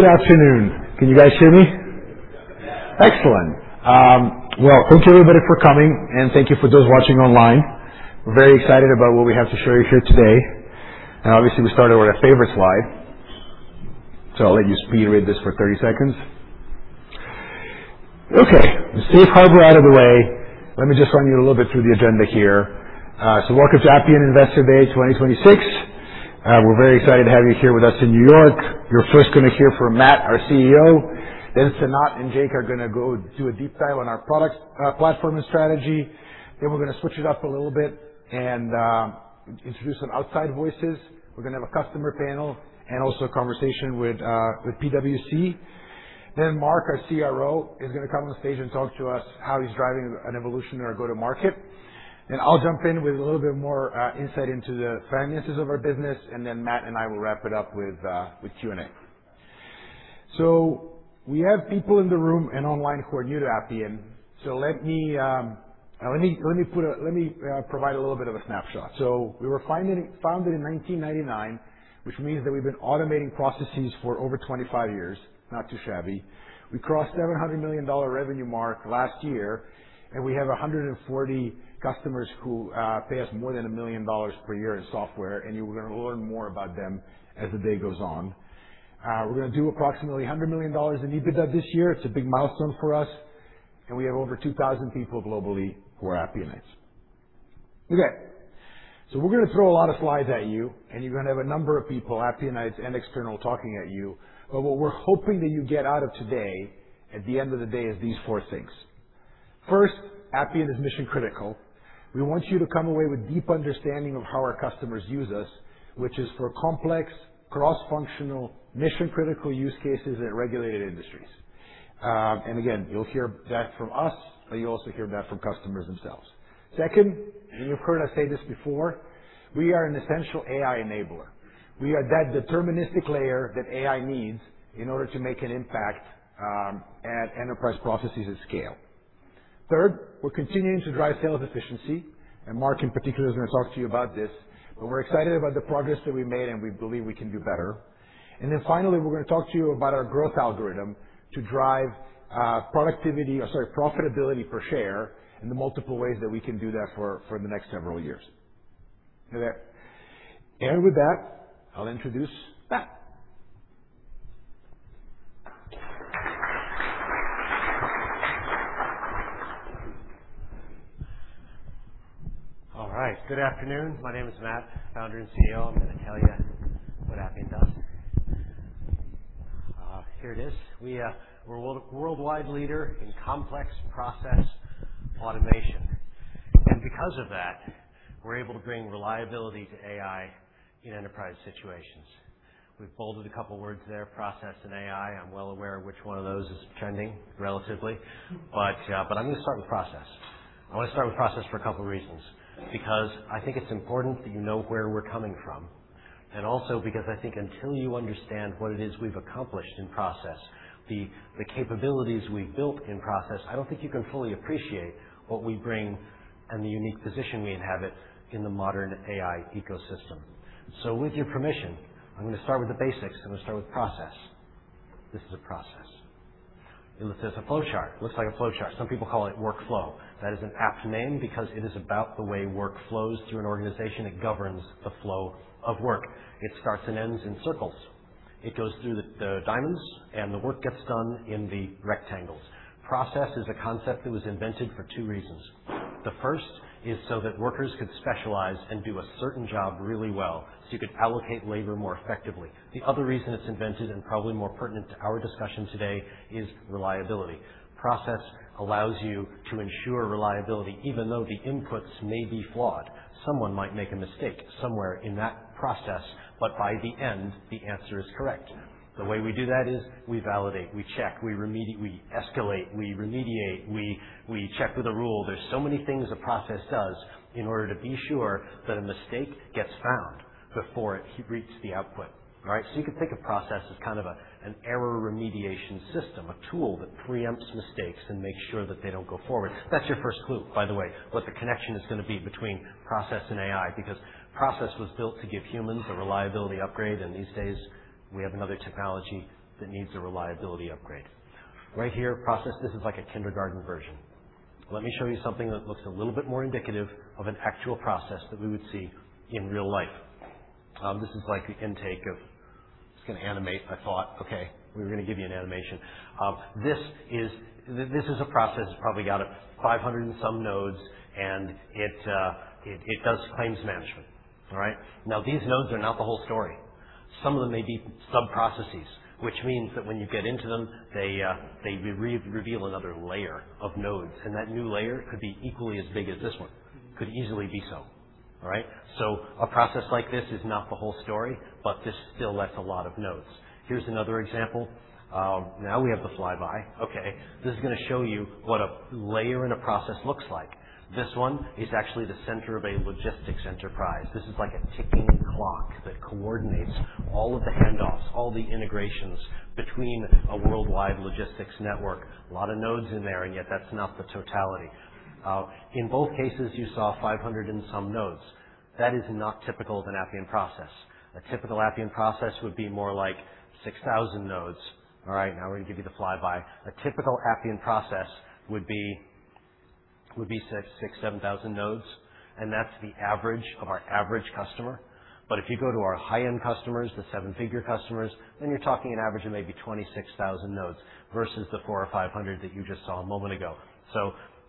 Excellent. Well, thank you everybody for coming, thank you for those watching online. We're very excited about what we have to show you here today. Obviously, we started with our favorite slide. I'll let you speed read this for 30 seconds. Okay. The safe harbor out of the way. Let me just run you a little bit through the agenda here. Welcome to Appian Investor Day 2026. We're very excited to have you here with us in New York. You're first gonna hear from Matt, our CEO. Sanat and Jake are gonna go do a deep dive on our product, platform and strategy. We're gonna switch it up a little bit and introduce some outside voices. We're gonna have a customer panel and also a conversation with PwC. Mark, our CRO, is going to come on stage and talk to us how he's driving an evolution in our go-to-market. I'll jump in with a little bit more insight into the finances of our business, and Matt and I will wrap it up with Q&A. We have people in the room and online who are new to Appian. Let me provide a little bit of a snapshot. We were founded in 1999, which means that we've been automating processes for over 25 years. Not too shabby. We crossed $700 million revenue mark last year. We have 140 customers who pay us more than $1 million per year in software. You are gonna learn more about them as the day goes on. We're gonna do approximately $100 million in EBITDA this year. It's a big milestone for us. We have over 2,000 people globally who are Appianites. Okay. We're gonna throw a lot of slides at you. You're gonna have a number of people, Appianites and external, talking at you. What we're hoping that you get out of today at the end of the day is these four things. First, Appian is mission-critical. We want you to come away with deep understanding of how our customers use us, which is for complex, cross-functional, mission-critical use cases in regulated industries. Again, you'll hear that from us, but you'll also hear that from customers themselves. Second, you've heard us say this before, we are an essential AI enabler. We are that deterministic layer that AI needs in order to make an impact at enterprise processes at scale. Third, we're continuing to drive sales efficiency, Mark in particular is gonna talk to you about this, but we're excited about the progress that we made, and we believe we can do better. Finally, we're gonna talk to you about our growth algorithm to drive profitability per share and the multiple ways that we can do that for the next several years. Okay. With that, I'll introduce Matt. All right. Good afternoon. My name is Matt, Founder and CEO. I'm gonna tell you what Appian does. Here it is. We're a worldwide leader in complex process automation. Because of that, we're able to bring reliability to AI in enterprise situations. We've bolded a couple words there, process and AI. I'm well aware of which one of those is trending relatively. I'm gonna start with process. I wanna start with process for a couple reasons because I think it's important that you know where we're coming from, and also because I think until you understand what it is we've accomplished in process, the capabilities we've built in process, I don't think you can fully appreciate what we bring and the unique position we inhabit in the modern AI ecosystem. With your permission, I'm gonna start with the basics. I'm gonna start with process. This is a process. It looks as a flowchart. Looks like a flowchart. Some people call it workflow. That is an apt name because it is about the way work flows through an organization. It governs the flow of work. It starts and ends in circles. It goes through the diamonds, and the work gets done in the rectangles. Process is a concept that was invented for two reasons. The first is so that workers could specialize and do a certain job really well, so you could allocate labor more effectively. The other reason it's invented, and probably more pertinent to our discussion today, is reliability. Process allows you to ensure reliability even though the inputs may be flawed. Someone might make a mistake somewhere in that process, but by the end, the answer is correct. The way we do that is we validate, we check, we escalate, we remediate, we check with a rule. There's so many things a process does in order to be sure that a mistake gets found before it reaches the output, right? You can think of process as kind of an error remediation system, a tool that preempts mistakes and makes sure that they don't go forward. That's your first clue, by the way, what the connection is gonna be between process and AI, because process was built to give humans a reliability upgrade, and these days we have another technology that needs a reliability upgrade. Right here, process, this is like a kindergarten version. Let me show you something that looks a little bit more indicative of an actual process that we would see in real life. Okay, we were gonna give you an animation. This is a process. It's probably got 500 and some nodes, and it does claims management. All right? These nodes are not the whole story. Some of them may be sub-processes, which means that when you get into them, they re-reveal another layer of nodes, and that new layer could be equally as big as this one. Could easily be so. All right? A process like this is not the whole story, but this still lets a lot of nodes. Here's another example. We have the flyby. Okay. This is gonna show you what a layer in a process looks like. This one is actually the center of a logistics enterprise. This is like a ticking clock that coordinates all of the handoffs, all the integrations between a worldwide logistics network. A lot of nodes in there, yet that's not the totality. In both cases, you saw 500 and some nodes. That is not typical of an Appian process. A typical Appian process would be more like 6,000 nodes. All right, now we're going to give you the flyby. A typical Appian process would be 6, 7,000 nodes, that's the average of our average customer. If you go to our high-end customers, the 7-figure customers, you're talking an average of maybe 26,000 nodes versus the 400 or 500 that you just saw a moment ago.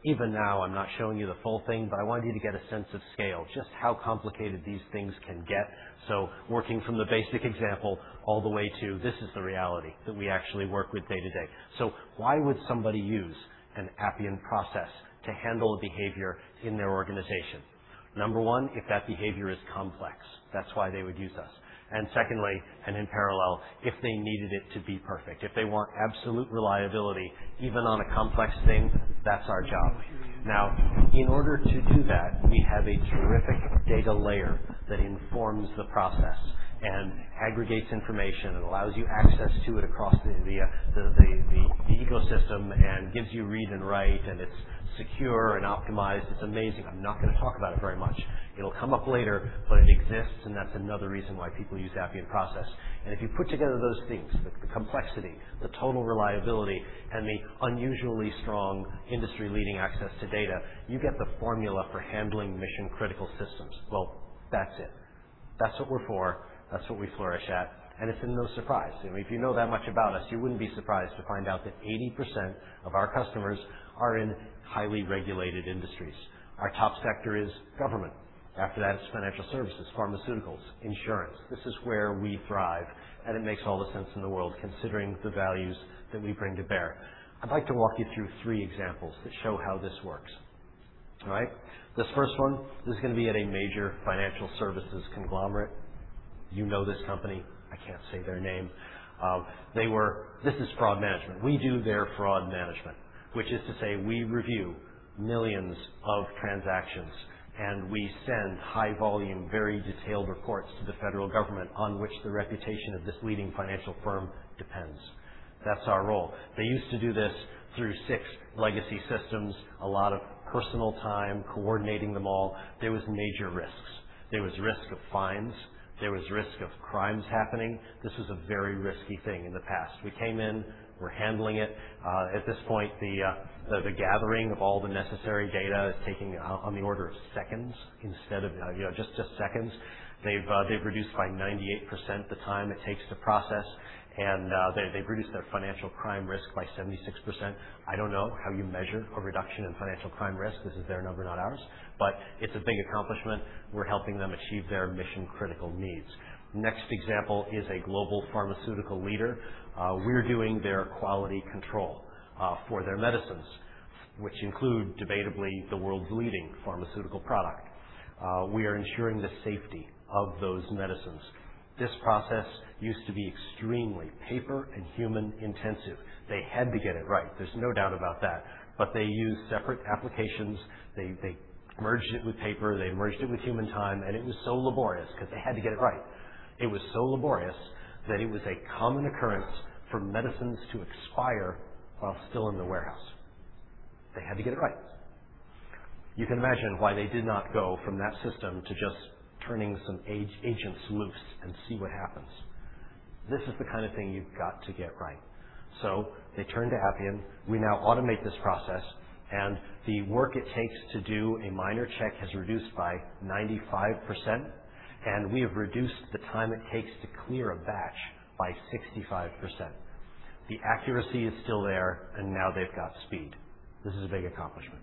Even now, I'm not showing you the full thing, but I wanted you to get a sense of scale, just how complicated these things can get. Working from the basic example all the way to this is the reality that we actually work with day-to-day. Why would somebody use an Appian process to handle a behavior in their organization? Number 1, if that behavior is complex, that's why they would use us. Secondly, and in parallel, if they needed it to be perfect. If they want absolute reliability, even on a complex thing, that's our job. In order to do that, we have a terrific data layer that informs the process and aggregates information and allows you access to it across the ecosystem and gives you read and write, and it's secure and optimized. It's amazing. I'm not gonna talk about it very much. It'll come up later, but it exists, and that's another reason why people use Appian process. If you put together those things, the complexity, the total reliability, and the unusually strong industry-leading access to data, you get the formula for handling mission-critical systems. Well, that's it. That's what we're for. That's what we flourish at. It's in no surprise. If you know that much about us, you wouldn't be surprised to find out that 80% of our customers are in highly regulated industries. Our top sector is government. After that, it's financial services, pharmaceuticals, insurance. This is where we thrive, and it makes all the sense in the world, considering the values that we bring to bear. I'd like to walk you through three examples that show how this works. All right? This first one is gonna be at a major financial services conglomerate. You know this company. I can't say their name. This is fraud management. We do their fraud management, which is to say we review millions of transactions, and we send high volume, very detailed reports to the Federal Government on which the reputation of this leading financial firm depends. That's our role. They used to do this through six legacy systems, a lot of personal time coordinating them all. There was major risks. There was risk of fines. There was risk of crimes happening. This was a very risky thing in the past. We came in. We're handling it. At this point, the gathering of all the necessary data is taking on the order of seconds instead of, you know, just seconds. They've reduced by 98% the time it takes to process, and they've reduced their financial crime risk by 76%. I don't know how you measure a reduction in financial crime risk. This is their number, not ours. It's a big accomplishment. We're helping them achieve their mission-critical needs. Next example is a global pharmaceutical leader. We're doing their quality control for their medicines, which include debatably the world's leading pharmaceutical product. We are ensuring the safety of those medicines. This process used to be extremely paper and human-intensive. They had to get it right. There's no doubt about that. They used separate applications. They merged it with paper, they merged it with human time, and it was so laborious because they had to get it right. It was so laborious that it was a common occurrence for medicines to expire while still in the warehouse. They had to get it right. You can imagine why they did not go from that system to just turning some AI agents loose and see what happens. This is the kind of thing you've got to get right. They turned to Appian. We now automate this process, and the work it takes to do a minor check has reduced by 95%, and we have reduced the time it takes to clear a batch by 65%. The accuracy is still there, and now they've got speed. This is a big accomplishment.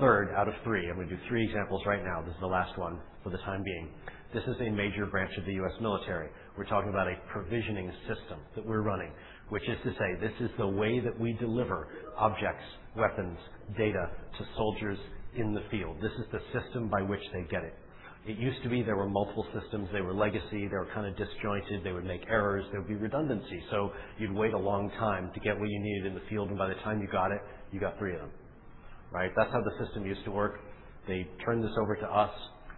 third out of three. I'm gonna do three examples right now. This is the last one for the time being. This is a major branch of the U.S. military. We're talking about a provisioning system that we're running, which is to say this is the way that we deliver objects, weapons, data to soldiers in the field. This is the system by which they get it. It used to be there were multiple systems. They were legacy. They were kinda disjointed. They would make errors. There would be redundancy. You'd wait a long time to get what you needed in the field, and by the time you got it, you got three of them, right? That's how the system used to work. They turned this over to us.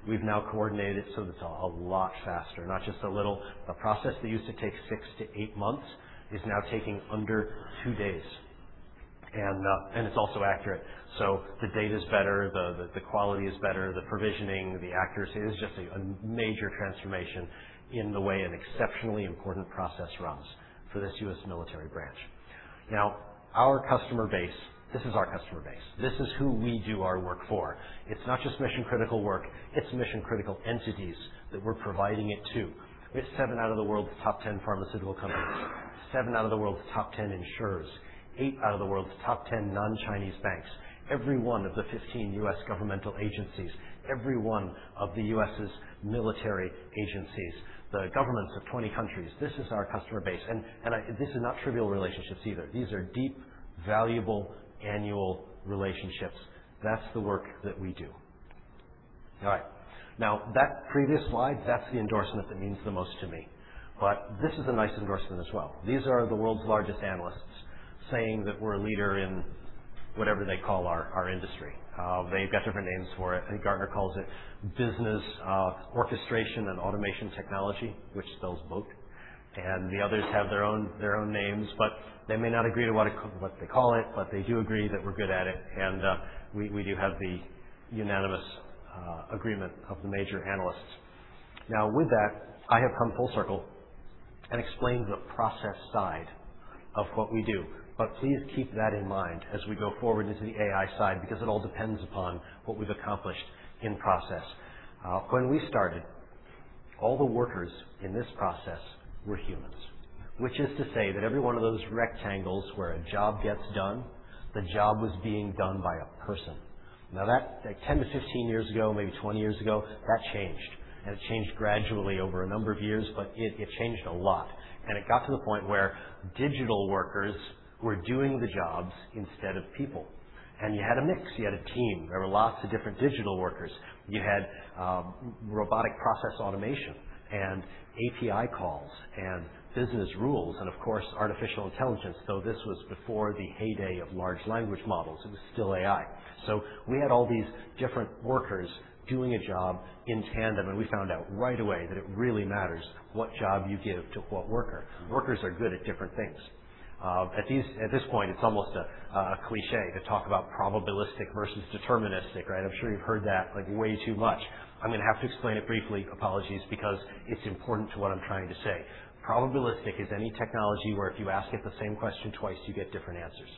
We've now coordinated it, so it's a lot faster, not just a little. A process that used to take six to eight months is now taking under two days. It's also accurate. The data's better, the quality is better, the provisioning, the accuracy. It is just a major transformation in the way an exceptionally important process runs for this U.S. military branch. Now, our customer base, this is our customer base. This is who we do our work for. It's not just mission-critical work. It's mission-critical entities that we're providing it to. We have 7 out of the world's top 10 pharmaceutical companies, 7 out of the world's top 10 insurers, 8 out of the world's top 10 non-Chinese banks, every one of the 15 U.S. governmental agencies, every one of the U.S.'s military agencies, the governments of 20 countries. This is our customer base. This is not trivial relationships either. These are deep, valuable, annual relationships. That's the work that we do. All right. Now, that previous slide, that's the endorsement that means the most to me. This is a nice endorsement as well. These are the world's largest analysts saying that we're a leader in whatever they call our industry. They've got different names for it. I think Gartner calls it Business Orchestration and Automation Technology, which spells BOAT. The others have their own, their own names, but they may not agree to what they call it, but they do agree that we're good at it. We do have the unanimous agreement of the major analysts. Now, with that, I have come full circle and explained the process side of what we do. Please keep that in mind as we go forward into the AI side because it all depends upon what we've accomplished in process. When we started, all the workers in this process were humans, which is to say that every one of those rectangles where a job gets done, the job was being done by a person. Like, 10 to 15 years ago, maybe 20 years ago, that changed, and it changed gradually over a number of years, but it changed a lot. It got to the point where digital workers were doing the jobs instead of people. You had a mix, you had a team. There were lots of different digital workers. You had Robotic Process Automation and API calls and business rules and of course, artificial intelligence, though this was before the heyday of large language models, it was still AI. We had all these different workers doing a job in tandem, and we found out right away that it really matters what job you give to what worker. Workers are good at different things. At this point, it's almost a cliché to talk about probabilistic versus deterministic, right? I'm sure you've heard that, like, way too much. I'm gonna have to explain it briefly, apologies, because it's important to what I'm trying to say. Probabilistic is any technology where if you ask it the same question twice, you get different answers.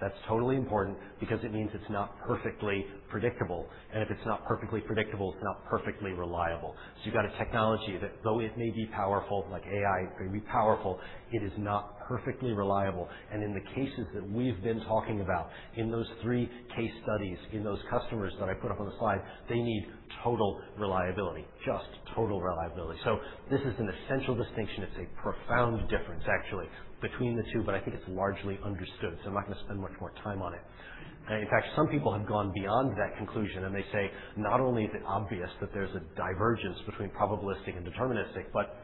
That's totally important because it means it's not perfectly predictable, and if it's not perfectly predictable, it's not perfectly reliable. You've got a technology that though it may be powerful, like AI is very powerful, it is not perfectly reliable. In the cases that we have been talking about, in those three case studies, in those customers that I put up on the slide, they need total reliability. Just total reliability. This is an essential distinction. It is a profound difference actually between the two, but I think it is largely understood, so I am not going to spend much more time on it. In fact, some people have gone beyond that conclusion, and they say, not only is it obvious that there is a divergence between probabilistic and deterministic, but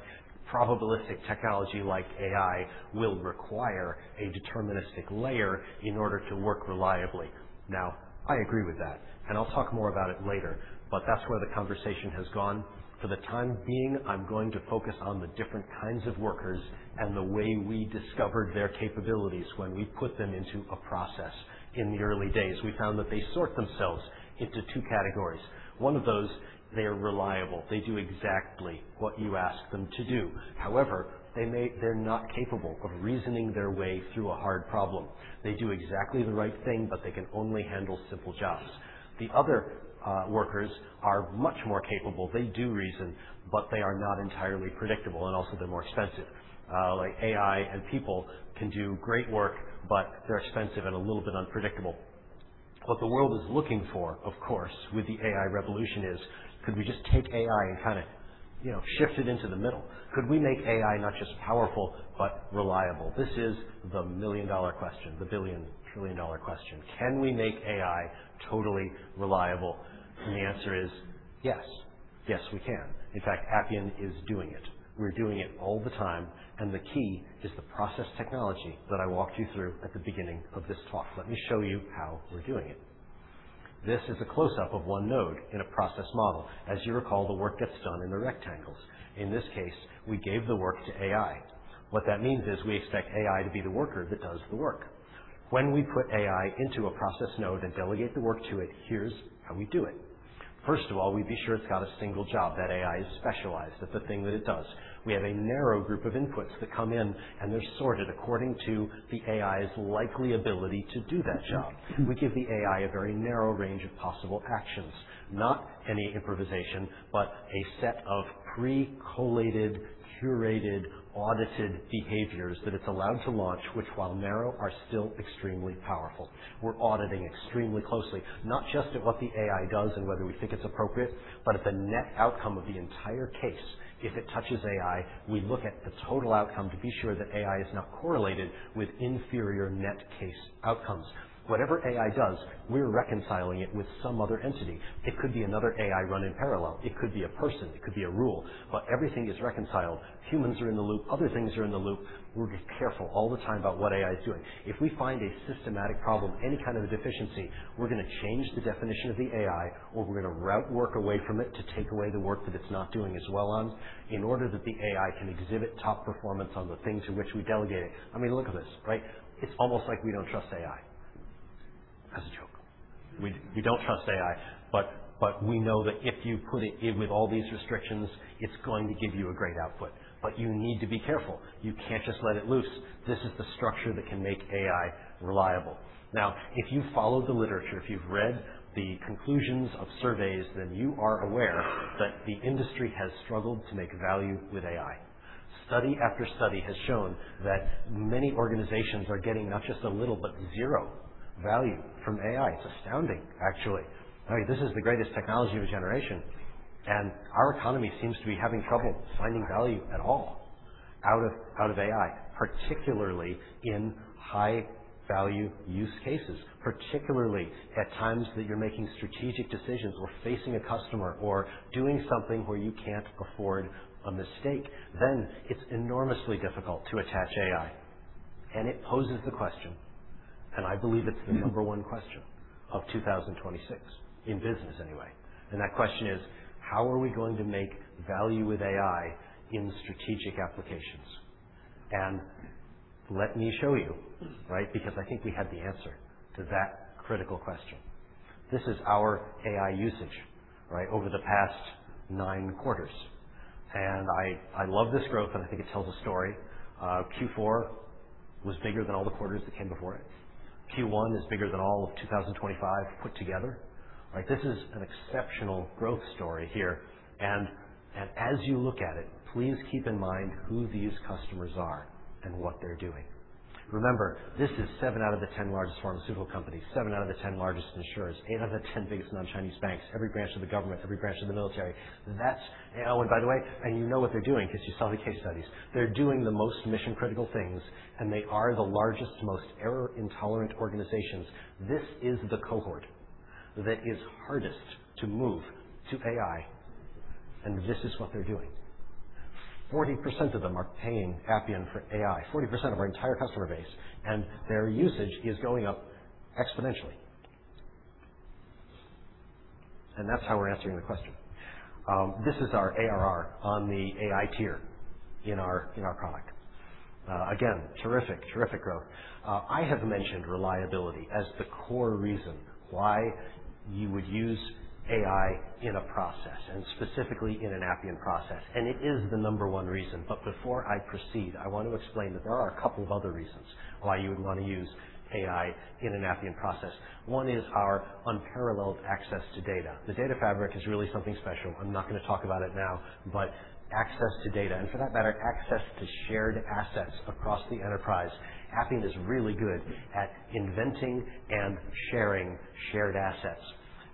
probabilistic technology like AI will require a deterministic layer in order to work reliably. I agree with that, and I will talk more about it later, but that is where the conversation has gone. For the time being, I'm going to focus on the different kinds of workers and the way we discovered their capabilities when we put them into a process in the early days. We found that they sort themselves into two categories. One of those, they are reliable. They do exactly what you ask them to do. However, they're not capable of reasoning their way through a hard problem. They do exactly the right thing, but they can only handle simple jobs. The other workers are much more capable. They do reason, but they are not entirely predictable, and also they're more expensive. Like AI and people can do great work, but they're expensive and a little bit unpredictable. What the world is looking for, of course, with the AI revolution is, could we just take AI and kind of, you know, shift it into the middle? Could we make AI not just powerful but reliable? This is the $1 million question, the $1 billion, $1 trillion question. Can we make AI totally reliable? The answer is yes. Yes, we can. In fact, Appian is doing it. We're doing it all the time, and the key is the process technology that I walked you through at the beginning of this talk. Let me show you how we're doing it. This is a close-up of 1 node in a process model. As you recall, the work gets done in the rectangles. In this case, we gave the work to AI. What that means is we expect AI to be the worker that does the work. When we put AI into a process node and delegate the work to it, here's how we do it. First of all, we'd be sure it's got a single job. That AI is specialized. That's the thing that it does. We have a narrow group of inputs that come in, and they're sorted according to the AI's likely ability to do that job. We give the AI a very narrow range of possible actions. Not any improvisation, but a set of pre-collated, curated, audited behaviors that it's allowed to launch, which, while narrow, are still extremely powerful. We're auditing extremely closely, not just at what the AI does and whether we think it's appropriate, but at the net outcome of the entire case. If it touches AI, we look at the total outcome to be sure that AI is not correlated with inferior net case outcomes. Whatever AI does, we're reconciling it with some other entity. It could be another AI run in parallel. It could be a person. It could be a rule. Everything is reconciled. Humans are in the loop. Other things are in the loop. We're careful all the time about what AI is doing. If we find a systematic problem, any kind of a deficiency, we're gonna change the definition of the AI, or we're gonna route work away from it to take away the work that it's not doing as well on in order that the AI can exhibit top performance on the things in which we delegate it. I mean, look at this, right? It's almost like we don't trust AI. That's a joke. We don't trust AI, but we know that if you put it in with all these restrictions, it's going to give you a great output. You need to be careful. You can't just let it loose. This is the structure that can make AI reliable. If you've followed the literature, if you've read the conclusions of surveys, then you are aware that the industry has struggled to make value with AI. Study after study has shown that many organizations are getting not just a little, but zero value from AI. It's astounding, actually. I mean, this is the greatest technology of a generation, our economy seems to be having trouble finding value at all out of AI, particularly in high-value use cases, particularly at times that you're making strategic decisions or facing a customer or doing something where you can't afford a mistake, then it's enormously difficult to attach AI. It poses the question, I believe it's the number one question of 2026 in business anyway. That question is, how are we going to make value with AI in strategic applications? Let me show you, right? Because I think we have the answer to that critical question. This is our AI usage, right? Over the past 9 quarters. I love this growth, and I think it tells a story. Q4 was bigger than all the quarters that came before it. Q1 is bigger than all of 2025 put together, right? This is an exceptional growth story here. As you look at it, please keep in mind who these customers are and what they're doing. Remember, this is 7 out of the 10 largest pharmaceutical companies, 7 out of the 10 largest insurers, 8 out of the 10 biggest non-Chinese banks, every branch of the government, every branch of the military. By the way, you know what they're doing because you saw the case studies. They're doing the most mission-critical things, and they are the largest, most error-intolerant organizations. This is the cohort that is hardest to move to AI, and this is what they're doing. 40% of them are paying Appian for AI, 40% of our entire customer base, and their usage is going up exponentially. That's how we're answering the question. This is our ARR on the AI tier in our product. Again, terrific growth. I have mentioned reliability as the core reason why you would use AI in a process, and specifically in an Appian process. It is the number one reason. Before I proceed, I want to explain that there are a couple of other reasons why you would wanna use AI in an Appian process. One is our unparalleled access to data. The Data Fabric is really something special. I'm not gonna talk about it now, but access to data, and for that matter, access to shared assets across the enterprise, Appian is really good at inventing and sharing shared assets.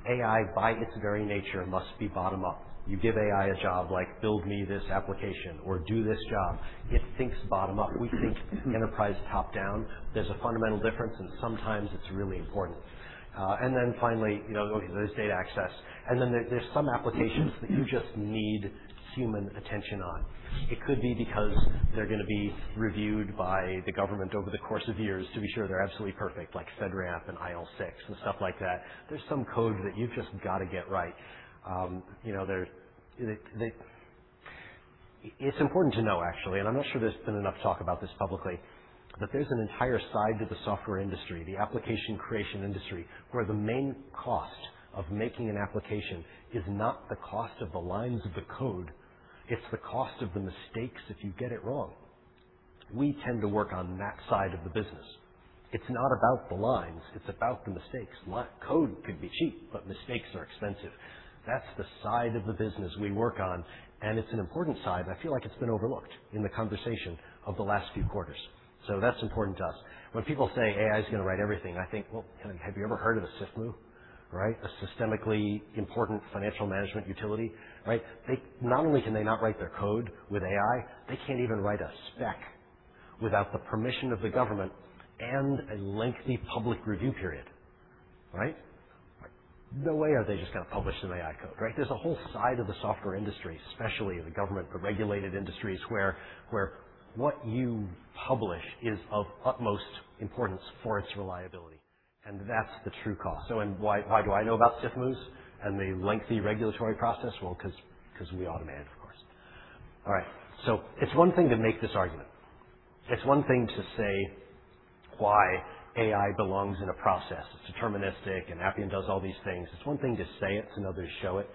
AI, by its very nature, must be bottom-up. You give AI a job like build me this application or do this job, it thinks bottom-up. We think enterprise top-down. There's a fundamental difference, and sometimes it's really important. Finally, you know, there's data access. There's some applications that you just need human attention on. It could be because they're gonna be reviewed by the government over the course of years to be sure they're absolutely perfect, like FedRAMP and IL6 and stuff like that. There's some code that you've just gotta get right. You know, it's important to know, actually, and I'm not sure there's been enough talk about this publicly, that there's an entire side to the software industry, the application creation industry, where the main cost of making an application is not the cost of the lines of the code, it's the cost of the mistakes if you get it wrong. We tend to work on that side of the business. It's not about the lines, it's about the mistakes. Code could be cheap, but mistakes are expensive. That's the side of the business we work on, and it's an important side. I feel like it's been overlooked in the conversation of the last few quarters. That's important to us. When people say AI is gonna write everything, I think, well, have you ever heard of a SIFMU? Right? A systemically important financial management utility, right? Not only can they not write their code with AI, they can't even write a spec without the permission of the government and a lengthy public review period, right? No way are they just gonna publish some AI code, right? There's a whole side of the software industry, especially the government, the regulated industries, where what you publish is of utmost importance for its reliability, and that's the true cost. Why, why do I know about SIFMUs and the lengthy regulatory process? Well, 'cause we automate, of course. All right. It's one thing to make this argument. It's one thing to say why AI belongs in a process. It's deterministic, and Appian does all these things. It's one thing to say it's another to show it.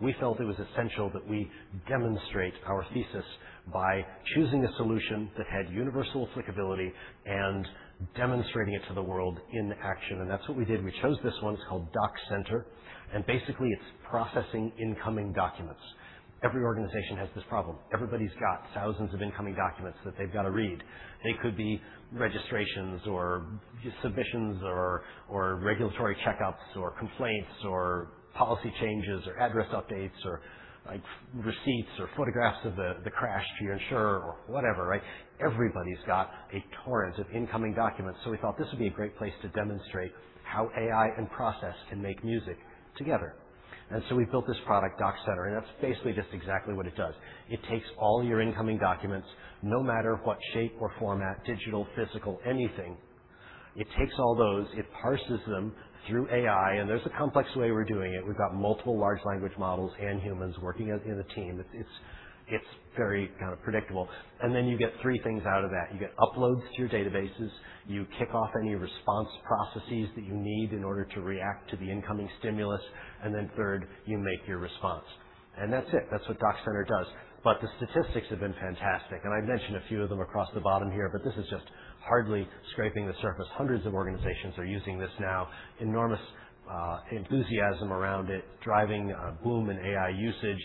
We felt it was essential that we demonstrate our thesis by choosing a solution that had universal applicability and demonstrating it to the world in action. That's what we did. We chose this one. It's called Doc Center, and basically, it's processing incoming documents. Every organization has this problem. Everybody's got thousands of incoming documents that they've gotta read. They could be registrations or submissions or regulatory checkups or complaints or policy changes or address updates or, like, receipts or photographs of the crash to your insurer or whatever, right? Everybody's got a torrent of incoming documents. We thought this would be a great place to demonstrate how AI and process can make music together. We built this product, Doc Center, and that's basically just exactly what it does. It takes all your incoming documents, no matter what shape or format, digital, physical, anything. It takes all those, it parses them through AI, and there's a complex way we're doing it. We've got multiple large language models and humans working as in a team. It's very kind of predictable. Then you get three things out of that. You get uploads to your databases, you kick off any response processes that you need in order to react to the incoming stimulus, and then third, you make your response. That's it. That's what DocCenter does. The statistics have been fantastic, and I've mentioned a few of them across the bottom here, but this is just hardly scraping the surface. Hundreds of organizations are using this now. Enormous enthusiasm around it, driving a boom in AI usage.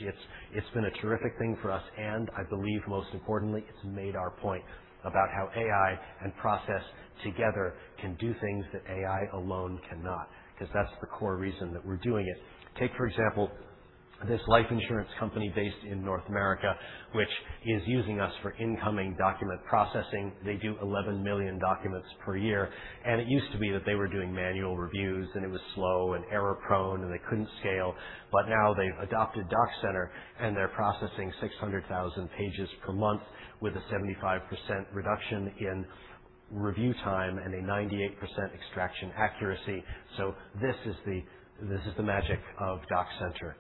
It's been a terrific thing for us, I believe most importantly, it's made our point about how AI and process together can do things that AI alone cannot, because that's the core reason that we're doing it. Take, for example, this life insurance company based in North America, which is using us for incoming document processing. They do 11 million documents per year. It used to be that they were doing manual reviews, and it was slow and error-prone, and they couldn't scale. Now they've adopted Doc Center, and they're processing 600,000 pages per month with a 75% reduction in review time and a 98% extraction accuracy. This is the magic of Doc Center.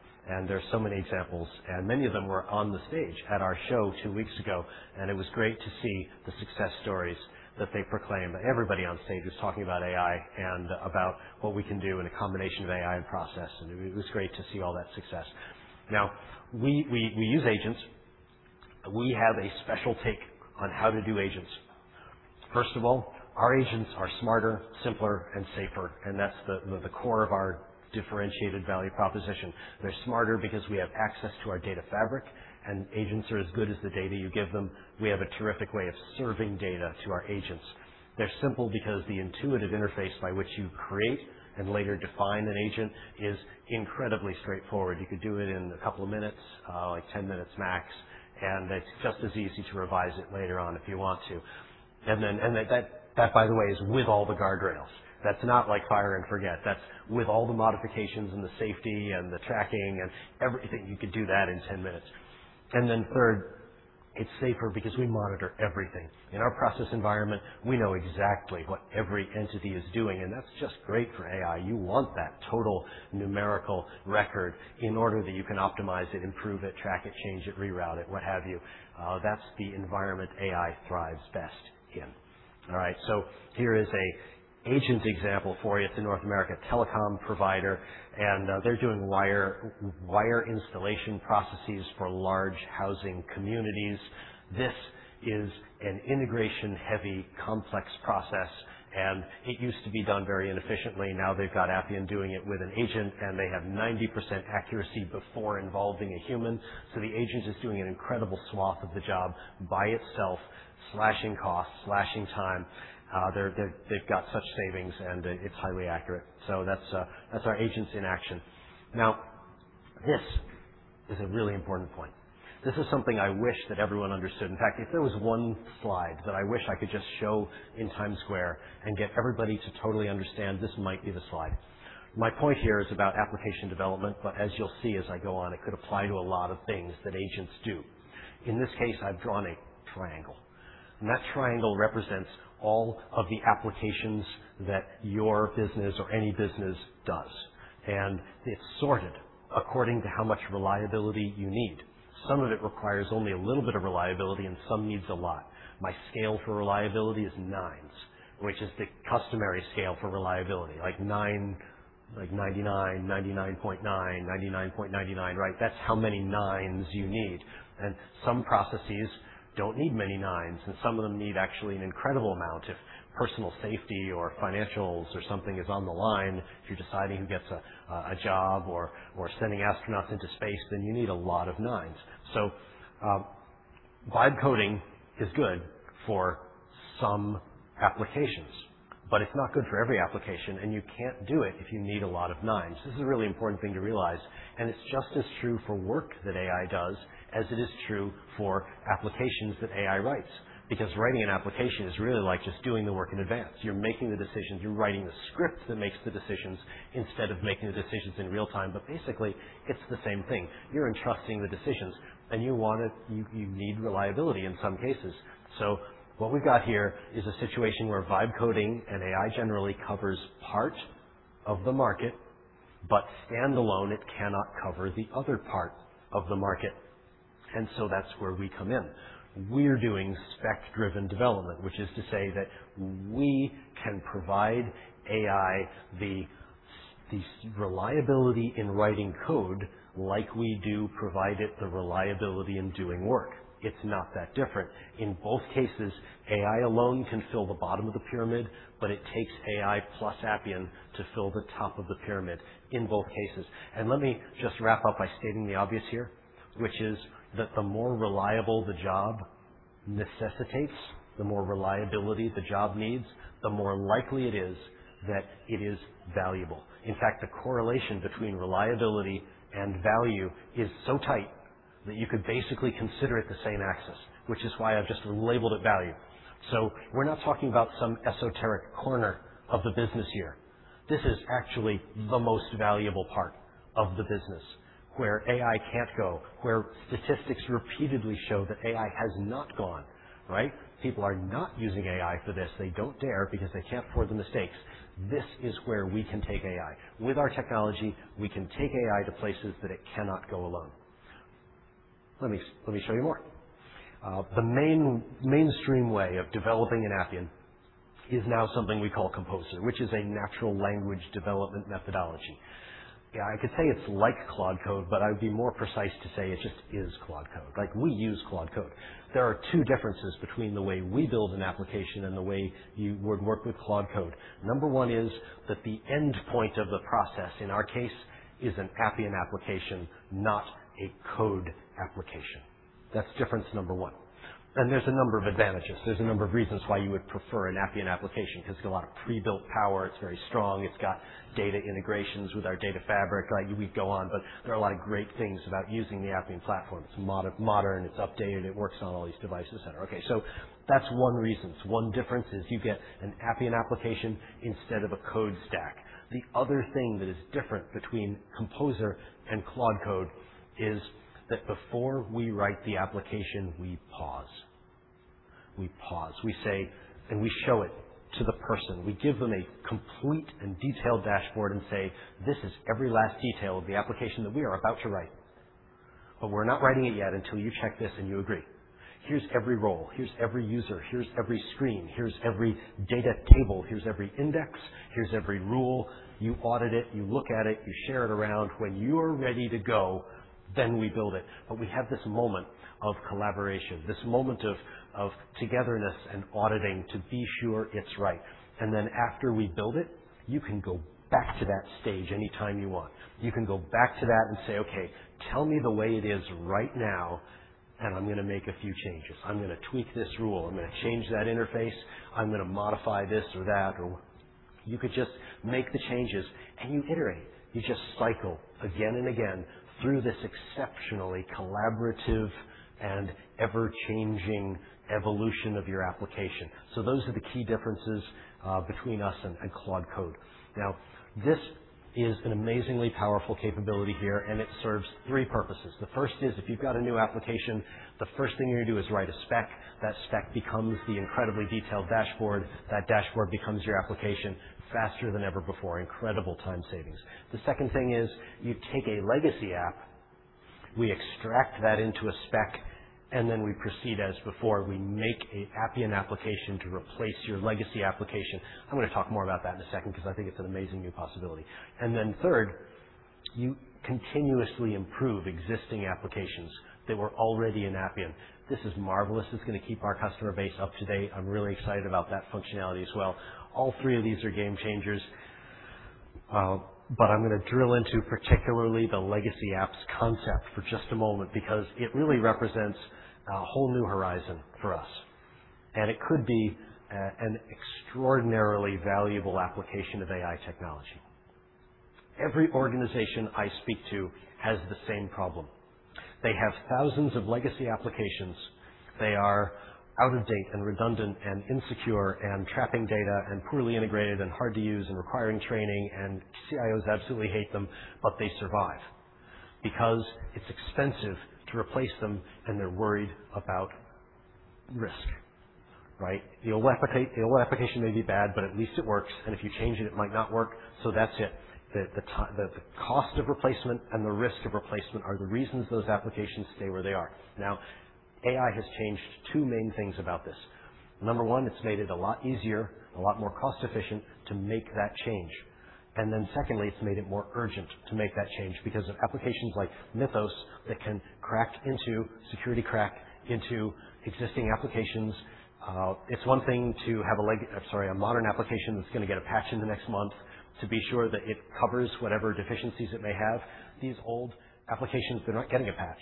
There's so many examples, and many of them were on the stage at our show two weeks ago, and it was great to see the success stories that they proclaimed. Everybody on stage was talking about AI and about what we can do in a combination of AI and process, and it was great to see all that success. We use agents. We have a special take on how to do agents. Our agents are smarter, simpler, and safer, and that's the core of our differentiated value proposition. They're smarter because we have access to our Appian Data Fabric, and agents are as good as the data you give them. We have a terrific way of serving data to our agents. They're simple because the intuitive interface by which you create and later define an agent is incredibly straightforward. You could do it in a couple of minutes, like 10 min. max, and it's just as easy to revise it later on if you want to. That, by the way, is with all the guardrails. That's not like fire and forget. That's with all the modifications and the safety and the tracking and everything. You could do that in 10 min. Then third, it's safer because we monitor everything. In our process environment, we know exactly what every entity is doing, and that's just great for AI. You want that total numerical record in order that you can optimize it, improve it, track it, change it, reroute it, what have you. That's the environment AI thrives best in. All right. Here is a agent example for you. It's a North America telecom provider, and they're doing wire installation processes for large housing communities. This is an integration-heavy, complex process, and it used to be done very inefficiently. They've got Appian doing it with an agent, and they have 90% accuracy before involving a human. The agent is doing an incredible swath of the job by itself, slashing costs, slashing time. They've got such savings, and it's highly accurate. That's our agents in action. Now, this is a really important point. This is something I wish that everyone understood. In fact, if there was one slide that I wish I could just show in Times Square and get everybody to totally understand, this might be the slide. My point here is about application development. As you'll see as I go on, it could apply to a lot of things that agents do. In this case, I've drawn a triangle. That triangle represents all of the applications that your business or any business does. It's sorted according to how much reliability you need. Some of it requires only a little bit of reliability, and some needs a lot. My scale for reliability is nines, which is the customary scale for reliability, like 99.9, 99.99, right? That's how many nines you need. Some processes don't need many nines, and some of them need actually an incredible amount. If personal safety or financials or something is on the line, if you're deciding who gets a job or sending astronauts into space, you need a lot of nines. Vibe coding is good for some applications, but it's not good for every application, and you can't do it if you need a lot of nines. This is a really important thing to realize, and it's just as true for work that AI does as it is true for applications that AI writes. Writing an application is really like just doing the work in advance. You're making the decisions. You're writing the script that makes the decisions instead of making the decisions in real time. Basically, it's the same thing. You're entrusting the decisions, and you need reliability in some cases. What we've got here is a situation where vibe coding and AI generally covers part of the market, but standalone, it cannot cover the other part of the market. That's where we come in. We're doing spec-driven development, which is to say that we can provide AI the reliability in writing code like we do provide it the reliability in doing work. It's not that different. In both cases, AI alone can fill the bottom of the pyramid, but it takes AI plus Appian to fill the top of the pyramid in both cases. Let me just wrap up by stating the obvious here, which is that the more reliable the job necessitates, the more reliability the job needs, the more likely it is that it is valuable. In fact, the correlation between reliability and value is so tight that you could basically consider it the same axis, which is why I've just labeled it value. We're not talking about some esoteric corner of the business here. This is actually the most valuable part of the business where AI can't go, where statistics repeatedly show that AI has not gone, right? People are not using AI for this. They don't dare because they can't afford the mistakes. This is where we can take AI. With our technology, we can take AI to places that it cannot go alone. Let me show you more. The mainstream way of developing in Appian is now something we call Composer, which is a natural language development methodology. I could say it's like Claude Code, I'd be more precise to say it just is Claude Code. Like, we use Claude Code. There are two differences between the way we build an application and the way you would work with Claude Code. Number 1 is that the endpoint of the process in our case is an Appian application, not a code application. That's difference number 1. There's a number of advantages. There's a number of reasons why you would prefer an Appian application. 'Cause it's got a lot of pre-built power. It's very strong. It's got data integrations with our Data Fabric. We'd go on, but there are a lot of great things about using the Appian platform. It's modern, it's updated, it works on all these devices, et cetera. Okay, that's 1 reason. 1 difference is you get an Appian application instead of a code stack. The other thing that is different between Appian Composer and Claude Code is that before we write the application, we pause. We say, and we show it to the person. We give them a complete and detailed dashboard and say, "This is every last detail of the application that we are about to write. We're not writing it yet until you check this and you agree. Here's every role, here's every user, here's every screen, here's every data table, here's every index, here's every rule. You audit it, you look at it, you share it around. When you're ready to go, then we build it." We have this moment of collaboration, this moment of togetherness and auditing to be sure it's right. Then after we build it, you can go back to that stage anytime you want. You can go back to that and say, "Okay, tell me the way it is right now, and I'm gonna make a few changes. I'm gonna tweak this rule. I'm gonna change that interface. I'm gonna modify this or that," or you could just make the changes and you iterate. You just cycle again and again through this exceptionally collaborative and ever-changing evolution of your application. Those are the key differences between us and Claude Code. This is an amazingly powerful capability here, and it serves three purposes. The first is if you've got a new application, the first thing you're gonna do is write a spec. That spec becomes the incredibly detailed dashboard. That dashboard becomes your application faster than ever before. Incredible time savings. The second thing is you take a legacy app, we extract that into a spec, and then we proceed as before. We make a Appian application to replace your legacy application. I'm gonna talk more about that in a second because I think it's an amazing new possibility. Then third, you continuously improve existing applications that were already in Appian. This is marvelous. It's gonna keep our customer base up to date. I'm really excited about that functionality as well. All three of these are game changers. I'm gonna drill into particularly the legacy apps concept for just a moment because it really represents a whole new horizon for us, and it could be, an extraordinarily valuable application of AI technology. Every organization I speak to has the same problem. They have thousands of legacy applications. They are out of date and redundant and insecure and trapping data and poorly integrated and hard to use and requiring training, and CIOs absolutely hate them, but they survive because it's expensive to replace them, and they're worried about risk, right. The old application may be bad, but at least it works, and if you change it might not work. That's it. The cost of replacement and the risk of replacement are the reasons those applications stay where they are. AI has changed two main things about this. Number one, it's made it a lot easier, a lot more cost efficient to make that change. Secondly, it's made it more urgent to make that change because of applications like Mythos that can security crack into existing applications. It's one thing to have a modern application that's gonna get a patch in the next month to be sure that it covers whatever deficiencies it may have. These old applications, they're not getting a patch.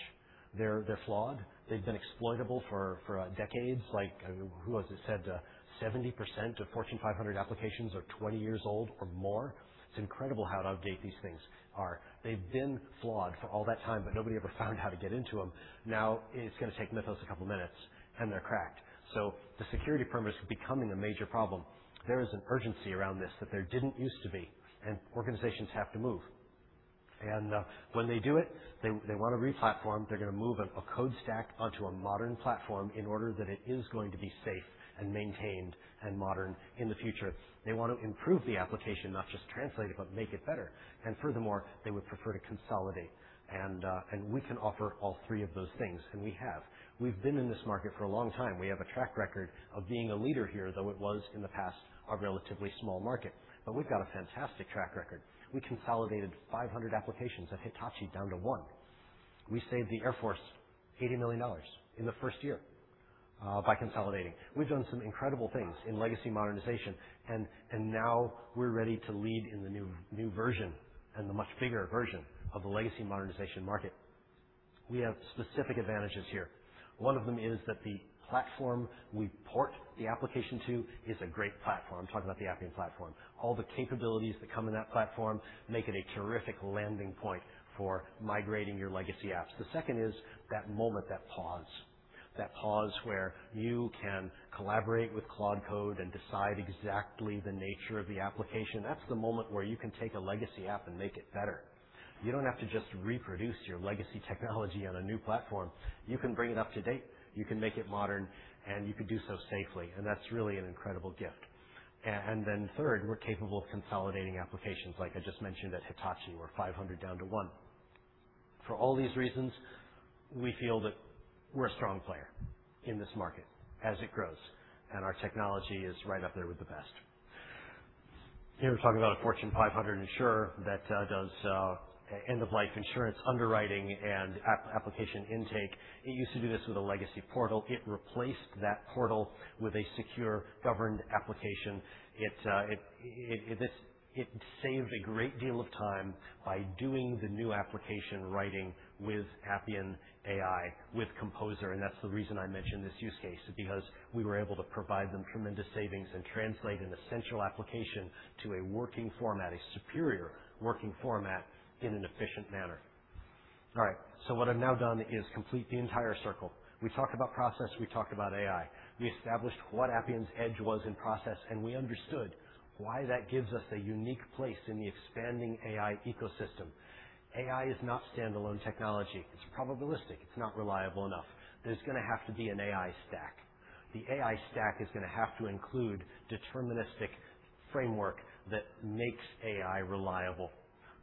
They're flawed. They've been exploitable for decades. Like, who was it said, 70% of Fortune 500 applications are 20 years old or more. It's incredible how out of date these things are. They've been flawed for all that time, but nobody ever found how to get into them. Now, it's gonna take Mythos a couple of minutes, and they're cracked. The security premise is becoming a major problem. There is an urgency around this that there didn't used to be, and organizations have to move. When they do it, they want to re-platform. They're going to move a code stack onto a modern platform in order that it is going to be safe and maintained and modern in the future. They want to improve the application, not just translate it, but make it better. Furthermore, they would prefer to consolidate. We can offer all three of those things, and we have. We've been in this market for a long time. We have a track record of being a leader here, though it was in the past a relatively small market. We've got a fantastic track record. We consolidated 500 applications at Hitachi down to one. We saved the Air Force $80 million in the first year by consolidating. We've done some incredible things in legacy modernization, and now we're ready to lead in the new version and the much bigger version of the legacy modernization market. We have specific advantages here. One of them is that the Platform we port the application to is a great Platform. I'm talking about the Appian Platform. All the capabilities that come in that Platform make it a terrific landing point for migrating your legacy apps. The second is that moment, that pause. That pause where you can collaborate with Claude Code and decide exactly the nature of the application. That's the moment where you can take a legacy app and make it better. You don't have to just reproduce your legacy technology on a new Platform. You can bring it up to date, you can make it modern, and you can do so safely. That's really an incredible gift. Then third, we're capable of consolidating applications. Like I just mentioned at Hitachi, we're 500 down to one. For all these reasons, we feel that we're a strong player in this market as it grows, and our technology is right up there with the best. Here we're talking about a Fortune 500 insurer that does end of life insurance underwriting and application intake. It used to do this with a legacy portal. It replaced that portal with a secure governed application. It saved a great deal of time by doing the new application writing with Appian AI, with Composer, and that's the reason I mentioned this use case, because we were able to provide them tremendous savings and translate an essential application to a working format, a superior working format in an efficient manner. All right, what I've now done is complete the entire circle. We talked about process, we talked about AI. We established what Appian's edge was in process, and we understood why that gives us a unique place in the expanding AI ecosystem. AI is not standalone technology. It's probabilistic. It's not reliable enough. There's gonna have to be an AI stack. The AI stack is gonna have to include deterministic framework that makes AI reliable.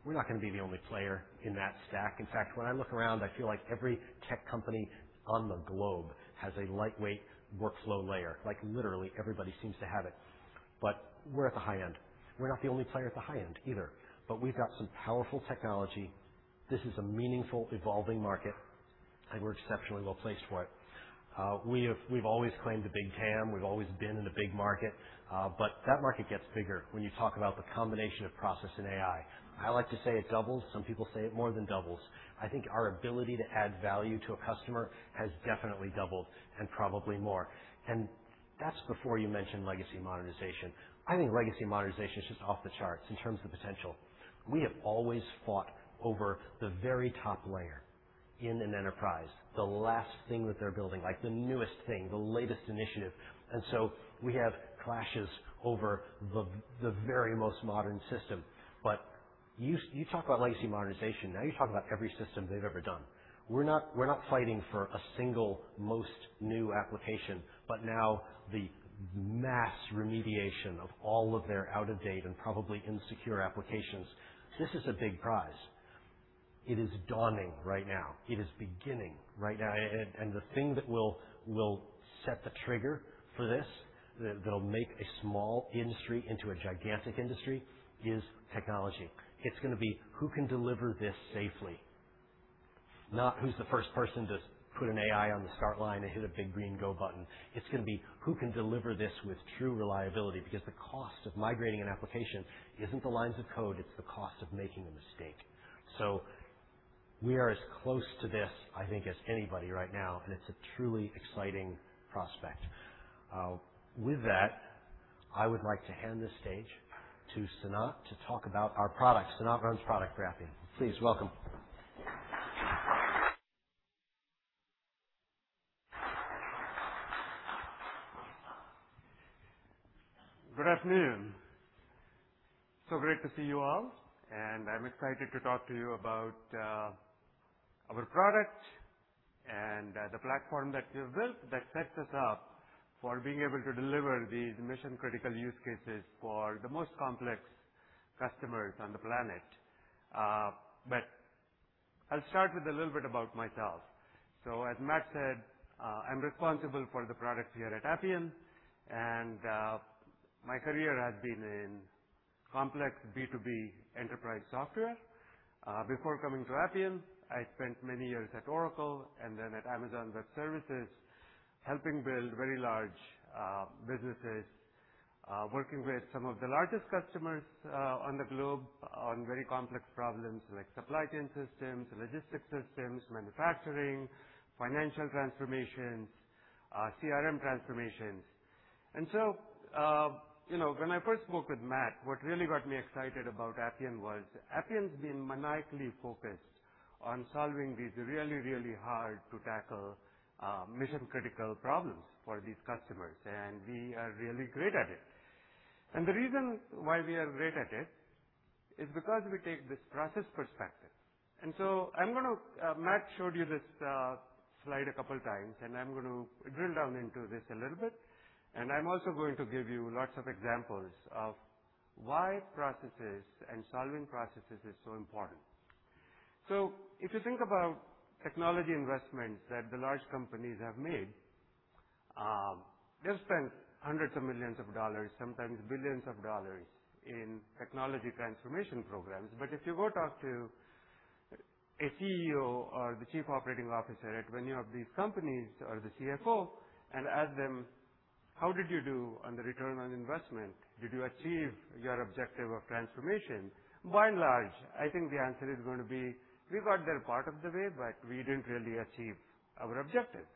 We're not gonna be the only player in that stack. In fact, when I look around, I feel like every tech company on the globe has a lightweight workflow layer. Like, literally everybody seems to have it. We're at the high end. We're not the only one player at the high end either, but we've got some powerful technology. This is a meaningful, evolving market, and we're exceptionally well placed for it. We've always claimed a big TAM. We've always been in a big market, that market gets bigger when you talk about the combination of process and AI. I like to say it doubles. Some people say it more than doubles. I think our ability to add value to a customer has definitely doubled and probably more. That's before you mention legacy modernization. I think legacy modernization is just off the charts in terms of potential. We have always fought over the very top layer in an enterprise, the last thing that they're building, like the newest thing, the latest initiative, we have clashes over the very most modern system. You talk about legacy modernization, now you're talking about every system they've ever done. We're not fighting for a single most new application. Now the mass remediation of all of their out-of-date and probably insecure applications. This is a big prize. It is dawning right now. It is beginning right now. The thing that will set the trigger for this, that'll make a small industry into a gigantic industry is technology. It's gonna be who can deliver this safely, not who's the first person to put an AI on the start line and hit a big green go button. It's gonna be who can deliver this with true reliability, because the cost of migrating an application isn't the lines of code, it's the cost of making a mistake. We are as close to this, I think, as anybody right now, and it's a truly exciting prospect. With that, I would like to hand the stage to Sanat to talk about our products. Sanat runs product management. Please welcome. Good afternoon. Great to see you all, and I'm excited to talk to you about our products and the platform that we've built that sets us up for being able to deliver these mission-critical use cases for the most complex customers on the planet. But I'll start with a little bit about myself. As Matt said, I'm responsible for the products here at Appian, and my career has been in complex B2B enterprise software. Before coming to Appian, I spent many years at Oracle and then at Amazon Web Services, helping build very large businesses, working with some of the largest customers on the globe on very complex problems like supply chain systems, logistics systems, manufacturing, financial transformations, CRM transformations. You know, when I first spoke with Matt, what really got me excited about Appian was Appian's been maniacally focused on solving these really, really hard-to-tackle, mission-critical problems for these customers, and we are really great at it. The reason why we are great at it is because we take this process perspective. Matt showed you this slide a couple times, and I'm gonna drill down into this a little bit. I'm also going to give you lots of examples of why processes and solving processes is so important. If you think about technology investments that the large companies have made, they've spent hundreds of millions dollars, sometimes billions of dollars in technology transformation programs. If you go talk to a CEO or the chief operating officer at many of these companies or the CFO and ask them, How did you do on the ROI? Did you achieve your objective of transformation? By and large, I think the answer is gonna be, 'We got there part of the way, but we didn't really achieve our objective.'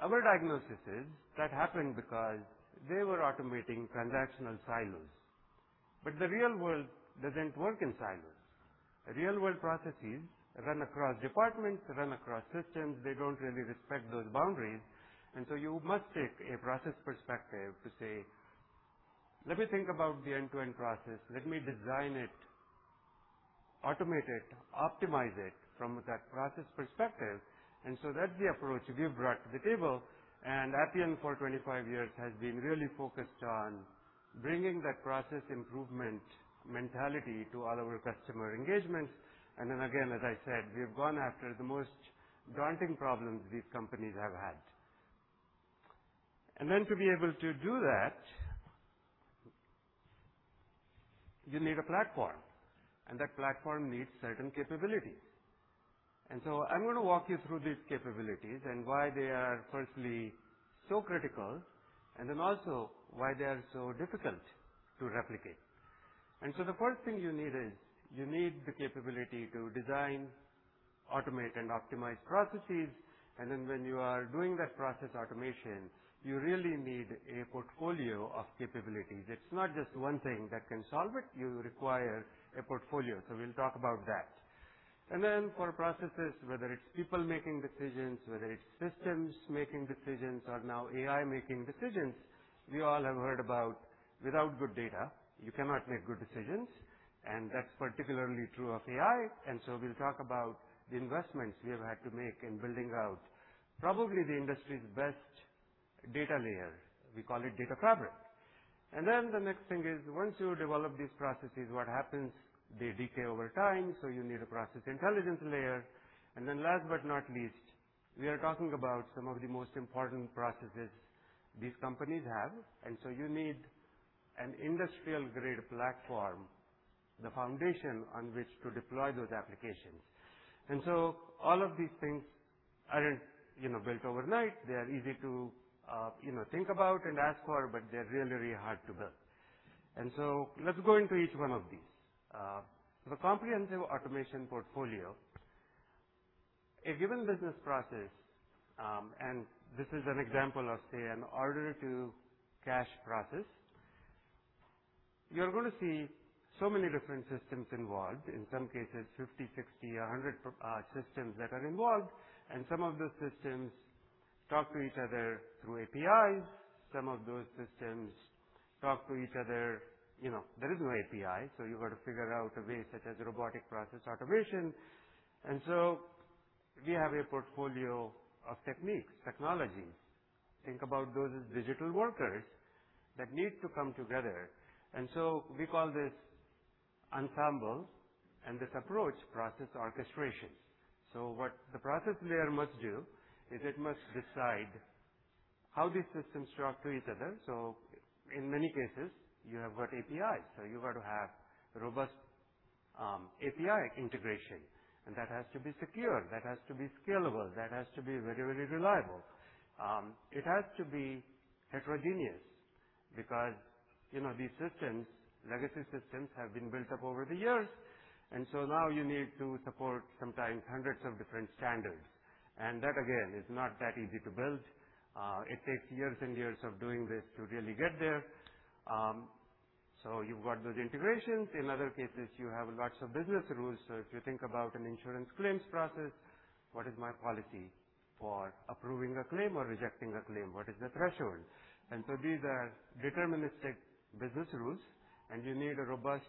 Our diagnosis is that happened because they were automating transactional silos. The real world doesn't work in silos. Real-world processes run across departments, run across systems. They don't really respect those boundaries. You must take a process perspective to say, 'Let me think about the end-to-end process. Let me design it, automate it, optimize it from that process perspective.' That's the approach we've brought to the table. Appian, for 25 years, has been really focused on bringing that process improvement mentality to all our customer engagements. Again, as I said, we've gone after the most daunting problems these companies have had. To be able to do that, you need a platform, and that platform needs certain capabilities. I'm going to walk you through these capabilities and why they are firstly so critical, and also why they are so difficult to replicate. The first thing you need is you need the capability to design, automate, and optimize processes. When you are doing that process automation, you really need a portfolio of capabilities. It's not just one thing that can solve it. You require a portfolio. We'll talk about that. For processes, whether it's people making decisions, whether it's systems making decisions, or now AI making decisions, we all have heard about without good data, you cannot make good decisions. That's particularly true of AI. We'll talk about the investments we have had to make in building out probably the industry's best data layer. We call it data fabric. The next thing is, once you develop these processes, what happens? They decay over time, so you need a process intelligence layer. Last but not least, we are talking about some of the most important processes these companies have. You need an industrial-grade platform, the foundation on which to deploy those applications. All of these things aren't, you know, built overnight. They are easy to, you know, think about and ask for, but they're really, really hard to build. Let's go into each one of these. So the comprehensive automation portfolio. A given business process, and this is an example of, say, an order-to-cash process. You're gonna see so many different systems involved, in some cases 50, 60, 100 systems that are involved. Some of the systems talk to each other through APIs. Some of those systems talk to each other. You know, there is no API, so you've got to figure out a way such as robotic process automation. We have a portfolio of techniques, technologies. Think about those as digital workers that need to come together. We call this ensemble and this approach process orchestration. What the process layer must do is it must decide how these systems talk to each other. In many cases, you have got APIs, so you've got to have robust API integration, and that has to be secure, that has to be scalable, that has to be very, very reliable. It has to be heterogeneous because, you know, these systems, legacy systems, have been built up over the years, now you need to support sometimes hundreds of different standards. That, again, is not that easy to build. It takes years and years of doing this to really get there. You've got those integrations. In other cases, you have lots of business rules. If you think about an insurance claims process, what is my policy for approving a claim or rejecting a claim? What is the threshold? These are deterministic business rules, and you need a robust,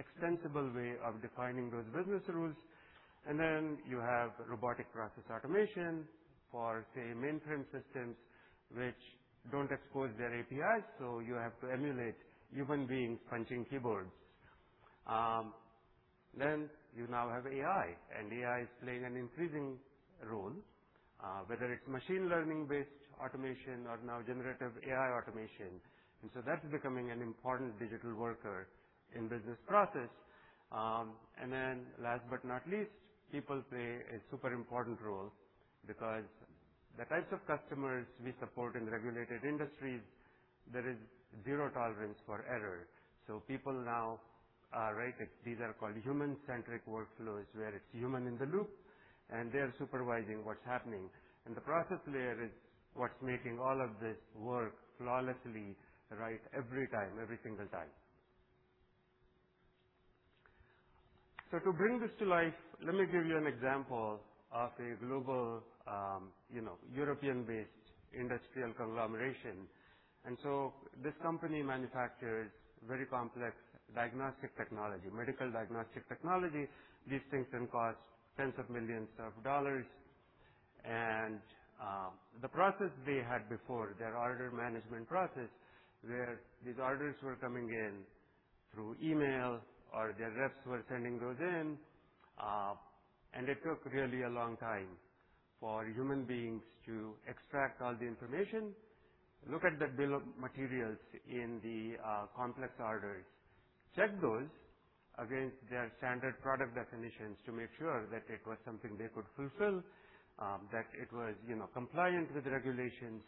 extensible way of defining those business rules. Then you have robotic process automation for, say, mainframe systems, which don't expose their APIs, so you have to emulate human beings punching keyboards. Then you now have AI, and AI is playing an increasing role, whether it's machine learning-based automation or now generative AI automation. That is becoming an important digital worker in business process. Last but not least, people play a super important role because the types of customers we support in regulated industries, there is zero tolerance for error. People now are writing These are called human-centric workflows, where it's human in the loop, and they are supervising what's happening. The process layer is what's making all of this work flawlessly, every time, every single time. To bring this to life, let me give you an example of a global, you know, European-based industrial conglomeration. This company manufactures very complex diagnostic technology, medical diagnostic technology. These things can cost tens of millions of dollars. The process they had before, their order management process, where these orders were coming in through email or their reps were sending those in, it took really a long time for human beings to extract all the information, look at the bill of materials in the complex orders, check those against their standard product definitions to make sure that it was something they could fulfill, that it was, you know, compliant with regulations,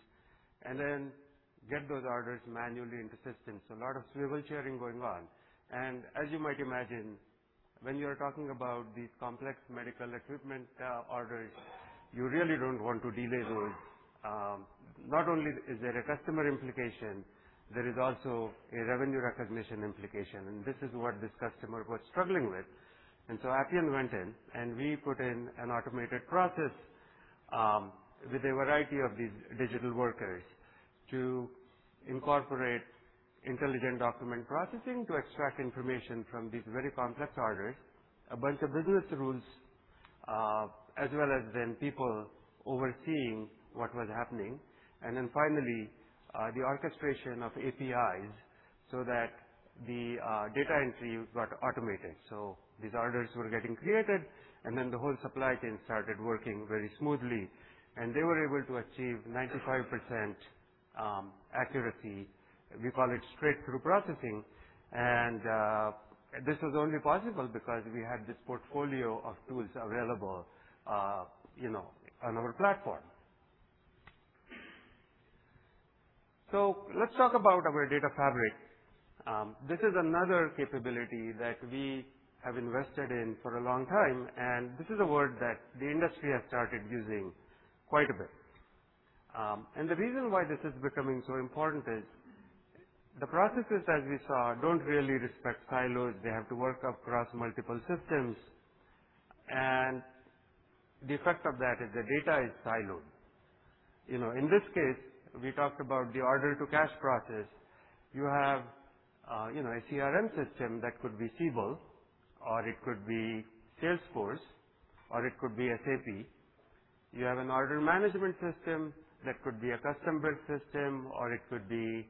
and then get those orders manually into systems. A lot of swivel chairing going on. As you might imagine, when you are talking about these complex medical equipment orders, you really don't want to delay those. Not only is there a customer implication, there is also a revenue recognition implication, and this is what this customer was struggling with. Appian went in, and we put in an automated process with a variety of these digital workers to incorporate intelligent document processing to extract information from these very complex orders, a bunch of business rules, as well as then people overseeing what was happening. Finally, the orchestration of APIs so that the data entry got automated. These orders were getting created, and then the whole supply chain started working very smoothly, and they were able to achieve 95% accuracy. We call it straight-through processing. This was only possible because we had this portfolio of tools available, you know, on our platform. Let's talk about our Appian Data Fabric. This is another capability that we have invested in for a long time, and this is a word that the industry has started using quite a bit. The reason why this is becoming so important is the processes, as we saw, don't really respect silos. They have to work across multiple systems. The effect of that is the data is siloed. You know, in this case, we talked about the order-to-cash process. You have, you know, a CRM system that could be Siebel or it could be Salesforce or it could be SAP. You have an order management system that could be a custom-built system or it could be,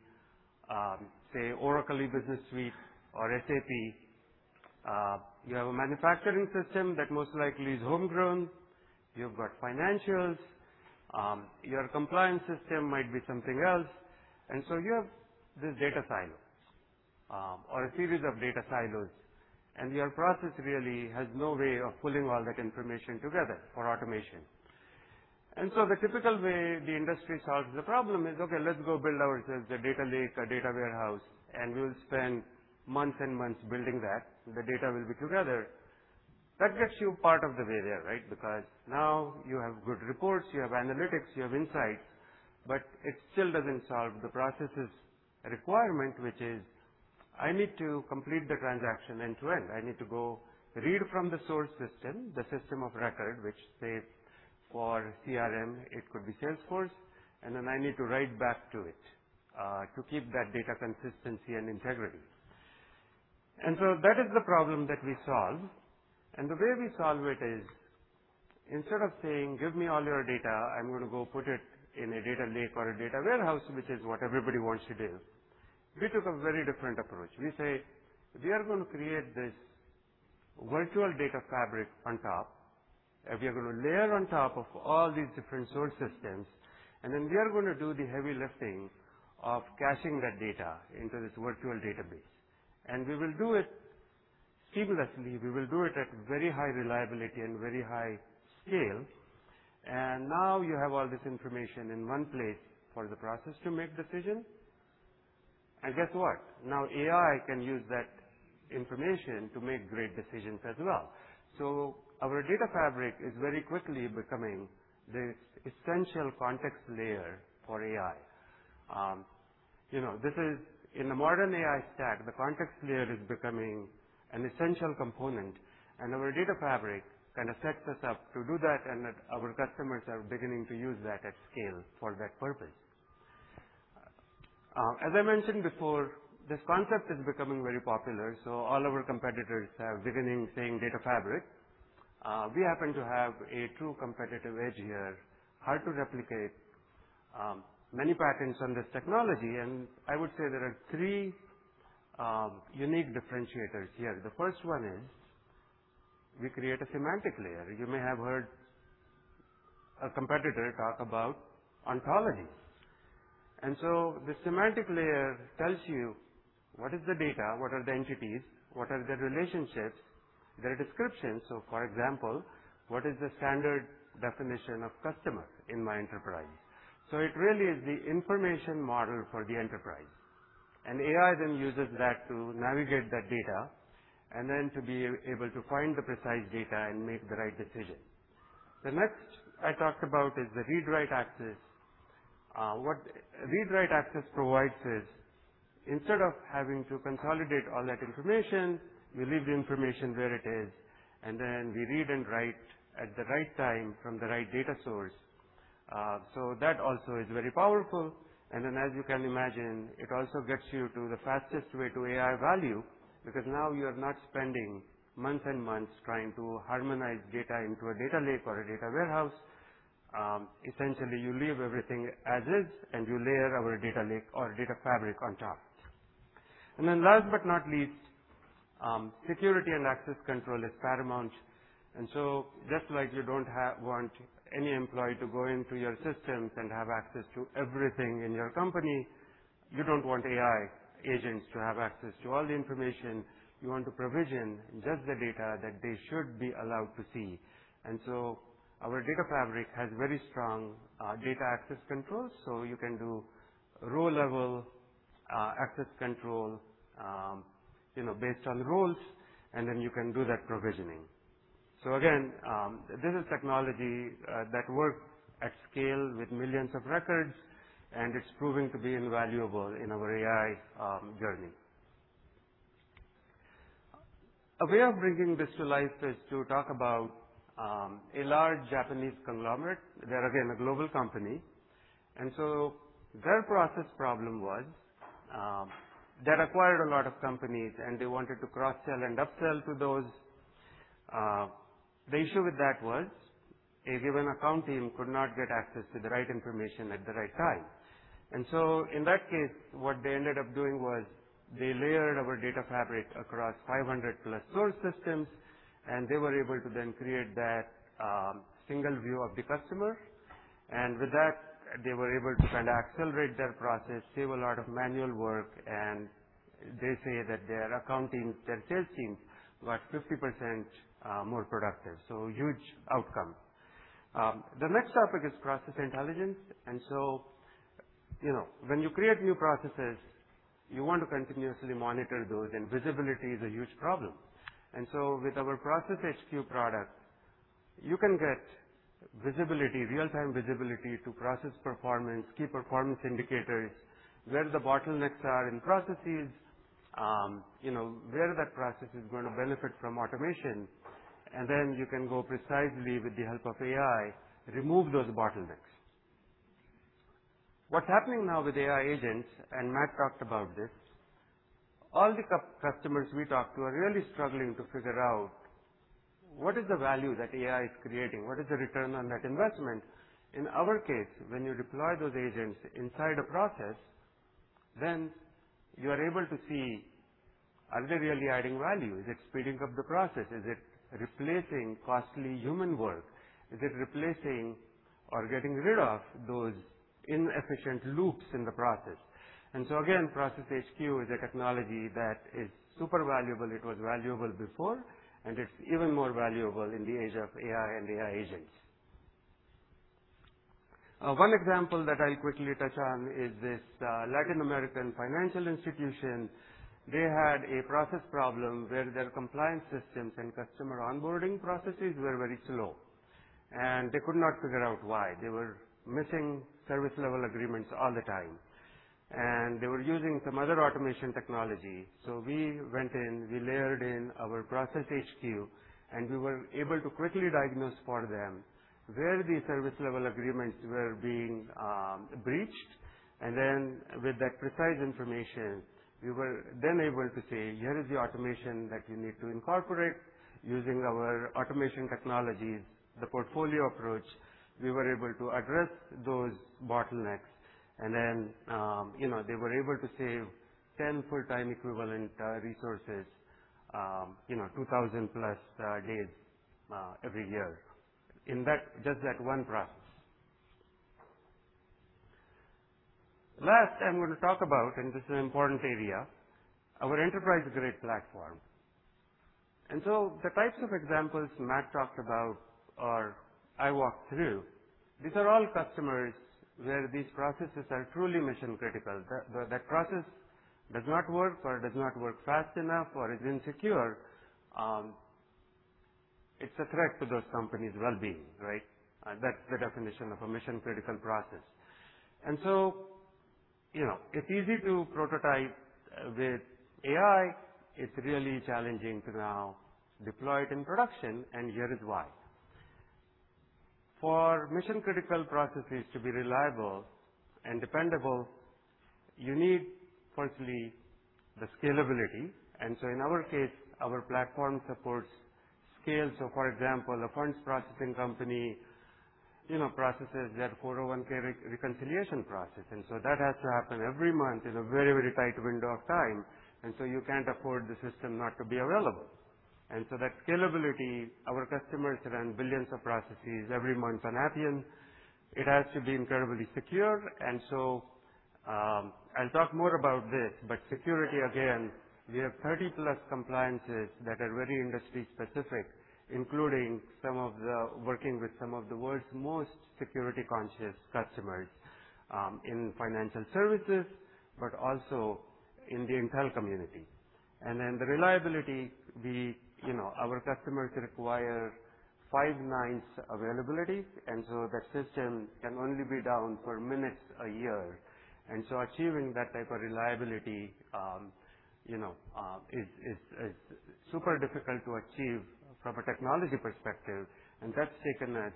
say, Oracle E-Business Suite or SAP. You have a manufacturing system that most likely is homegrown. You've got financials. Your compliance system might be something else. You have these data silos, or a series of data silos, and your process really has no way of pulling all that information together for automation. The typical way the industry solves the problem is, okay, let's go build ourselves a data lake or data warehouse, and we'll spend months and months building that. The data will be together. That gets you part of the way there, right? Because now you have good reports, you have analytics, you have insights, but it still doesn't solve the processes requirement, which is, I need to complete the transaction end to end. I need to go read from the source system, the system of record, which say for CRM, it could be Salesforce, then I need to write back to it to keep that data consistency and integrity. That is the problem that we solve. The way we solve it is instead of saying, "Give me all your data, I'm gonna go put it in a data lake or a data warehouse," which is what everybody wants to do, we took a very different approach. We say, "We are gonna create this virtual data fabric on top, and we are gonna layer on top of all these different source systems, then we are gonna do the heavy lifting of caching that data into this virtual database." We will do it seamlessly. We will do it at very high reliability and very high scale. Now you have all this information in one place for the process to make decisions. Guess what? Now AI can use that information to make great decisions as well. Our Data Fabric is very quickly becoming this essential context layer for AI. You know, this is in a modern AI stack, the context layer is becoming an essential component, and our Data Fabric kind of sets us up to do that, and our customers are beginning to use that at scale for that purpose. As I mentioned before, this concept is becoming very popular, so all our competitors have beginning saying Data Fabric. We happen to have a true competitive edge here, hard to replicate, many patents on this technology. I would say there are three unique differentiators here. The first one is we create a semantic layer. You may have heard a competitor talk about ontology. The semantic layer tells you what is the data, what are the entities, what are the relationships, their descriptions. For example, what is the standard definition of customer in my enterprise? It really is the information model for the enterprise. AI then uses that to navigate that data and then to be able to find the precise data and make the right decision. The next I talked about is the read/write access. What read/write access provides is instead of having to consolidate all that information, we leave the information where it is, and then we read and write at the right time from the right data source. That also is very powerful. As you can imagine, it also gets you to the fastest way to AI value, because now you are not spending months and months trying to harmonize data into a data lake or a data warehouse. Essentially, you leave everything as is and you layer our data lake or Appian Data Fabric on top. Last but not least, security and access control is paramount. Just like you don't want any employee to go into your systems and have access to everything in your company, you don't want AI agents to have access to all the information. You want to provision just the data that they should be allowed to see. Our Appian Data Fabric has very strong data access controls. You can do role-level access control, you know, based on roles, you can do that provisioning. Again, this is technology that works at scale with millions of records, it's proving to be invaluable in our AI journey. A way of bringing this to life is to talk about a large Japanese conglomerate. They're again, a global company. Their process problem was they had acquired a lot of companies they wanted to cross-sell and up-sell to those. The issue with that was a given account team could not get access to the right information at the right time. In that case, what they ended up doing was they layered our Data Fabric across 500 plus source systems, they were able to then create that single view of the customer. With that, they were able to kind of accelerate their process, save a lot of manual work, and they say that their accounting, their sales teams were 50% more productive. Huge outcome. The next topic is process intelligence. You know, when you create new processes, you want to continuously monitor those, and visibility is a huge problem. With our Process HQ product, you can get visibility, real-time visibility to process performance, key performance indicators, where the bottlenecks are in processes. You know, where that process is going to benefit from automation, and then you can go precisely with the help of AI, remove those bottlenecks. What's happening now with AI agents, and Matt talked about this, all the customers we talk to are really struggling to figure out what is the value that AI is creating? What is the return on that investment? In our case, when you deploy those agents inside a process, then you are able to see are they really adding value? Is it speeding up the process? Is it replacing costly human work? Is it replacing or getting rid of those inefficient loops in the process? Again, Process HQ is a technology that is super valuable. It was valuable before, and it's even more valuable in the age of AI and AI agents. One example that I'll quickly touch on is this Latin American financial institution. They had a process problem where their compliance systems and customer onboarding processes were very slow, and they could not figure out why. They were missing service level agreements all the time. They were using some other automation technology. We went in, we layered in our Appian Process HQ, and we were able to quickly diagnose for them where the service level agreements were being breached. With that precise information, we were then able to say, "Here is the automation that you need to incorporate." Using our automation technologies, the portfolio approach, we were able to address those bottlenecks. They were able to save 10 full-time equivalent resources, you know, 2,000 plus days every year in that just that one process. Last, I'm going to talk about, and this is an important area, our enterprise-grade platform. The types of examples Matt talked about or I walked through, these are all customers where these processes are truly mission-critical. The process does not work or does not work fast enough or is insecure, it's a threat to those companies' well-being, right? That's the definition of a mission-critical process. You know, it's easy to prototype with AI. It's really challenging to now deploy it in production, and here is why. For mission-critical processes to be reliable and dependable, you need firstly the scalability. In our case, our platform supports scale. So for example, a funds processing company, you know, processes their 401(k) reconciliation process. That has to happen every month in a very, very tight window of time. You can't afford the system not to be available. That scalability, our customers run billions of processes every month on Appian. It has to be incredibly secure. I'll talk more about this, but security again, we have 30-plus compliances that are very industry-specific, including working with some of the world's most security-conscious customers, in financial services, but also in the intel community. The reliability You know, our customers require 5 nines availability, the system can only be down for minutes a year. Achieving that type of reliability, you know, is super difficult to achieve from a technology perspective. That's taken us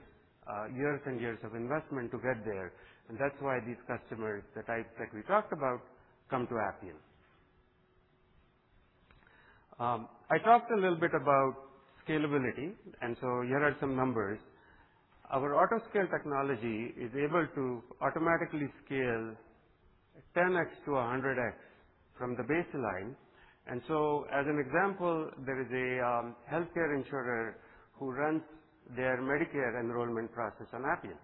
years and years of investment to get there. That's why these customers that we talked about come to Appian. I talked a little bit about scalability, here are some numbers. Our autoscale technology is able to automatically scale 10x to 100x from the baseline. As an example, there is a healthcare insurer who runs their Medicare enrollment process on Appian.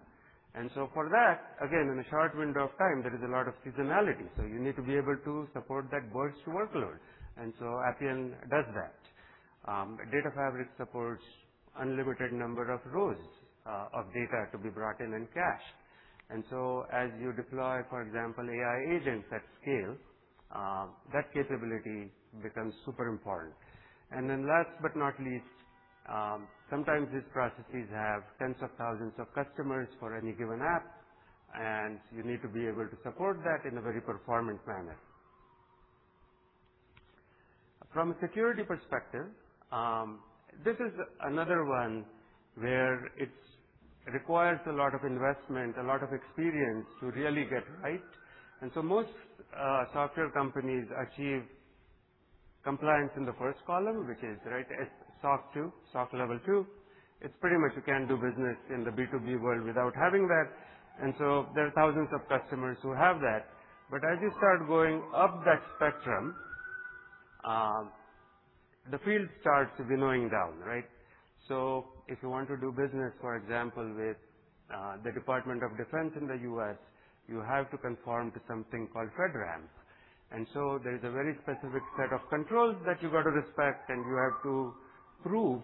For that, again, in a short window of time, there is a lot of seasonality, so you need to be able to support that burst workload. Appian does that. Data Fabric supports unlimited number of rows of data to be brought in and cached. As you deploy, for example, AI agents at scale, that capability becomes super important. Last but not least, sometimes these processes have tens of thousands of customers for any given app, and you need to be able to support that in a very performant manner. From a security perspective, this is another one where it requires a lot of investment, a lot of experience to really get right. Most software companies achieve compliance in the first column, which is right at SOC 2, SOC Level 2. It's pretty much you can't do business in the B2B world without having that. There are thousands of customers who have that. As you start going up that spectrum, the field starts to be narrowing down, right? If you want to do business, for example, with the Department of Defense in the U.S., you have to conform to something called FedRAMP. There is a very specific set of controls that you got to respect and you have to prove.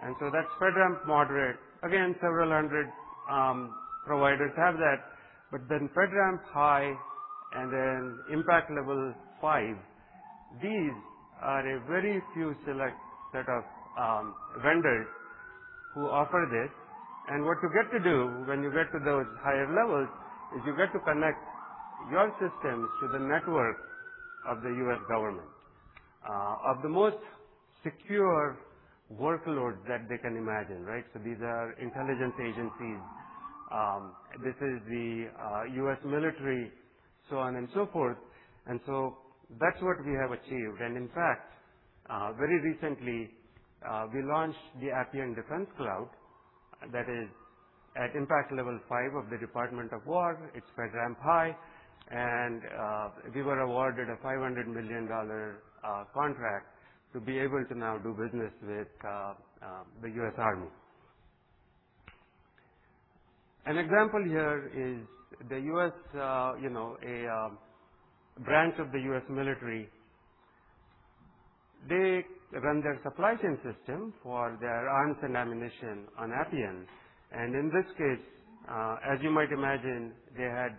That's FedRAMP Moderate. Again, several 100 providers have that. FedRAMP High and then Impact Level 5, these are a very few select set of vendors who offer this. What you get to do when you get to those higher levels is you get to connect your systems to the network of the U.S. government, of the most secure workloads that they can imagine, right? These are intelligence agencies, this is the United States military, so on and so forth. That's what we have achieved. In fact, very recently, we launched the Appian Government Cloud that is at Impact Level 5 of the Department of Defense. It's FedRAMP High. We were awarded a $500 million contract to be able to now do business with the United States Army. An example here is the U.S., a branch of the United States military. They run their supply chain system for their arms and ammunition on Appian. In this case, as you might imagine, they had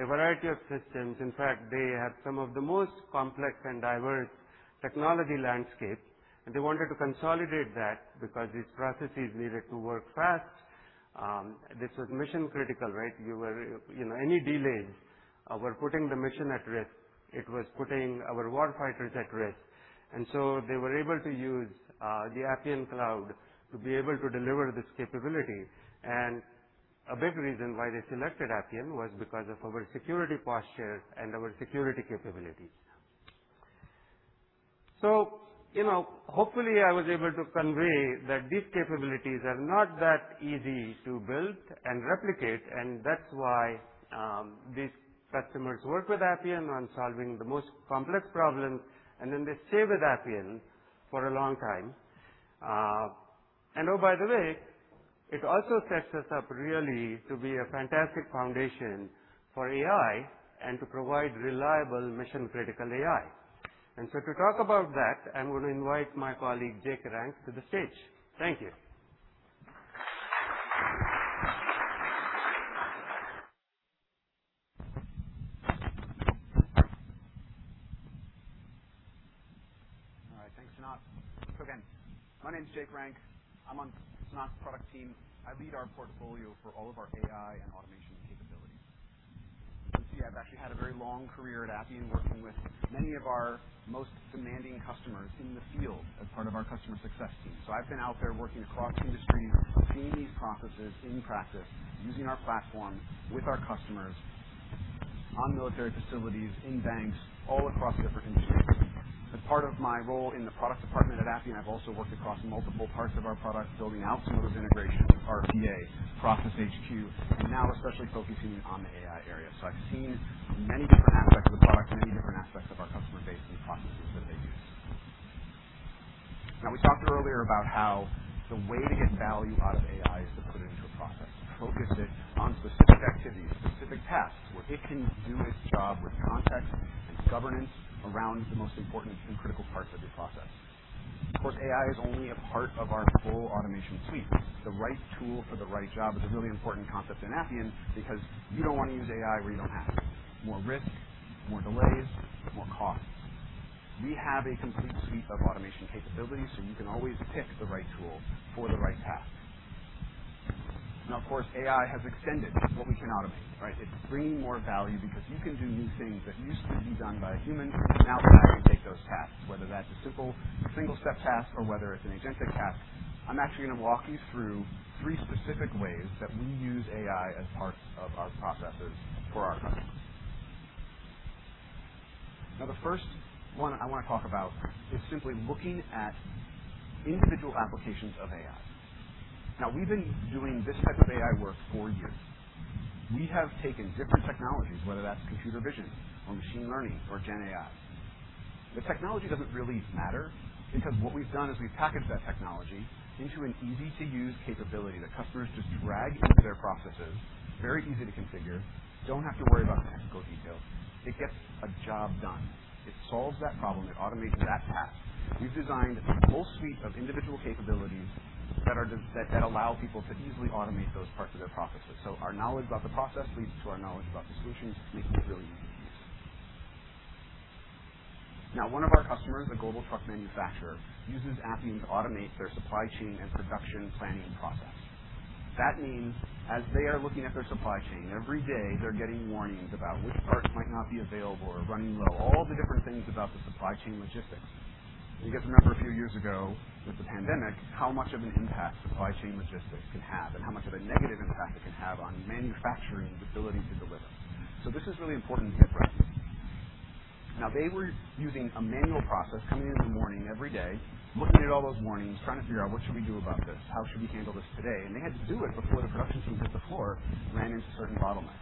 a variety of systems. In fact, they had some of the most complex and diverse technology landscape, and they wanted to consolidate that because these processes needed to work fast. This was mission-critical, right? You know, any delays were putting the mission at risk. It was putting our war fighters at risk. They were able to use the Appian Cloud to be able to deliver this capability. A big reason why they selected Appian was because of our security posture and our security capabilities. You know, hopefully, I was able to convey that these capabilities are not that easy to build and replicate, and that's why these customers work with Appian on solving the most complex problems, and then they stay with Appian for a long time. Oh, by the way, it also sets us up really to be a fantastic foundation for AI and to provide reliable mission-critical AI. To talk about that, I'm gonna invite my colleague, Jake Rank, to the stage. Thank you. All right. Thanks, Sanat. Again, my name is Jake Rank. I'm on Sanat's product team. I lead our portfolio for all of our AI and automation capabilities. As you can see, I've actually had a very long career at Appian, working with many of our most demanding customers in the field as part of our customer success team. I've been out there working across industries, seeing these processes in practice, using our platform with our customers on military facilities, in banks, all across different industries. As part of my role in the product department at Appian, I've also worked across multiple parts of our product, building out some of those integrations, RPA, Process HQ, now especially focusing on the AI area. I've seen many different aspects of the product, many different aspects of our customer base and the processes that they use. We talked earlier about how the way to get value out of AI is to put it into a process, focus it on specific activities, specific tasks where it can do its job with context and governance around the most important and critical parts of your process. Of course, AI is only a part of our full automation suite. The right tool for the right job is a really important concept in Appian because you don't want to use AI where you don't have to. More risk, more delays, more costs. We have a complete suite of automation capabilities, so you can always pick the right tool for the right task. Of course, AI has extended what we can automate, right? It's bringing more value because you can do new things that used to be done by a human. AI can take those tasks, whether that's a simple single-step task or whether it's an agentic task. I'm actually gonna walk you through three specific ways that we use AI as parts of our processes for our customers. The first one I wanna talk about is simply looking at individual applications of AI. We've been doing this type of AI work for years. We have taken different technologies, whether that's computer vision or machine learning or gen AI. The technology doesn't really matter because what we've done is we've packaged that technology into an easy-to-use capability that customers just drag into their processes. Very easy to configure. Don't have to worry about the technical details. It gets a job done. It solves that problem. It automates that task. We've designed a full suite of individual capabilities that allow people to easily automate those parts of their processes. Our knowledge about the process leads to our knowledge about the solutions, making it really easy to use. One of our customers, a global truck manufacturer, uses Appian to automate their supply chain and production planning process. That means as they are looking at their supply chain every day, they're getting warnings about which parts might not be available or running low. All the different things about the supply chain logistics. You guys remember a few years ago with the pandemic, how much of an impact supply chain logistics can have and how much of a negative impact it can have on manufacturing's ability to deliver. This is really important to get right. They were using a manual process, coming in in the morning every day, looking at all those warnings, trying to figure out, "What should we do about this? How should we handle this today?" They had to do it before the production teams hit the floor, ran into certain bottlenecks.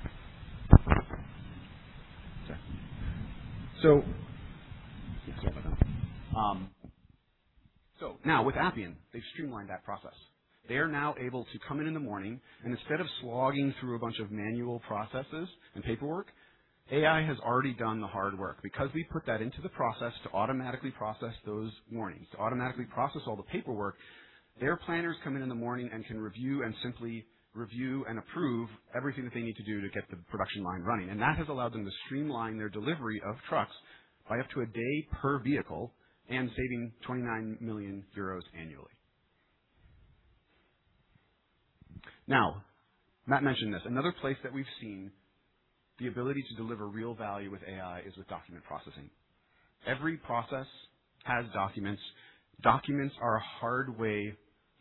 Now with Appian, they've streamlined that process. They are now able to come in in the morning, and instead of slogging through a bunch of manual processes and paperwork, AI has already done the hard work. We put that into the process to automatically process those warnings, to automatically process all the paperwork, their planners come in in the morning and can review and simply review and approve everything that they need to do to get the production line running. That has allowed them to streamline their delivery of trucks by up to a day per vehicle and saving 29 million euros annually. Matt mentioned this. Another place that we've seen the ability to deliver real value with AI is with document processing. Every process has documents. Documents are a hard way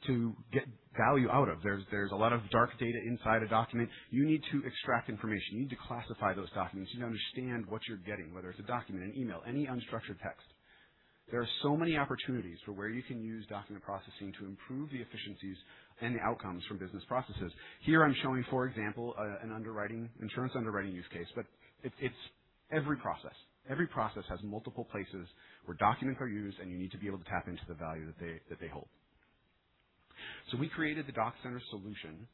to get value out of. There's a lot of dark data inside a document. You need to extract information. You need to classify those documents. You need to understand what you're getting, whether it's a document, an email, any unstructured text. There are so many opportunities for where you can use document processing to improve the efficiencies and the outcomes for business processes. Here I'm showing, for example, an insurance underwriting use case, but it's every process. Every process has multiple places where documents are used, and you need to be able to tap into the value that they hold. We created the Doc Center solution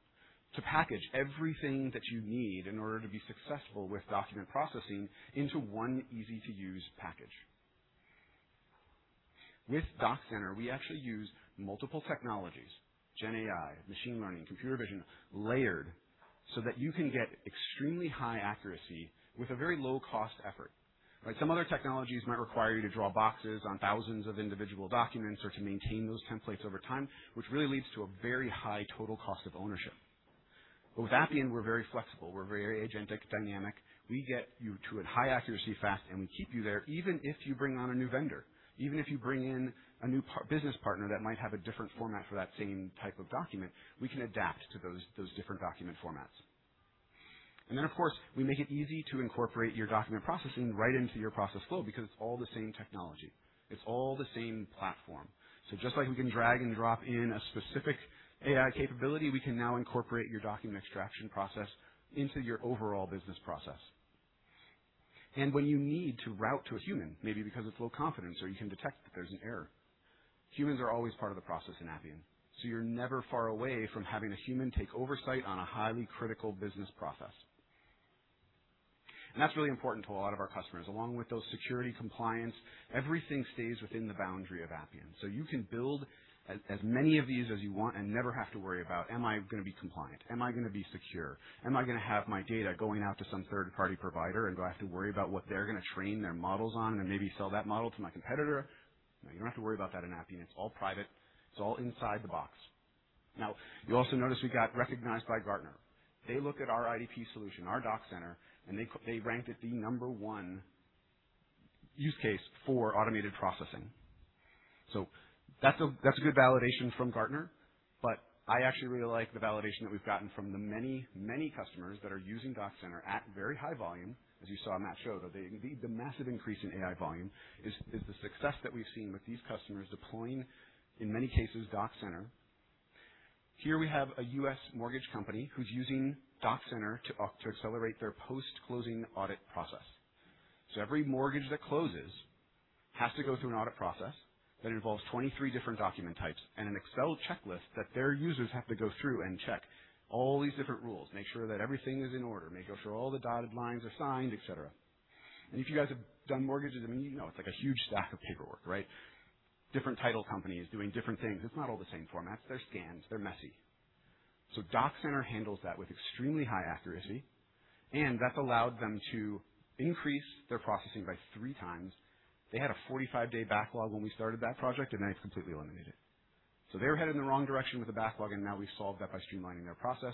to package everything that you need in order to be successful with document processing into one easy-to-use package. With Doc Center, we actually use multiple technologies, gen AI, machine learning, computer vision, layered so that you can get extremely high accuracy with a very low-cost effort, right? Some other technologies might require you to draw boxes on thousands of individual documents or to maintain those templates over time, which really leads to a very high total cost of ownership. With Appian, we're very flexible. We're very agentic, dynamic. We get you to a high accuracy fast, and we keep you there even if you bring on a new vendor. Even if you bring in a new business partner that might have a different format for that same type of document, we can adapt to those different document formats. Of course, we make it easy to incorporate your document processing right into your process flow because it's all the same technology. It's all the same platform. Just like we can drag and drop in a specific AI capability, we can now incorporate your document extraction process into your overall business process. When you need to route to a human, maybe because it's low confidence or you can detect that there's an error, humans are always part of the process in Appian, so you're never far away from having a human take oversight on a highly critical business process. That's really important to a lot of our customers. Along with those security compliance, everything stays within the boundary of Appian. You can build as many of these as you want and never have to worry about, "Am I going to be compliant? Am I going to be secure? Am I going to have my data going out to some third-party provider, and do I have to worry about what they're going to train their models on and maybe sell that model to my competitor?" No, you don't have to worry about that in Appian. It's all private. It's all inside the box. You also notice we got recognized by Gartner. They looked at our IDP solution, our Doc Center, and they ranked it the number one use case for automated processing. That's a good validation from Gartner, but I actually really like the validation that we've gotten from the many customers that are using Doc Center at very high volume, as you saw in that show, though. The massive increase in AI volume is the success that we've seen with these customers deploying, in many cases, Doc Center. Here we have a U.S. mortgage company who's using Doc Center to accelerate their post-closing audit process. Every mortgage that closes has to go through an audit process that involves 23 different document types and an Excel checklist that their users have to go through and check all these different rules, make sure that everything is in order, make sure all the dotted lines are signed, et cetera. If you guys have done mortgages, I mean, you know, it's like a huge stack of paperwork, right? Different title companies doing different things. It's not all the same formats. They're scans. They're messy. Doc Center handles that with extremely high accuracy, and that's allowed them to increase their processing by 3x. They had a 45-day backlog when we started that project, and now it's completely eliminated. They were headed in the wrong direction with the backlog, and now we've solved that by streamlining their process.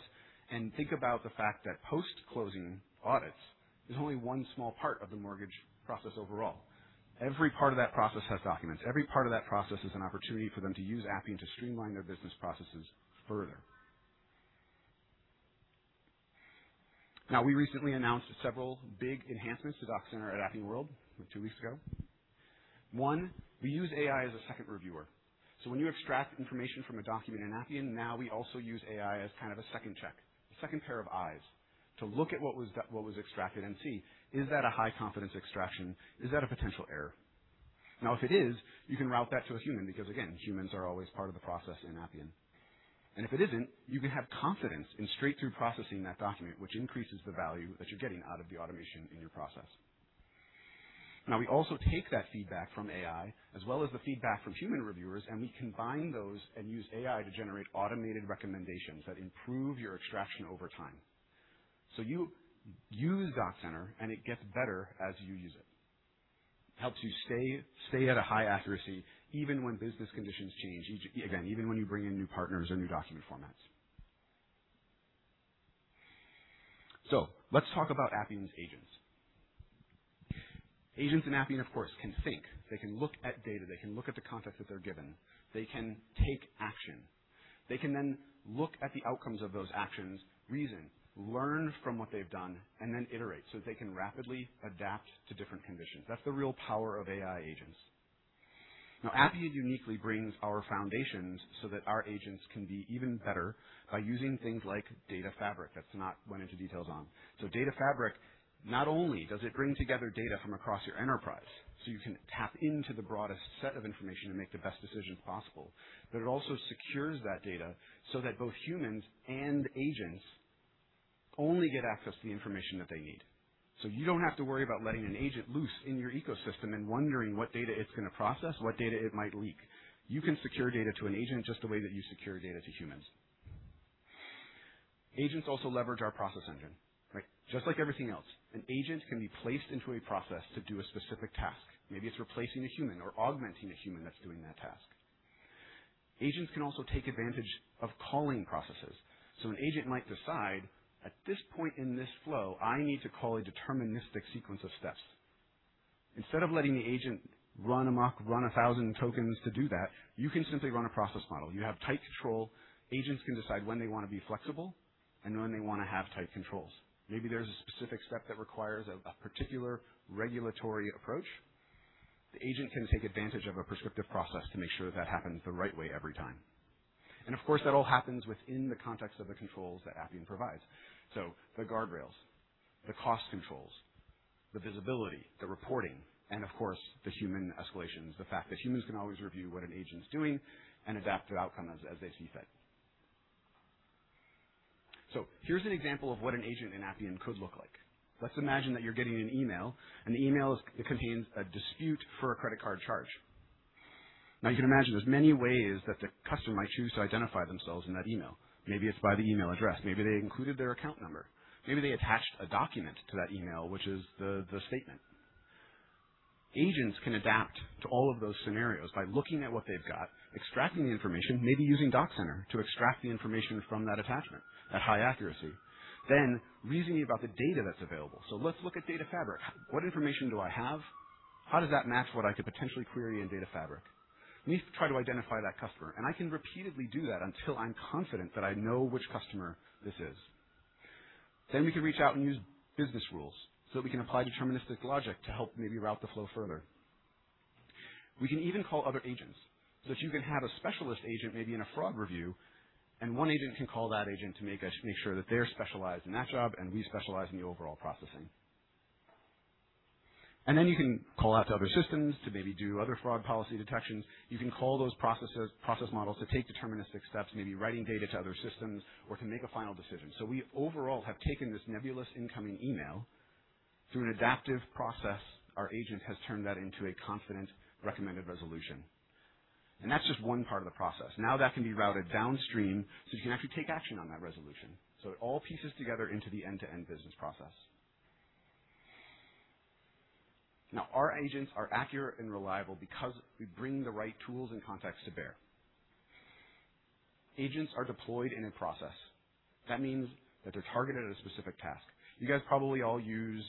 Think about the fact that post-closing audits is only one small part of the mortgage process overall. Every part of that process has documents. Every part of that process is an opportunity for them to use Appian to streamline their business processes further. We recently announced several big enhancements to Doc Center at Appian World 2 weeks ago. One, we use AI as a second reviewer. When you extract information from a document in Appian, now we also use AI as kind of a second check, a second pair of eyes to look at what was extracted and see, is that a high-confidence extraction? Is that a potential error? If it is, you can route that to a human because, again, humans are always part of the process in Appian. If it isn't, you can have confidence in straight-through processing that document, which increases the value that you're getting out of the automation in your process. We also take that feedback from AI as well as the feedback from human reviewers, and we combine those and use AI to generate automated recommendations that improve your extraction over time. You use Doc Center, and it gets better as you use it. Helps you stay at a high accuracy even when business conditions change. Again, even when you bring in new partners or new document formats. Let's talk about Appian's agents. Agents in Appian, of course, can think. They can look at data. They can look at the context that they're given. They can take action. They can then look at the outcomes of those actions, reason, learn from what they've done, and then iterate so they can rapidly adapt to different conditions. That's the real power of AI agents. Appian uniquely brings our foundations so that our agents can be even better by using things like Data Fabric. That's not went into details on. Data Fabric, not only does it bring together data from across your enterprise, so you can tap into the broadest set of information and make the best decisions possible, but it also secures that data so that both humans and agents only get access to the information that they need. You don't have to worry about letting an agent loose in your ecosystem and wondering what data it's gonna process, what data it might leak. You can secure data to an agent just the way that you secure data to humans. Agents also leverage our process engine. Like, just like everything else, an agent can be placed into a process to do a specific task. Maybe it's replacing a human or augmenting a human that's doing that task. Agents can also take advantage of calling processes. An agent might decide, at this point in this flow, I need to call a deterministic sequence of steps. Instead of letting the agent run amok, run 1,000 tokens to do that, you can simply run a process model. You have tight control. Agents can decide when they wanna be flexible and when they wanna have tight controls. Maybe there's a specific step that requires a particular regulatory approach. The agent can take advantage of a prescriptive process to make sure that happens the right way every time. Of course, that all happens within the context of the controls that Appian provides. The guardrails, the cost controls, the visibility, the reporting, and of course, the human escalations, the fact that humans can always review what an agent's doing and adapt the outcome as they see fit. Here's an example of what an agent in Appian could look like. Let's imagine that you're getting an email, and the email it contains a dispute for a credit card charge. You can imagine there's many ways that the customer might choose to identify themselves in that email. Maybe it's by the email address, maybe they included their account number. Maybe they attached a document to that email, which is the statement. Agents can adapt to all of those scenarios by looking at what they've got, extracting the information, maybe using Doc Center to extract the information from that attachment at high accuracy, then reasoning about the data that's available. Let's look at Data Fabric. What information do I have? How does that match what I could potentially query in Data Fabric? Need to try to identify that customer, and I can repeatedly do that until I'm confident that I know which customer this is. We can reach out and use business rules, so we can apply deterministic logic to help maybe route the flow further. We can even call other agents so that you can have a specialist agent, maybe in a fraud review, and one agent can call that agent to make sure that they're specialized in that job, and we specialize in the overall processing. You can call out to other systems to maybe do other fraud policy detections. You can call those processes, process models to take deterministic steps, maybe writing data to other systems or to make a final decision. We overall have taken this nebulous incoming email. Through an adaptive process, our agent has turned that into a confident, recommended resolution. That's just one part of the process. That can be routed downstream, so you can actually take action on that resolution. It all pieces together into the end-to-end business process. Our agents are accurate and reliable because we bring the right tools and context to bear. Agents are deployed in a process. That means that they're targeted at a specific task. You guys probably all use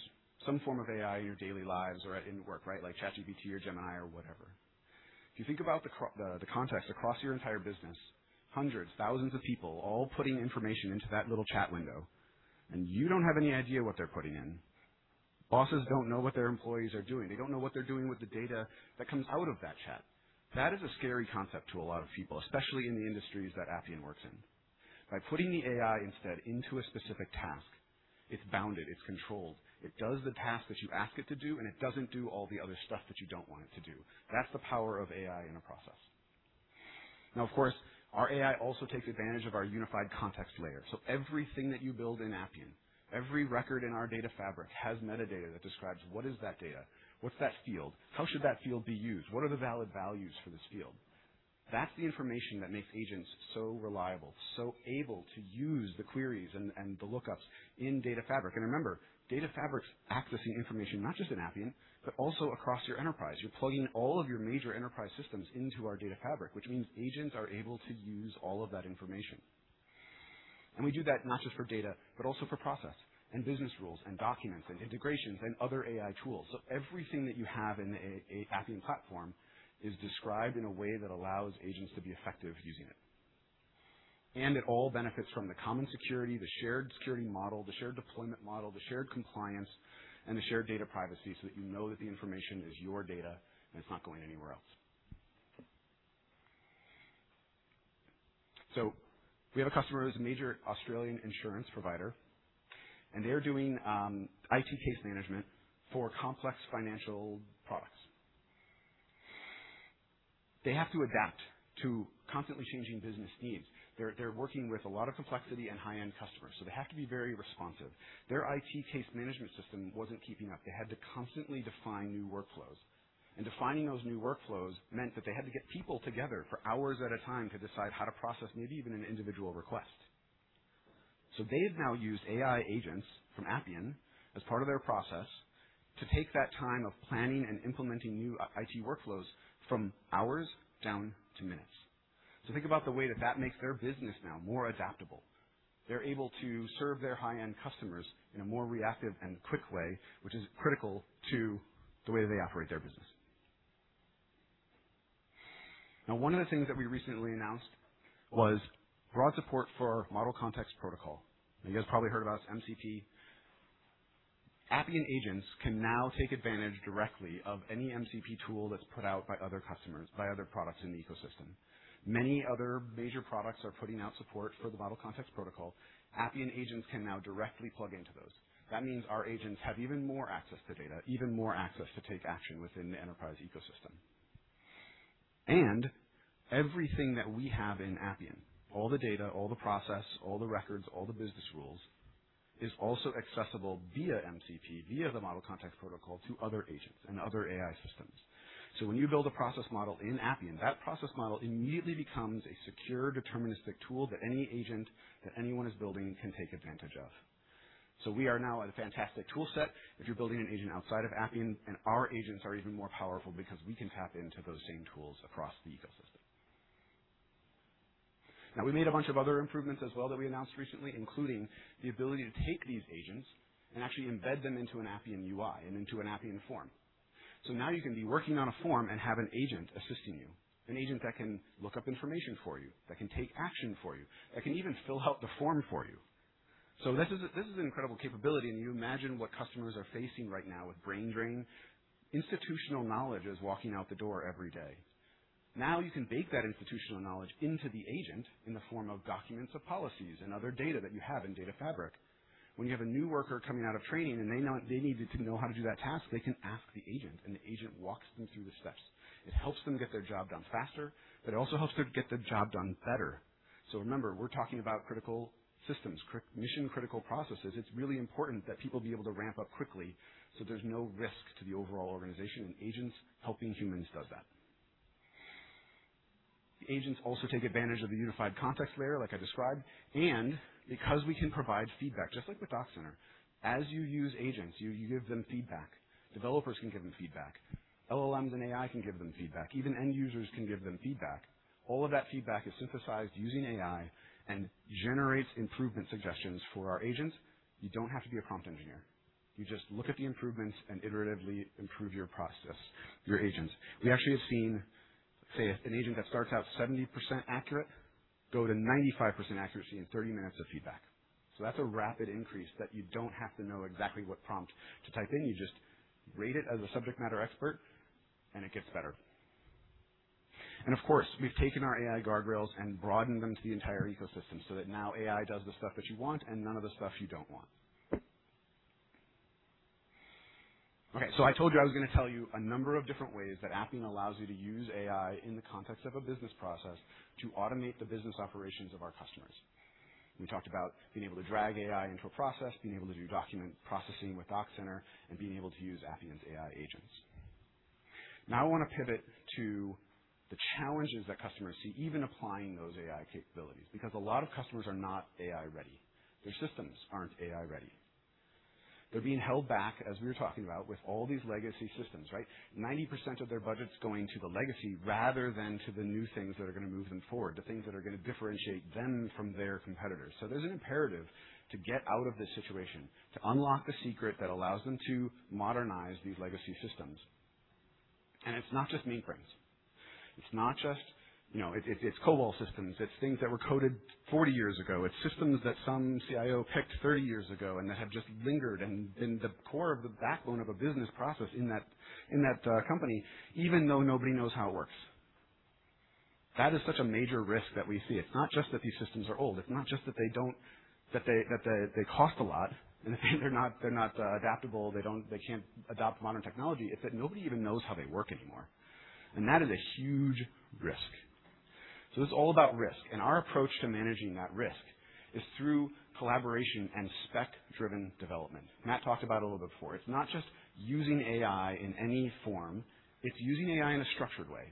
some form of AI in your daily lives or in work, right? Like ChatGPT or Gemini or whatever. If you think about the context across your entire business, hundreds, thousands of people all putting information into that little chat window, and you don't have any idea what they're putting in. Bosses don't know what their employees are doing. They don't know what they're doing with the data that comes out of that chat. That is a scary concept to a lot of people, especially in the industries that Appian works in. By putting the AI instead into a specific task, it's bounded, it's controlled, it does the task that you ask it to do, and it doesn't do all the other stuff that you don't want it to do. That's the power of AI in a process. Of course, our AI also takes advantage of our unified context layer. Everything that you build in Appian, every record in our Appian Data Fabric has metadata that describes what is that data, what's that field, how should that field be used, what are the valid values for this field. That's the information that makes agents so reliable, so able to use the queries and the lookups in Data Fabric. Remember, Data Fabric's accessing information not just in Appian, but also across your enterprise. You're plugging all of your major enterprise systems into our Data Fabric, which means agents are able to use all of that information. We do that not just for data, but also for process and business rules and documents and integrations and other AI tools. Everything that you have in a Appian platform is described in a way that allows agents to be effective using it. It all benefits from the common security, the shared security model, the shared deployment model, the shared compliance, and the shared data privacy so that you know that the information is your data, and it's not going anywhere else. We have a customer who's a major Australian insurance provider, and they're doing IT case management for complex financial products. They have to adapt to constantly changing business needs. They're working with a lot of complexity and high-end customers, so they have to be very responsive. Their IT case management system wasn't keeping up. They had to constantly define new workflows. Defining those new workflows meant that they had to get people together for hours at a time to decide how to process maybe even an individual request. They've now used AI agents from Appian as part of their process to take that time of planning and implementing new IT workflows from hours down to minutes. Think about the way that that makes their business now more adaptable. They're able to serve their high-end customers in a more reactive and quick way, which is critical to the way they operate their business. One of the things that we recently announced was broad support for Model Context Protocol. You guys probably heard about MCP. Appian agents can now take advantage directly of any MCP tool that's put out by other customers, by other products in the ecosystem. Many other major products are putting out support for the Model Context Protocol. Appian agents can now directly plug into those. That means our agents have even more access to data, even more access to take action within the enterprise ecosystem. Everything that we have in Appian, all the data, all the process, all the records, all the businessIs also accessible via MCP, via the Model Context Protocol to other agents and other AI systems. When you build a process model in Appian, that process model immediately becomes a secure deterministic tool that any agent that anyone is building can take advantage of. We are now at a fantastic tool set if you're building an agent outside of Appian, and our agents are even more powerful because we can tap into those same tools across the ecosystem. Now, we made a bunch of other improvements as well that we announced recently, including the ability to take these agents and actually embed them into an Appian UI and into an Appian form. Now you can be working on a form and have an agent assisting you, an agent that can look up information for you, that can take action for you, that can even fill out the form for you. This is an incredible capability, and you imagine what customers are facing right now with brain drain. Institutional knowledge is walking out the door every day. You can bake that institutional knowledge into the agent in the form of documents of policies and other data that you have in data fabric. When you have a new worker coming out of training and they needed to know how to do that task, they can ask the agent, and the agent walks them through the steps. It helps them get their job done faster, but it also helps them get the job done better. Remember, we're talking about critical systems, mission-critical processes. It's really important that people be able to ramp up quickly, so there's no risk to the overall organization, and agents helping humans does that. Agents also take advantage of the unified context layer, like I described, and because we can provide feedback, just like with Doc Center, as you use agents, you give them feedback. Developers can give them feedback. LLMs and AI can give them feedback. Even end users can give them feedback. All of that feedback is synthesized using AI and generates improvement suggestions for our agents. You don't have to be a prompt engineer. You just look at the improvements and iteratively improve your process, your agents. We actually have seen, say, an agent that starts out 70% accurate go to 95% accuracy in 30 minutes of feedback. That's a rapid increase that you don't have to know exactly what prompt to type in. You just rate it as a subject matter expert, and it gets better. Of course, we've taken our AI guardrails and broadened them to the entire ecosystem so that now AI does the stuff that you want and none of the stuff you don't want. Okay. I told you I was gonna tell you a number of different ways that Appian allows you to use AI in the context of a business process to automate the business operations of our customers. We talked about being able to drag AI into a process, being able to do document processing with Doc Center, and being able to use Appian's AI agents. I wanna pivot to the challenges that customers see even applying those AI capabilities because a lot of customers are not AI-ready. Their systems aren't AI-ready. They're being held back, as we were talking about, with all these legacy systems, right. 90% of their budget's going to the legacy rather than to the new things that are gonna move them forward, the things that are gonna differentiate them from their competitors. There's an imperative to get out of this situation, to unlock the secret that allows them to modernize these legacy systems. It's not just mainframes. It's not just, you know, it's COBOL systems. It's things that were coded 40 years ago. It's systems that some CIO picked 30 years ago and that have just lingered and been the core of the backbone of a business process in that company, even though nobody knows how it works. That is such a major risk that we see. It's not just that these systems are old. It's not just that they cost a lot, and they're not adaptable. They can't adopt modern technology. It's that nobody even knows how they work anymore. That is a huge risk. This is all about risk, and our approach to managing that risk is through collaboration and spec-driven development. Matt talked about it a little bit before. It's not just using AI in any form. It's using AI in a structured way,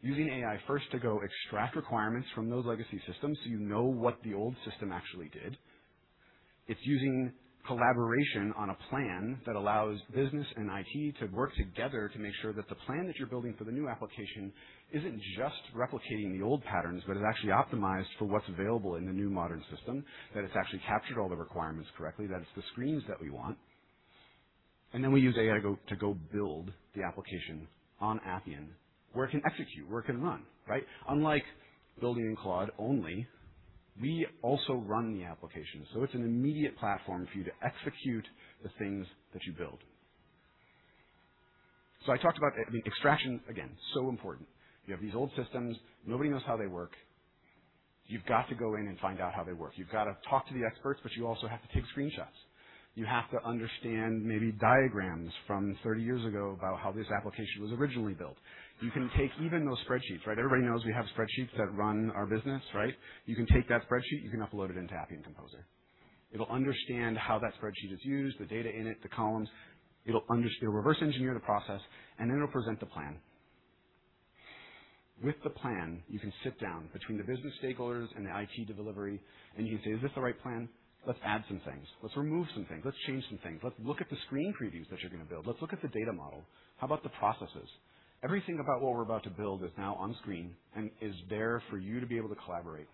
using AI first to go extract requirements from those legacy systems so you know what the old system actually did. It's using collaboration on a plan that allows business and IT to work together to make sure that the plan that you're building for the new application isn't just replicating the old patterns but is actually optimized for what's available in the new modern system, that it's actually captured all the requirements correctly, that it's the screens that we want. We use AI to go build the application on Appian where it can execute, where it can run, right? Unlike building in Claude only, we also run the application. It's an immediate platform for you to execute the things that you build. I talked about the extraction, again, so important. You have these old systems. Nobody knows how they work. You've got to go in and find out how they work. You've got to talk to the experts, you also have to take screenshots. You have to understand maybe diagrams from 30 years ago about how this application was originally built. You can take even those spreadsheets, right? Everybody knows we have spreadsheets that run our business, right? You can take that spreadsheet, you can upload it into Appian Composer. It'll understand how that spreadsheet is used, the data in it, the columns. It'll reverse engineer the process, then it'll present the plan. With the plan, you can sit down between the business stakeholders and the IT delivery, you can say, "Is this the right plan? Let's add some things. Let's remove some things. Let's change some things. Let's look at the screen previews that you're gonna build. Let's look at the data model. How about the processes? Everything about what we're about to build is now on screen and is there for you to be able to collaborate.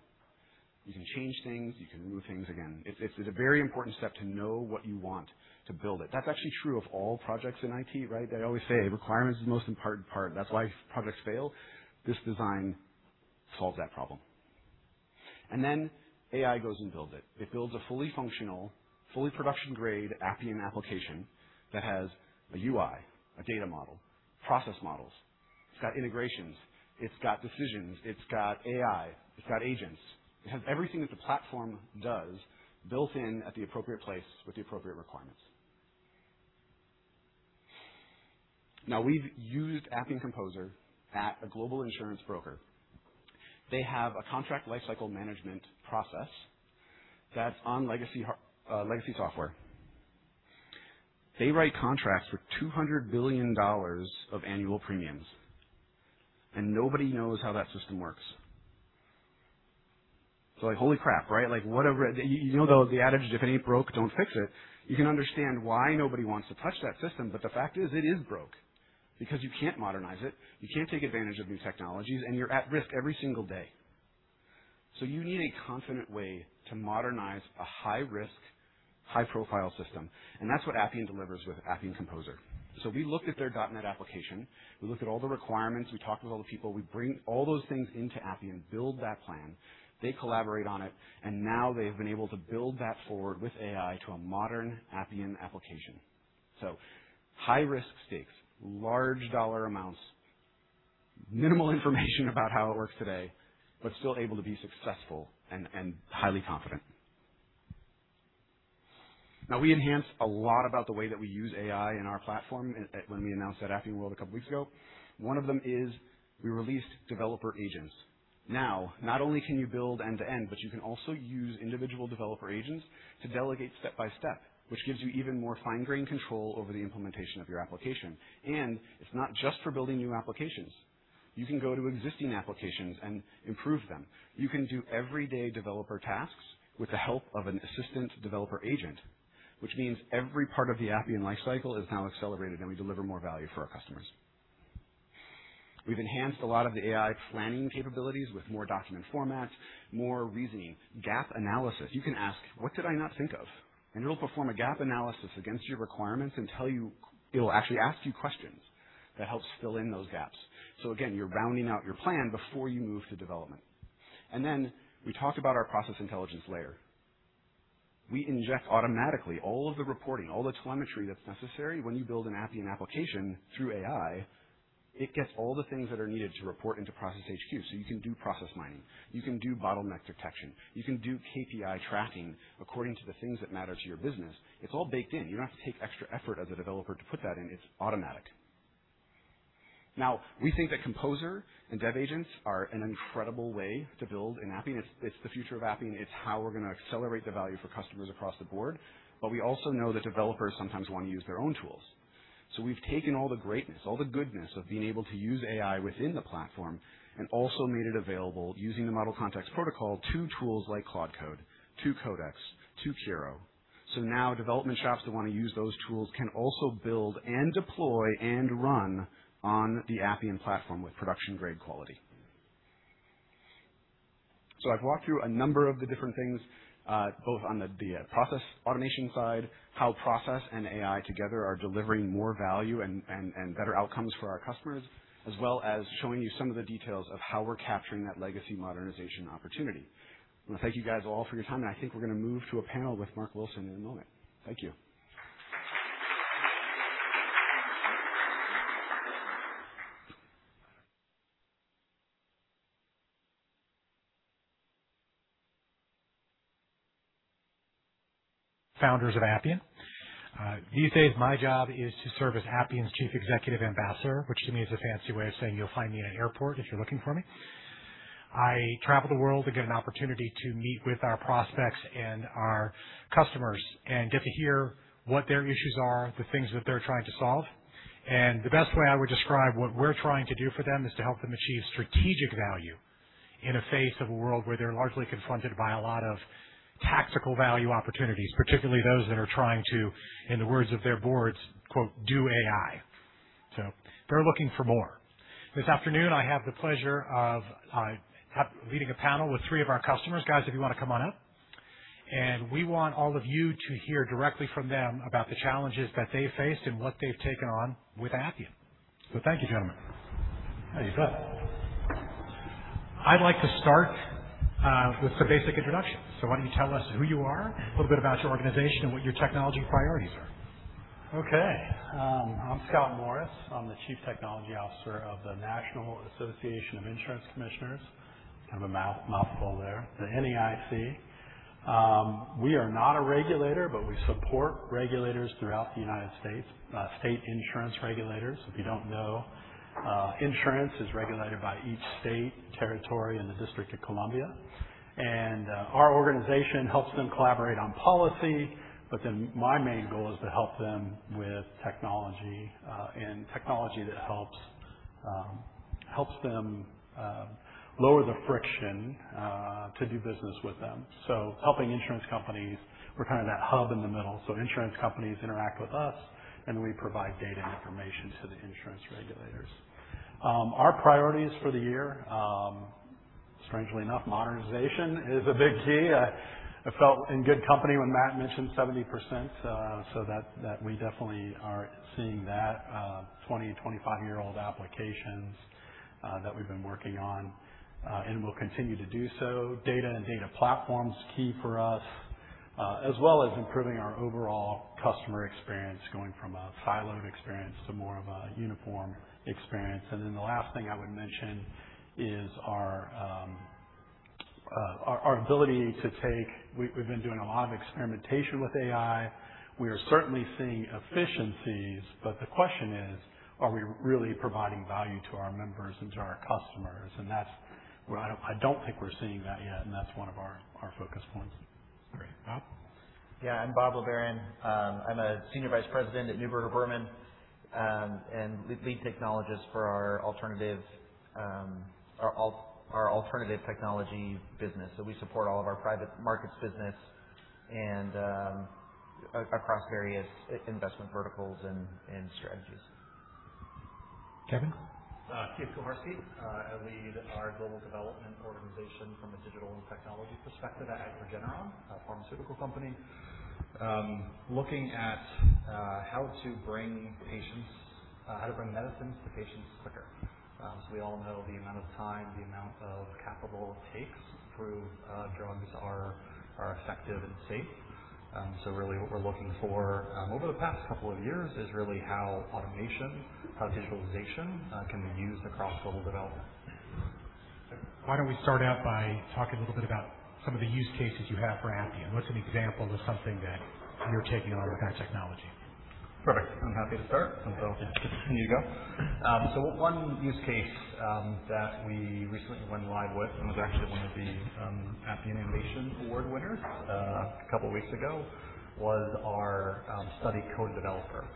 You can change things. You can remove things again. It's a very important step to know what you want to build it. That's actually true of all projects in IT, right? They always say requirements is the most important part. That's why projects fail. This design solves that problem. AI goes and builds it. It builds a fully functional, fully production-grade Appian application that has a UI, a data model, process models. It's got integrations. It's got decisions. It's got AI. It's got agents. It has everything that the platform does built in at the appropriate place with the appropriate requirements. We've used Appian Composer at a global insurance broker. They have a contract lifecycle management process that's on legacy software. They write contracts for $200 billion of annual premiums, and nobody knows how that system works. Like, holy crap, right? Like, whatever. You know, the adage, if it ain't broke, don't fix it. You can understand why nobody wants to touch that system. The fact is, it is broke because you can't modernize it, you can't take advantage of new technologies, and you're at risk every single day. You need a confident way to modernize a high-risk, high-profile system, and that's what Appian delivers with Appian Composer. We looked at their .NET application. We looked at all the requirements. We talked with all the people. We bring all those things into Appian, build that plan, they collaborate on it, and now they've been able to build that forward with AI to a modern Appian application. High-risk stakes, large dollar amounts, minimal information about how it works today, but still able to be successful and highly confident. Now, we enhanced a lot about the way that we use AI in our platform when we announced at Appian World a couple weeks ago. One of them is we released developer agents. Now, not only can you build end-to-end, but you can also use individual developer agents to delegate step-by-step, which gives you even more fine-grained control over the implementation of your application. It's not just for building new applications. You can go to existing applications and improve them. You can do everyday developer tasks with the help of an assistant developer agent, which means every part of the Appian lifecycle is now accelerated, and we deliver more value for our customers. We've enhanced a lot of the AI planning capabilities with more document formats, more reasoning. Gap analysis. You can ask, "What did I not think of?" It'll perform a gap analysis against your requirements and it'll actually ask you questions that help fill in those gaps. Again, you're bounding out your plan before you move to development. We talked about our process intelligence layer. We inject automatically all of the reporting, all the telemetry that's necessary when you build an Appian application through AI. It gets all the things that are needed to report into Process HQ. You can do process mining, you can do bottleneck detection, you can do KPI tracking according to the things that matter to your business. It's all baked in. You don't have to take extra effort as a developer to put that in. It's automatic. Now, we think that Appian Composer and developer agents are an incredible way to build in Appian. It's the future of Appian. It's how we're gonna accelerate the value for customers across the board. We also know that developers sometimes wanna use their own tools. We've taken all the greatness, all the goodness of being able to use AI within the platform and also made it available using the Model Context Protocol to tools like Claude Code, to Codex, to Pyro. Now development shops that wanna use those tools can also build and deploy and run on the Appian platform with production-grade quality. I've walked through a number of the different things, both on the process automation side, how process and AI together are delivering more value and better outcomes for our customers, as well as showing you some of the details of how we're capturing that legacy modernization opportunity. I wanna thank you guys all for your time, and I think we're gonna move to a panel with Marc Wilson in a moment. Thank you. Founders of Appian. These days my job is to serve as Appian's Chief Executive Ambassador, which to me is a fancy way of saying you'll find me in an airport if you're looking for me. I travel the world and get an opportunity to meet with our prospects and our customers and get to hear what their issues are, the things that they're trying to solve. The best way I would describe what we're trying to do for them is to help them achieve strategic value in a face of a world where they're largely confronted by a lot of tactical value opportunities, particularly those that are trying to, in the words of their boards, quote, "Do AI." They're looking for more. This afternoon, I have the pleasure of leading a panel with three of our customers. Guys, if you wanna come on up. We want all of you to hear directly from them about the challenges that they faced and what they've taken on with Appian. Thank you, gentlemen. How do you feel? I'd like to start with some basic introductions. Why don't you tell us who you are, a little bit about your organization, and what your technology priorities are? Okay. I'm Scott Morris. I'm the Chief Technology Officer of the National Association of Insurance Commissioners. Kind of a mouthful there. The NAIC. We are not a regulator, we support regulators throughout the United States. State insurance regulators. If you don't know, insurance is regulated by each state, territory, and the District of Columbia. Our organization helps them collaborate on policy. My main goal is to help them with technology, and technology that helps them lower the friction to do business with them. Helping insurance companies. We're kind of that hub in the middle. Insurance companies interact with us, and we provide data information to the insurance regulators. Our priorities for the year, strangely enough, modernization is a big key. I felt in good company when Matt mentioned 70%, so that we definitely are seeing that, 20, 25-year-old applications that we've been working on and will continue to do so. Data and data platform's key for us, as well as improving our overall customer experience, going from a siloed experience to more of a uniform experience. The last thing I would mention is our. We've been doing a lot of experimentation with AI. We are certainly seeing efficiencies, but the question is, are we really providing value to our members and to our customers? That's where I don't think we're seeing that yet, and that's one of our focus points. Great. Bob? Yeah, I'm Bob LeBaron. I'm a Senior Vice President at Neuberger Berman, and the lead technologist for our alternative technology business. We support all of our private markets business across various investment verticals and strategies. Keith? Keith Koharski. I lead our global development organization from a digital and technology perspective at Regeneron, a pharmaceutical company. Looking at how to bring medicines to patients quicker. We all know the amount of time, the amount of capital it takes to prove drugs are effective and safe. Really what we're looking for over the past couple of years is really how automation, how digitalization can be used across global development. Why don't we start out by talking a little bit about some of the use cases you have for Appian? What's an example of something that you're taking on with that technology? Perfect. I'm happy to start. Yeah. You go. One use case that we recently went live with and was actually one of the Appian Innovation Awards winners, a couple weeks ago, was our study code developer.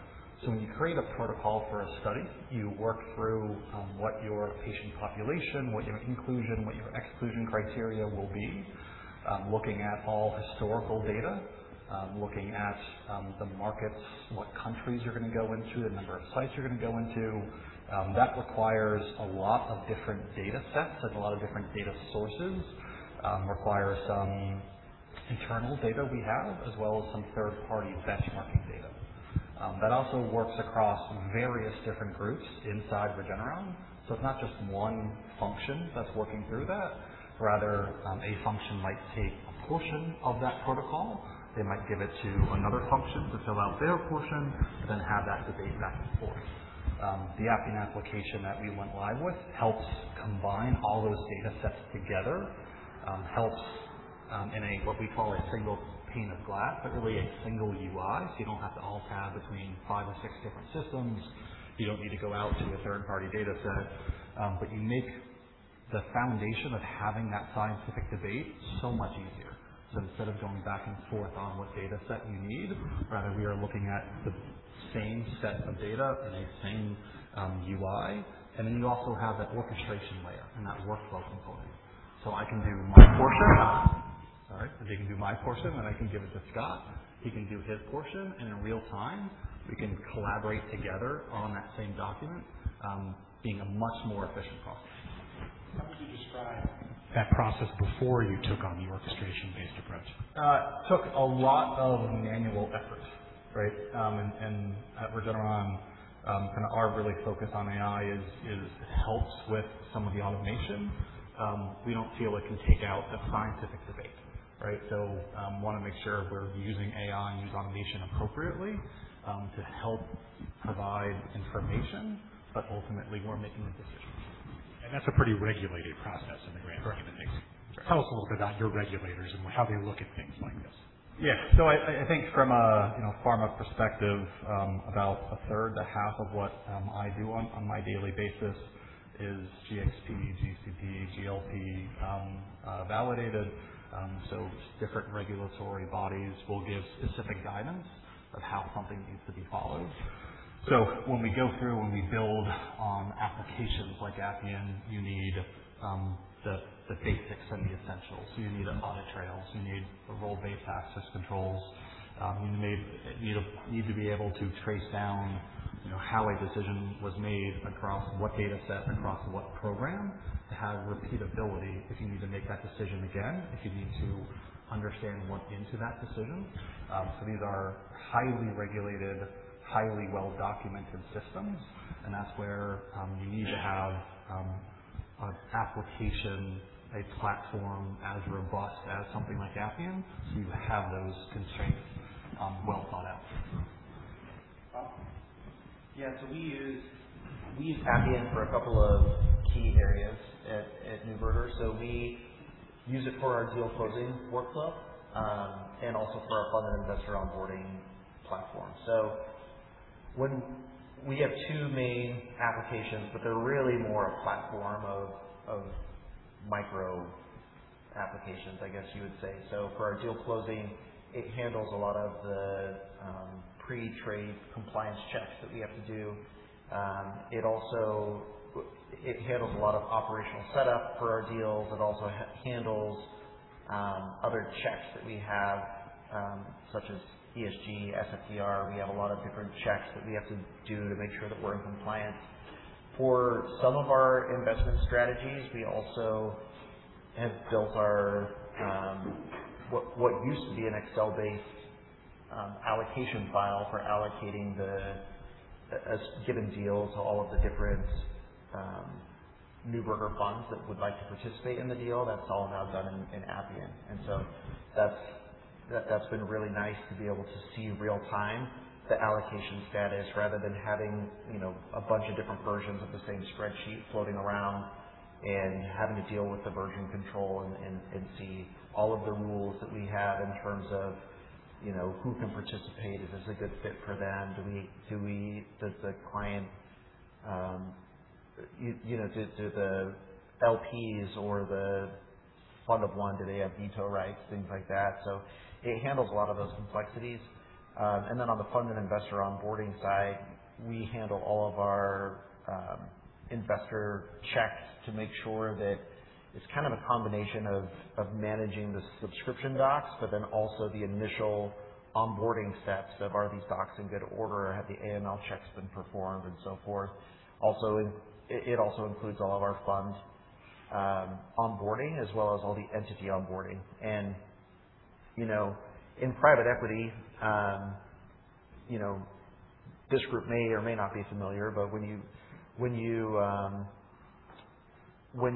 When you create a protocol for a study, you work through what your patient population, what your inclusion, what your exclusion criteria will be. Looking at all historical data, looking at the markets, what countries you're going to go into, the number of sites you're going to go into. That requires a lot of different datasets and a lot of different data sources. Requires some internal data we have, as well as some third-party benchmarking data. That also works across various different groups inside Regeneron. It's not just one function that's working through that. Rather, a function might take a portion of that protocol. They might give it to another function to fill out their portion and then have that debate back and forth. The Appian application that we went live with helps combine all those datasets together. Helps in a what we call a single pane of glass, but really a single UI, so you don't have to alt+tab between five or six different systems. You don't need to go out to a third-party data set. You make the foundation of having that scientific debate so much easier. Instead of going back and forth on what dataset you need, rather we are looking at the same set of data in a same UI. You also have that orchestration layer and that workflow component. I can do my portion. Sorry. I can do my portion, then I can give it to Scott. He can do his portion, and in real time, we can collaborate together on that same document, being a much more efficient process. How would you describe that process before you took on the orchestration-based approach? It took a lot of manual effort, right? At Regeneron, kinda our really focus on AI is it helps with some of the automation. We don't feel it can take out the scientific debate, right? Wanna make sure we're using AI and use automation appropriately to help provide information, but ultimately we're making the decisions. That's a pretty regulated process in the grand scheme of things. Right. Tell us a little bit about your regulators and how they look at things like this? Yeah. I think from a, you know, pharma perspective, about a third to half of what I do on my daily basis is GxP, GCP, GLP validated. Different regulatory bodies will give specific guidance of how something needs to be followed. When we go through, when we build applications like Appian, you need the basics and the essentials. You need audit trails. You need role-based access controls. You need to be able to trace down, you know, how a decision was made across what dataset, across what program to have repeatability if you need to make that decision again, if you need to understand what went into that decision. These are highly regulated, highly well-documented systems, and that's where you need to have an application, a platform as robust as something like Appian, so you have those constraints well thought out. Bob? Yeah. We use Appian for a couple of key areas at Neuberger. We use it for our deal closing workflow and also for our fund and investor onboarding platform. We have two main applications, but they're really more a platform of micro applications, I guess you would say. For our deal closing, it handles a lot of the pre-trade compliance checks that we have to do. It also handles a lot of operational setup for our deals. It also handles other checks that we have, such as ESG, SFTR. We have a lot of different checks that we have to do to make sure that we're in compliance. For some of our investment strategies, we also have built our, what used to be an Excel-based allocation file for allocating the given deal to all of the different Neuberger funds that would like to participate in the deal. That's all now done in Appian. That's been really nice to be able to see real time the allocation status rather than having, you know, a bunch of different versions of the same spreadsheet floating around and having to deal with the version control and see all of the rules that we have in terms of, you know, who can participate, if it's a good fit for them. Does the client, you know, do the LPs or the fund of one, do they have veto rights? Things like that. It handles a lot of those complexities. On the fund and investor onboarding side, we handle all of our investor checks to make sure that it's kind of a combination of managing the subscription docs, also the initial onboarding steps of are these docs in good order? Have the AML checks been performed, and so forth. It also includes all of our fund onboarding as well as all the entity onboarding. You know, in private equity, you know, this group may or may not be familiar, but when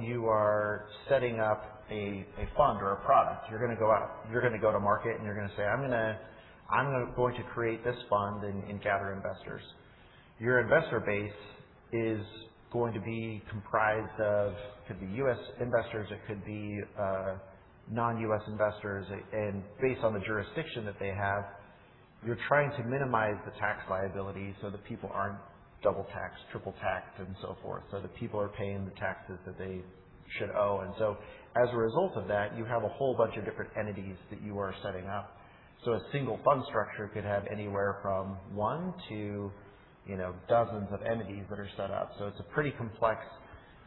you are setting up a fund or a product, you're gonna go to market, and you're gonna say, "I'm going to create this fund and gather investors." Your investor base is going to be comprised of, could be U.S. investors, it could be non-U.S. investors. Based on the jurisdiction that they have, you're trying to minimize the tax liability so that people aren't double taxed, triple taxed, and so forth, so that people are paying the taxes that they should owe. As a result of that, you have a whole bunch of different entities that you are setting up. A single fund structure could have anywhere from one to, you know, dozens of entities that are set up. It's a pretty complex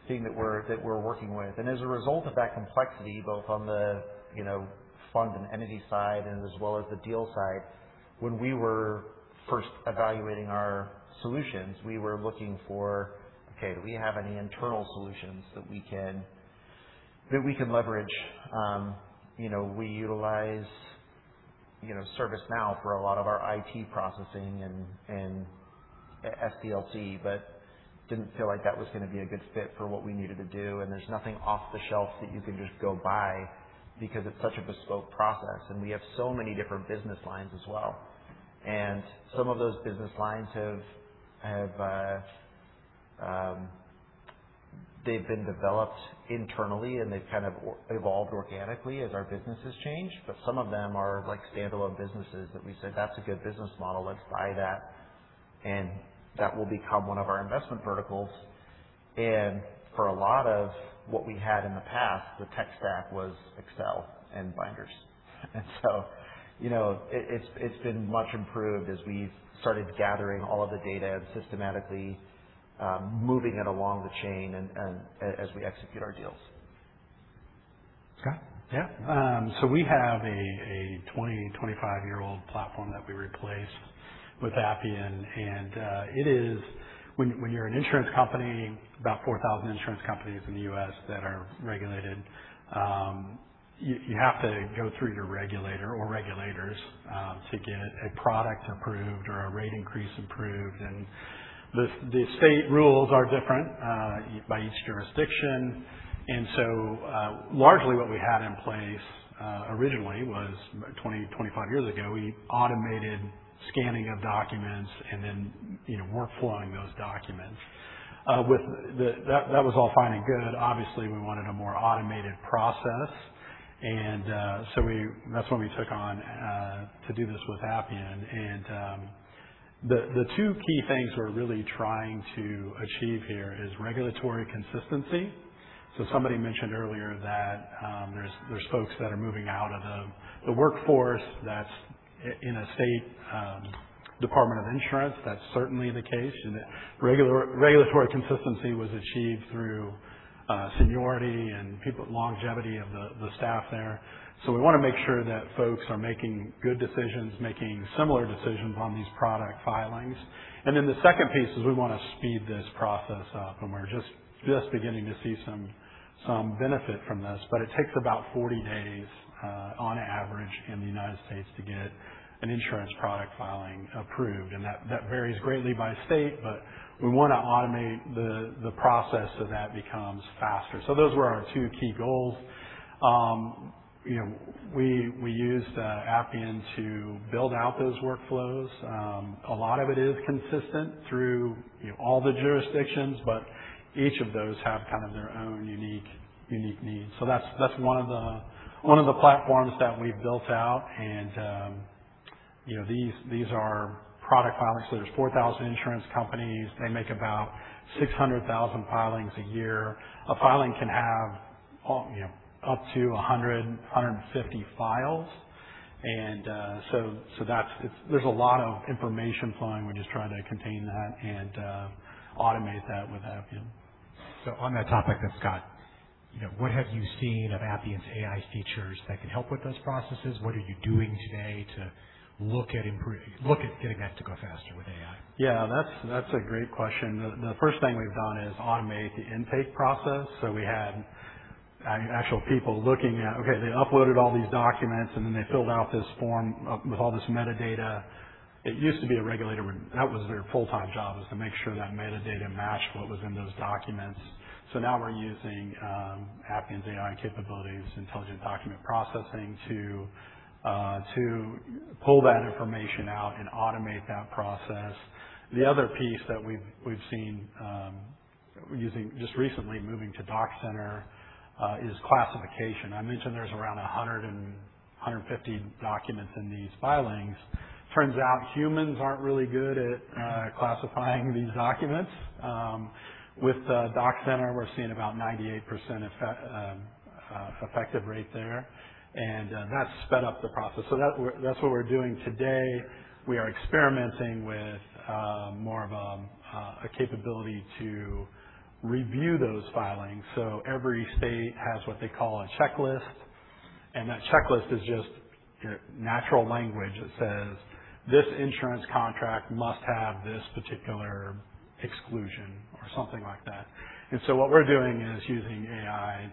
thing that we're working with. As a result of that complexity, both on the, you know, fund and entity side and as well as the deal side, when we were first evaluating our solutions, we were looking for, okay, do we have any internal solutions that we can leverage? You know, we utilize, you know, ServiceNow for a lot of our IT processing and SDLC, but didn't feel like that was gonna be a good fit for what we needed to do. There's nothing off the shelf that you can just go buy because it's such a bespoke process, and we have so many different business lines as well. Some of those business lines have developed internally, and they've kind of evolved organically as our business has changed. Some of them are like standalone businesses that we said, "That's a good business model. Let's buy that, and that will become one of our investment verticals." For a lot of what we had in the past, the tech stack was Excel and binders. You know, it's been much improved as we've started gathering all of the data and systematically moving it along the chain as we execute our deals. Scott? We have a 20, 25-year-old platform that we replaced with Appian. When you're an insurance company, about 4,000 insurance companies in the U.S. that are regulated, you have to go through your regulator or regulators to get a product approved or a rate increase approved. The state rules are different by each jurisdiction. Largely what we had in place originally was about 20, 25 years ago, we automated scanning of documents and then, you know, work flowing those documents. That was all fine and good. Obviously, we wanted a more automated process. That's when we took on to do this with Appian. The two key things we're really trying to achieve here is regulatory consistency. Somebody mentioned earlier that there's folks that are moving out of the workforce that's in a state Department of Insurance. That's certainly the case. The regulatory consistency was achieved through seniority and longevity of the staff there. We wanna make sure that folks are making good decisions, making similar decisions on these product filings. The second piece is we wanna speed this process up, and we're just beginning to see some benefit from this. It takes about 40 days on average in the U.S. to get an insurance product filing approved. That varies greatly by state, but we wanna automate the process so that becomes faster. Those were our two key goals. You know, we used Appian to build out those workflows. A lot of it is consistent through, you know, all the jurisdictions, each of those have kind of their own unique needs. That's one of the platforms that we've built out. You know, these are product filings. There's 4,000 insurance companies. They make about 600,000 filings a year. A filing can have, you know, up to 100, 150 files. There's a lot of information flowing. We're just trying to contain that and automate that with Appian. On that topic, Scott, you know, what have you seen of Appian's AI features that can help with those processes? What are you doing today to look at getting that to go faster with AI? Yeah, that's a great question. The first thing we've done is automate the intake process. We had, I mean, actual people looking at, okay, they uploaded all these documents, and then they filled out this form with all this metadata. It used to be a regulator. That was their full-time job, was to make sure that metadata matched what was in those documents. Now we're using Appian's AI capabilities, intelligent document processing to pull that information out and automate that process. The other piece that we've seen, using just recently moving to DocCenter, is classification. I mentioned there's around 150 documents in these filings. Turns out humans aren't really good at classifying these documents. With DocCenter, we're seeing about 98% effective rate there, and that's sped up the process. That's what we're doing today. We are experimenting with more of a capability to review those filings. Every state has what they call a checklist, and that checklist is just your natural language that says, "This insurance contract must have this particular exclusion," or something like that. What we're doing is using AI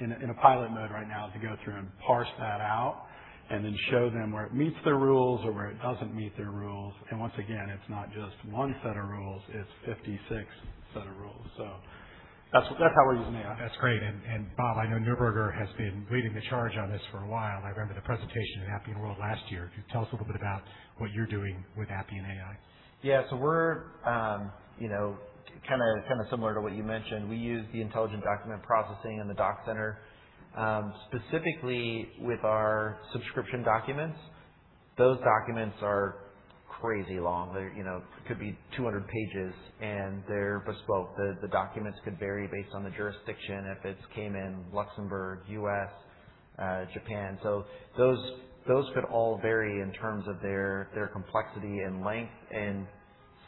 in a pilot mode right now to go through and parse that out and then show them where it meets their rules or where it doesn't meet their rules. Once again, it's not just 1 set of rules, it's 56 set of rules. That's, that's how we're using AI. That's great. Bob, I know Neuberger has been leading the charge on this for a while. I remember the presentation at Appian World last year. Could you tell us a little bit about what you're doing with Appian AI? Yeah. We're, you know, kinda similar to what you mentioned. We use the intelligent document processing in the Doc Center, specifically with our subscription documents. Those documents are crazy long. They're, you know, could be 200 pages, and they're bespoke. The documents could vary based on the jurisdiction if it's Cayman, Luxembourg, U.S., Japan. Those could all vary in terms of their complexity and length, and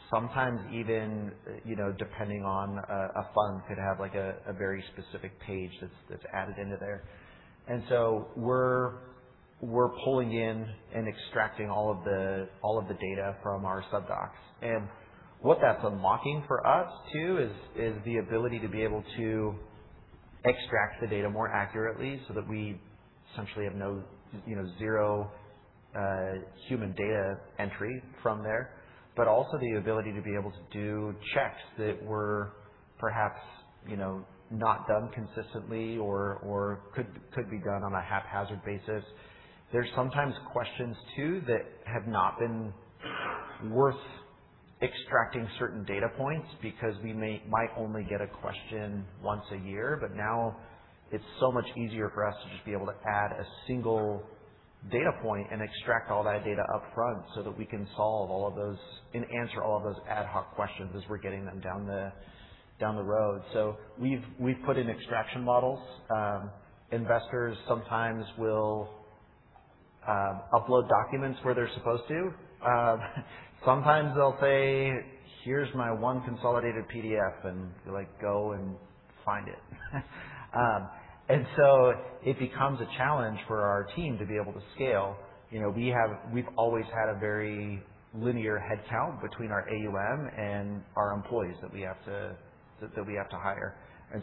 sometimes even, you know, depending on a fund could have like a very specific page that's added into there. We're pulling in and extracting all of the data from our subdocs. What that's unlocking for us too is the ability to be able to extract the data more accurately so that we essentially have no, you know, 0 human data entry from there. Also the ability to be able to do checks that were perhaps, you know, not done consistently or could be done on a haphazard basis. There's sometimes questions too that have not been worth extracting certain data points because we might only get a question one a year. Now it's so much easier for us to just be able to add a one data point and extract all that data up front so that we can solve all of those and answer all of those ad hoc questions as we're getting them down the road. We've put in extraction models. Investors sometimes will upload documents where they're supposed to. Sometimes they'll say, "Here's my 1 consolidated PDF," and be like, "Go and find it." It becomes a challenge for our team to be able to scale. You know, we've always had a very linear headcount between our AUM and our employees that we have to hire.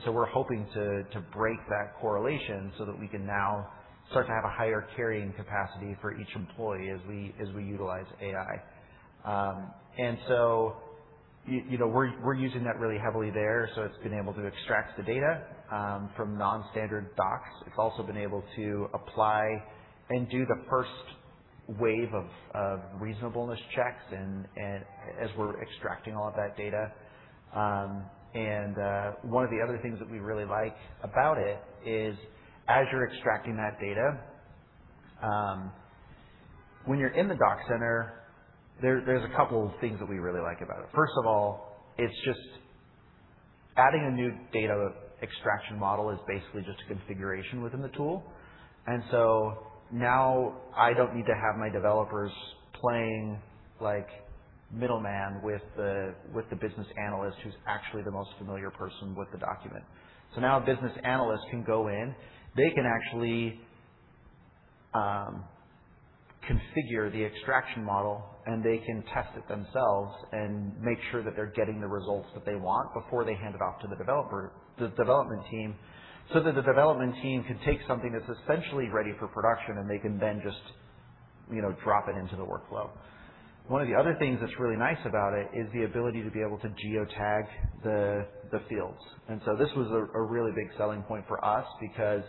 We're hoping to break that correlation so that we can now start to have a higher carrying capacity for each employee as we utilize AI. You know, we're using that really heavily there, so it's been able to extract the data from non-standard docs. It's also been able to apply and do the first wave of reasonableness checks and as we're extracting all of that data. One of the other things that we really like about it is as you're extracting that data, when you're in the Doc Center, there's two things that we really like about it. First of all, it's just adding a new data extraction model is basically just a configuration within the tool. Now I don't need to have my developers playing like middleman with the business analyst who's actually the most familiar person with the document. Now a business analyst can go in, they can actually configure the extraction model, and they can test it themselves and make sure that they're getting the results that they want before they hand it off to the development team, so that the development team can take something that's essentially ready for production and they can then just, you know, drop it into the workflow. One of the other things that's really nice about it is the ability to be able to geotag the fields. This was a really big selling point for us because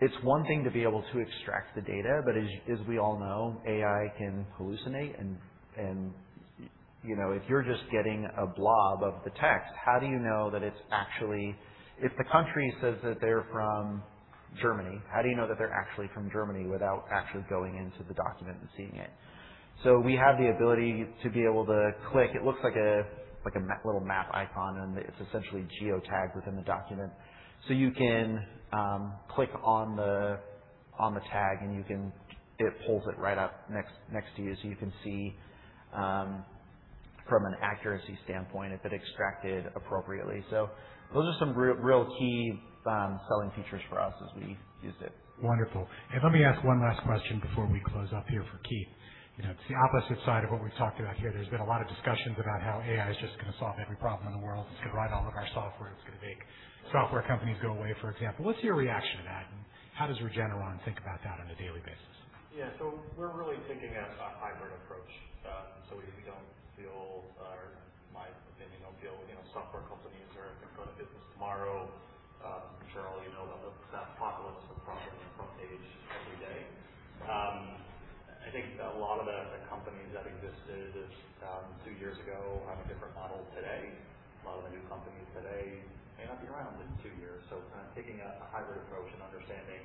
it's one thing to be able to extract the data, but as we all know, AI can hallucinate and, you know, if you're just getting a blob of the text, if the country says that they're from Germany, how do you know that they're actually from Germany without actually going into the document and seeing it? We have the ability to be able to click. It looks like a little map icon, and it's essentially geotagged within the document. You can click on the tag, and it pulls it right up next to you, so you can see from an accuracy standpoint if it extracted appropriately. Those are some real key selling features for us as we use it. Wonderful. Let me ask one last question before we close up here for Keith. You know, it's the opposite side of what we've talked about here. There's been a lot of discussions about how AI is just gonna solve every problem in the world. It's gonna write all of our software. It's gonna make software companies go away, for example. What's your reaction to that? How does Regeneron think about that on a daily basis? Yeah. We're really thinking as a hybrid approach. We don't feel, or in my opinion, don't feel, you know, software companies are gonna go out of business tomorrow. I'm sure all you know about the populist approach on the front page every day. I think a lot of the companies that existed, two years ago have a different model today. A lot of the new companies today may not be around in two years. Kind of taking a hybrid approach and understanding,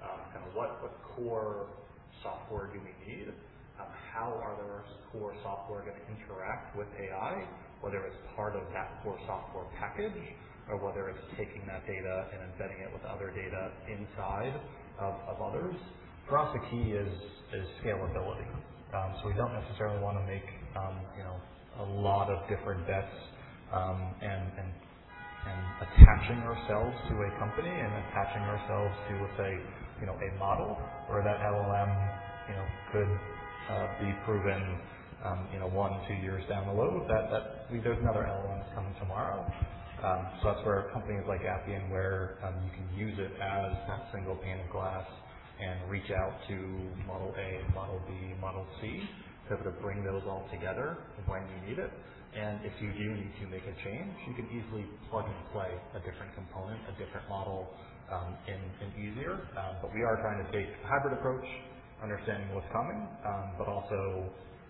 kind of what core software do we need? How are those core software gonna interact with AI, whether it's part of that core software package or whether it's taking that data and embedding it with other data inside of others. For us, the key is scalability. We don't necessarily wanna make, you know, a lot of different bets, and attaching ourselves to a company and attaching ourselves to let's say, you know, a model where that LLM could be proven, you know, one, two years down the road that there's another LLM coming tomorrow. That's where companies like Appian, where you can use it as a single pane of glass and reach out to model A, model B, model C to bring those all together when you need it. If you do need to make a change, you could easily plug and play a different component, a different model, in easier. We are trying to take a hybrid approach, understanding what's coming, but also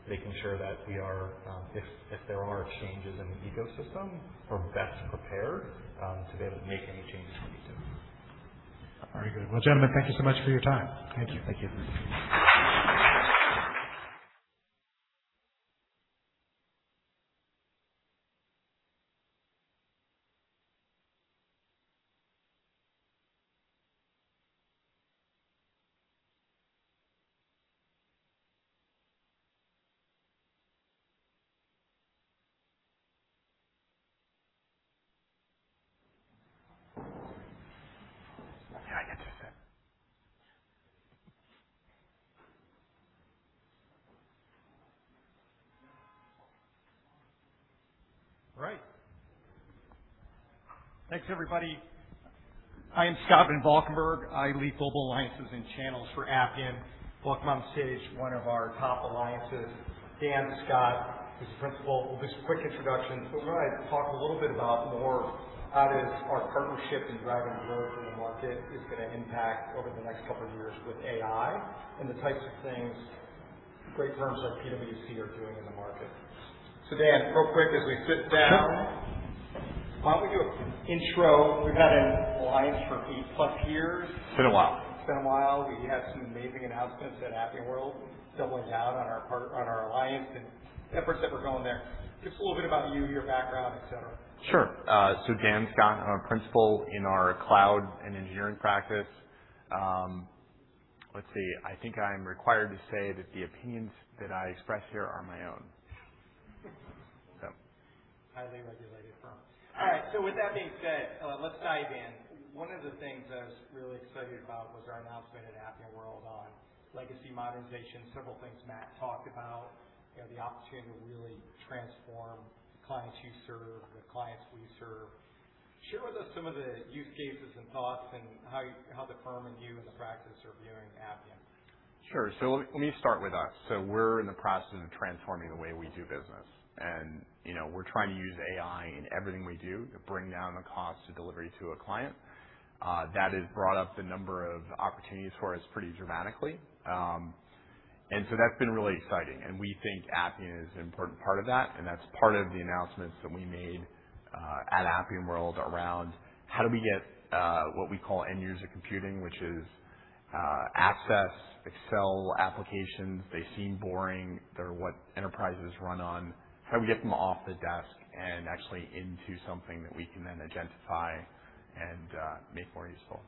making sure that we are, if there are changes in the ecosystem, we're best prepared, to be able to make any changes we need to. Very good. Well, gentlemen, thank you so much for your time. Thank you. Thank you. All right. Thanks, everybody. I am Scott Van Valkenburgh. I lead global alliances and channels for Appian. Welcome on stage one of our top alliances, Dan Scott, who's a principal. We'll do some quick introductions. We're gonna talk a little bit about more how does our partnership and driving growth in the market is gonna impact over the next couple of years with AI and the types of things great firms like PwC are doing in the market. Dan, real quick, as we sit down, why don't we do an intro? We've had an alliance for 8+years. It's been a while. It's been a while. We had some amazing announcements at Appian World doubling down on our alliance and the efforts that we're going there. Just a little bit about you, your background, et cetera. Sure. Dan Scott, I'm a principal in our cloud and engineering practice. Let's see. I think I'm required to say that the opinions that I express here are my own. Highly regulated firm. All right. With that being said, let's dive in. One of the things I was really excited about was our announcement at Appian World on legacy modernization, several things Matt talked about. You know, the opportunity to really transform the clients you serve, the clients we serve. Share with us some of the use cases and thoughts and how the firm and you and the practice are viewing Appian. Sure. Let me start with us. We're in the process of transforming the way we do business. You know, we're trying to use AI in everything we do to bring down the cost of delivery to a client. That has brought up the number of opportunities for us pretty dramatically. That's been really exciting. We think Appian is an important part of that, and that's part of the announcements that we made at Appian World around how do we get what we call end user computing, which is Access, Excel applications. They seem boring. They're what enterprises run on. How do we get them off the desk and actually into something that we can then agentify and make more useful?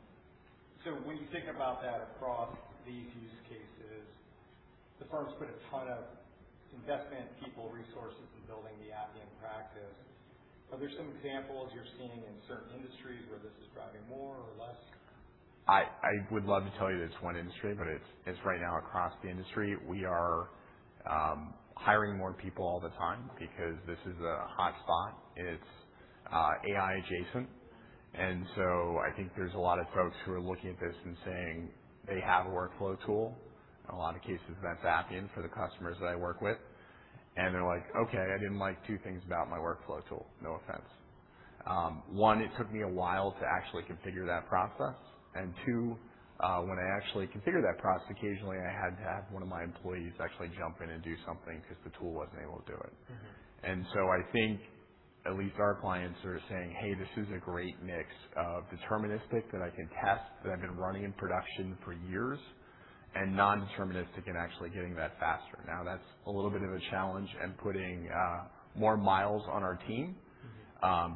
When you think about that across these use cases, the firm's put a ton of investment, people, resources in building the Appian practice. Are there some examples you're seeing in certain industries where this is driving more or less? I would love to tell you that it's 1 industry, but it's right now across the industry. We are hiring more people all the time because this is a hotspot and it's AI adjacent. I think there's a lot of folks who are looking at this and saying they have a workflow tool. In a lot of cases, that's Appian for the customers that I work with. They're like, "Okay, I didn't like two things about my workflow tool. No offense. 1, it took me a while to actually configure that process. 2, when I actually configured that process, occasionally I had to have one of my employees actually jump in and do something 'cause the tool wasn't able to do it. I think at least our clients are saying, "Hey, this is a great mix of deterministic that I can test, that I've been running in production for years, and non-deterministic and actually getting that faster." That's a little bit of a challenge and putting more miles on our team,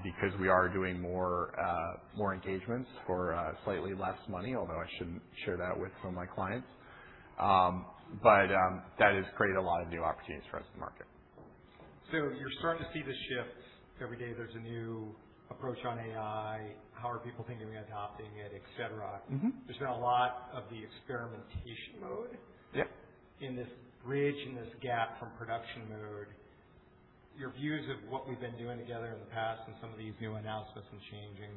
because we are doing more engagements for slightly less money, although I shouldn't share that with some of my clients. That has created a lot of new opportunities for us in the market. You're starting to see the shifts. Every day there's a new approach on AI, how are people thinking of adopting it, et cetera. There's been a lot of the experimentation mode. Yep. In this bridge, in this gap from production mode. Your views of what we've been doing together in the past and some of these new announcements and changing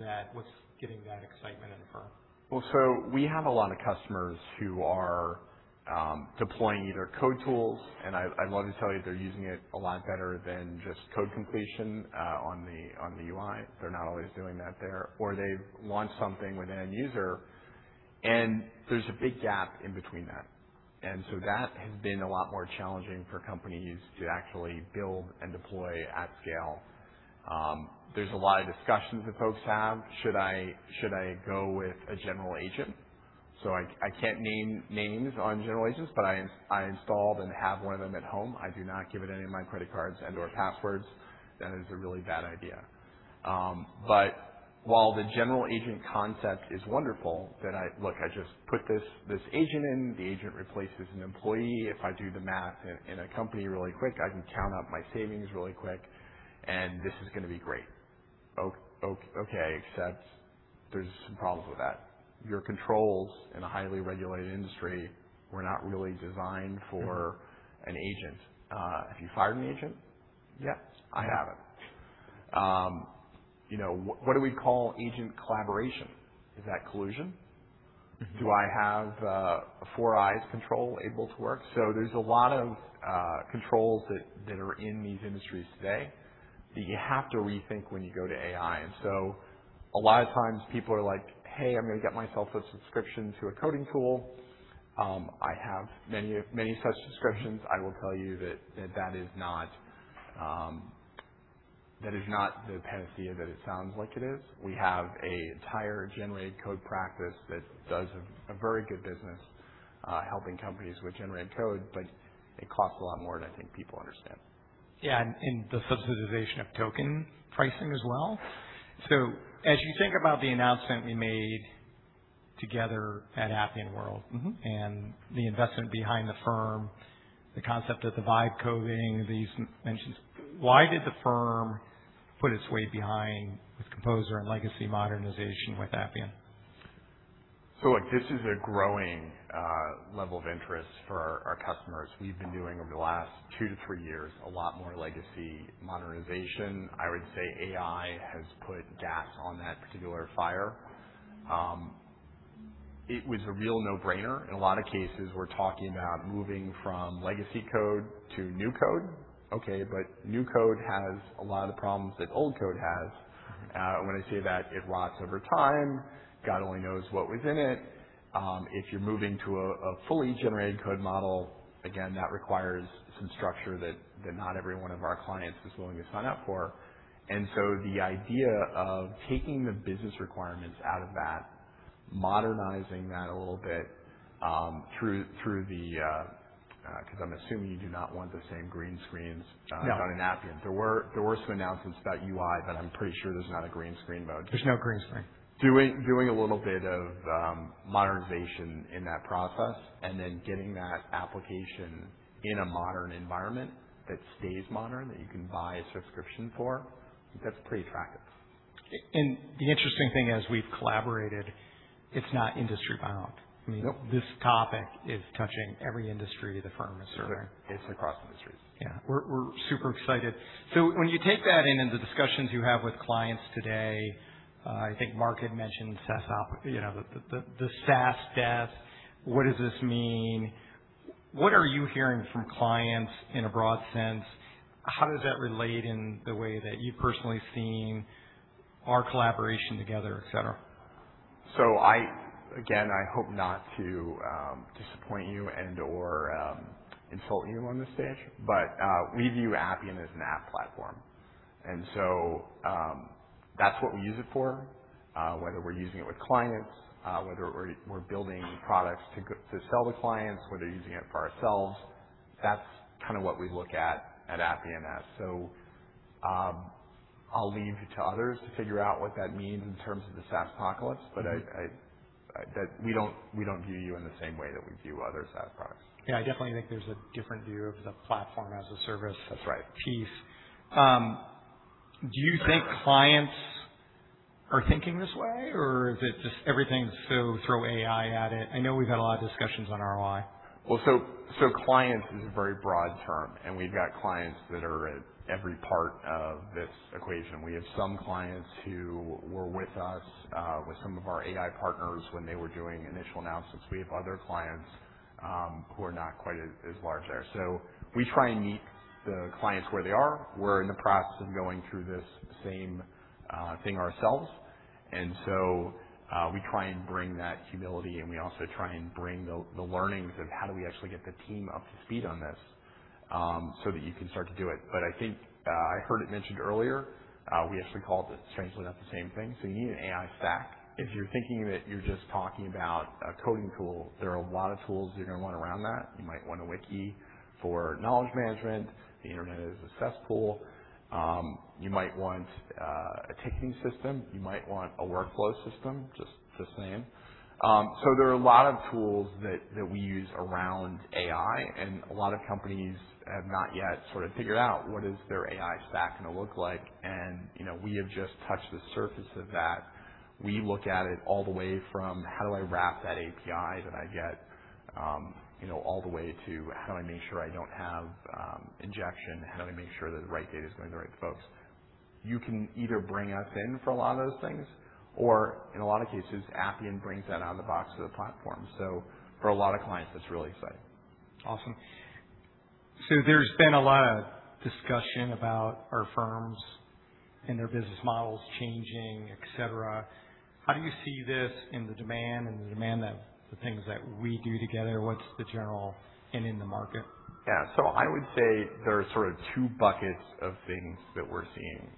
that, what's getting that excitement in the firm? We have a lot of customers who are deploying either code tools, and I love to tell you they're using it a lot better than just code completion on the UI. They're not always doing that there. They've launched something with an end user, and there's a big gap in between that. That has been a lot more challenging for companies to actually build and deploy at scale. There's a lot of discussions that folks have. Should I, should I go with a general agent? I can't name names on general agents, but I installed and have one of them at home. I do not give it any of my credit cards and/or passwords. That is a really bad idea. While the general agent concept is wonderful, I just put this agent in, the agent replaces an employee. If I do the math in a company really quick, I can count up my savings really quick, and this is gonna be great. Okay, except there's some problems with that. Your controls in a highly regulated industry were not really designed for an agent. Have you fired an agent? Yes. I haven't. You know, what do we call agent collaboration? Is that collusion? Do I have a 4-eyes control able to work? There's a lot of controls that are in these industries today that you have to rethink when you go to AI. A lot of times people are like, "Hey, I'm gonna get myself a subscription to a coding tool." I have many such subscriptions. I will tell you that is not the panacea that it sounds like it is. We have an entire generated code practice that does a very good business helping companies with generated code, but it costs a lot more than I think people understand. Yeah, and the subsidization of token pricing as well. As you think about the announcement we made together at Appian World and the investment behind the firm, the concept of the vibe coding that you mentioned, why did the firm put its weight behind with Composer and legacy modernization with Appian? This is a growing level of interest for our customers. We've been doing over the last two to three years a lot more legacy modernization. I would say AI has put gas on that particular fire. It was a real no-brainer. In a lot of cases, we're talking about moving from legacy code to new code. New code has a lot of the problems that old code has. When I say that, it rots over time. God only knows what was in it. If you're moving to a fully generated code model, again, that requires some structure that not every one of our clients is willing to sign up for. The idea of taking the business requirements out of that, modernizing that a little bit, through the, 'cause I'm assuming you do not want the same green screens. No. Done in Appian. There were some announcements about UI, but I'm pretty sure there's not a green screen mode. There's no green screen. Doing a little bit of modernization in that process, and then getting that application in a modern environment that stays modern, that you can buy a subscription for, that's pretty attractive. The interesting thing as we've collaborated, it's not industry bound. Nope. I mean, this topic is touching every industry the firm is serving. Yeah. It's across industries. Yeah. We're super excited. When you take that in the discussions you have with clients today, I think Mark had mentioned, you know, the SaaS death. What does this mean? What are you hearing from clients in a broad sense? How does that relate in the way that you've personally seen our collaboration together, et cetera? Again, I hope not to disappoint you and/or insult you on this stage, we view Appian as an app platform. That's what we use it for. Whether we're using it with clients, whether we're building products to sell to clients, whether using it for ourselves, that's kinda what we look at Appian as. I'll leave it to others to figure out what that means in terms of the SaaS apocalypse. We don't view you in the same way that we view other SaaS products. Yeah, I definitely think there's a different view of the platform as a service. That's right. -piece. Do you think clients are thinking this way, or is it just everything's so throw AI at it? I know we've had a lot of discussions on ROI. Well, clients is a very broad term, and we've got clients that are at every part of this equation. We have some clients who were with us with some of our AI partners when they were doing initial announcements. We have other clients who are not quite as large there. We try and meet the clients where they are. We're in the process of going through this same thing ourselves. We try and bring that humility, and we also try and bring the learnings of how do we actually get the team up to speed on this so that you can start to do it. I think I heard it mentioned earlier, we actually called it strangely enough the same thing. You need an AI stack. If you're thinking that you're just talking about a coding tool, there are a lot of tools you're gonna want around that. You might want a wiki for knowledge management. The internet is a cesspool. You might want a ticketing system. You might want a workflow system, just saying. There are a lot of tools that we use around AI, and a lot of companies have not yet sort of figured out what is their AI stack gonna look like. You know, we have just touched the surface of that. We look at it all the way from how do I wrap that API that I get, you know, all the way to how do I make sure I don't have injection? How do I make sure that the right data is going to the right folks? You can either bring us in for a lot of those things or in a lot of cases, Appian brings that out of the box to the platform. For a lot of clients, that's really exciting. Awesome. There's been a lot of discussion about our firms and their business models changing, et cetera. How do you see this in the demand that the things that we do together? What's the general and in the market? Yeah. I would say there are sort of two buckets of things that we're seeing.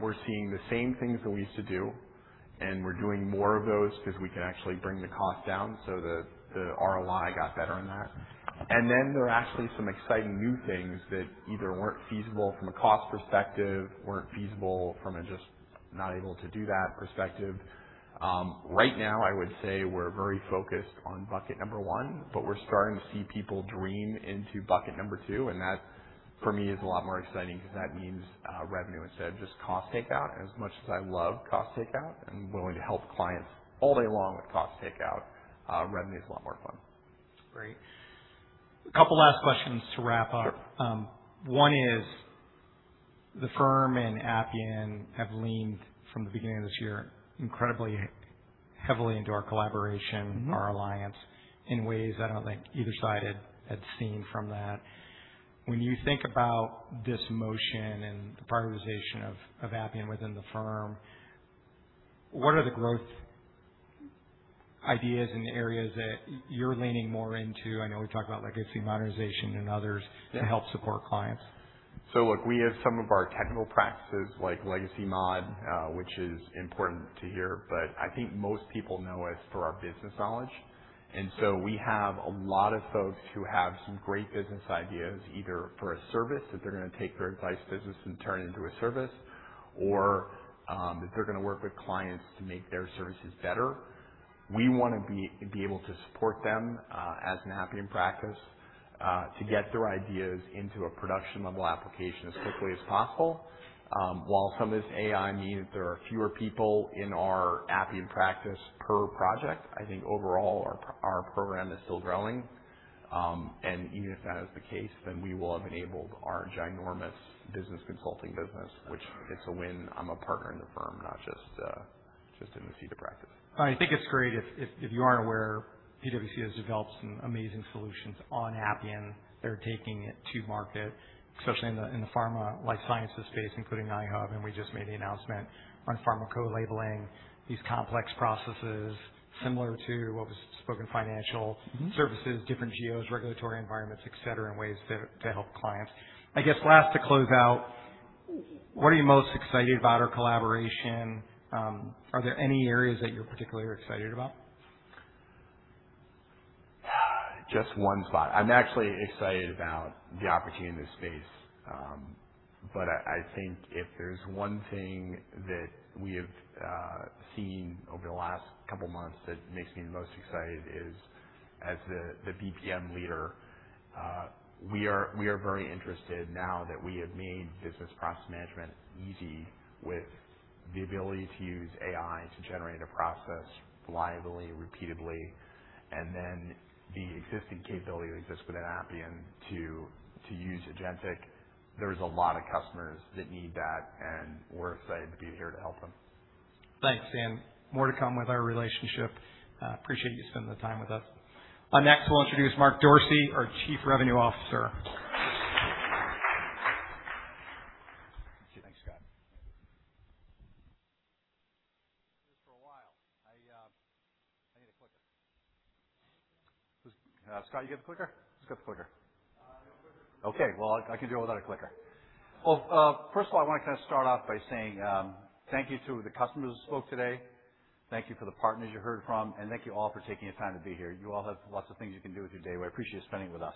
We're seeing the same things that we used to do, and we're doing more of those 'cause we can actually bring the cost down. The ROI got better in that. There are actually some exciting new things that either weren't feasible from a cost perspective, weren't feasible from a just not able to do that perspective. Right now I would say we're very focused on bucket number 1, but we're starting to see people dream into bucket number 2. That for me, is a lot more exciting because that means revenue instead of just cost takeout. As much as I love cost takeout, I'm willing to help clients all day long with cost takeout. Revenue is a lot more fun. Great. A couple last questions to wrap up. Sure. One is the firm and Appian have leaned from the beginning of this year incredibly heavily into our collaboration. our alliance in ways I don't think either side had seen from that. When you think about this motion and the privatization of Appian within the firm, what are the growth ideas and areas that you're leaning more into? I know we talked about legacy modernization and others. Yeah. to help support clients. Look, we have some of our technical practices like legacy mod, which is important to hear, but I think most people know us for our business knowledge. We have a lot of folks who have some great business ideas, either for a service that they're gonna take their advice business and turn it into a service or, that they're gonna work with clients to make their services better. We wanna be able to support them as an Appian practice to get their ideas into a production level application as quickly as possible. While some of this AI means that there are fewer people in our Appian practice per project, I think overall our program is still growing. Even if that is the case, then we will have enabled our ginormous business consulting business, which it's a win. I'm a partner in the firm, not just in the seat of practice. I think it's great. If you aren't aware, PwC has developed some amazing solutions on Appian. They're taking it to market, especially in the pharma life sciences space, including Interactions Hub. We just made the announcement on pharma core labeling these complex processes similar to what was spoken, financial services, different geos, regulatory environments, et cetera, and ways to help clients. I guess last to close out, what are you most excited about our collaboration? Are there any areas that you're particularly excited about? Just one spot. I'm actually excited about the opportunity in this space. I think if there's one thing that we have seen over the last couple months that makes me the most excited is as the BPM leader, we are very interested now that we have made business process management easy with the ability to use AI to generate a process reliably, repeatedly, and then the existing capability that exists within Appian to use agentic. There's a lot of customers that need that, and we're excited to be here to help them. Thanks, Dan. More to come with our relationship. I appreciate you spending the time with us. Next we'll introduce Mark Dorsey, our Chief Revenue Officer. Thank you. Thanks, Scott. For a while, I need a clicker. Scott, you got the clicker? Who's got the clicker? No clicker. Okay. I can deal without a clicker. First of all, I want to kind of start off by saying, thank you to the customers who spoke today. Thank you for the partners you heard from. Thank you all for taking the time to be here. You all have lots of things you can do with your day. I appreciate you spending it with us.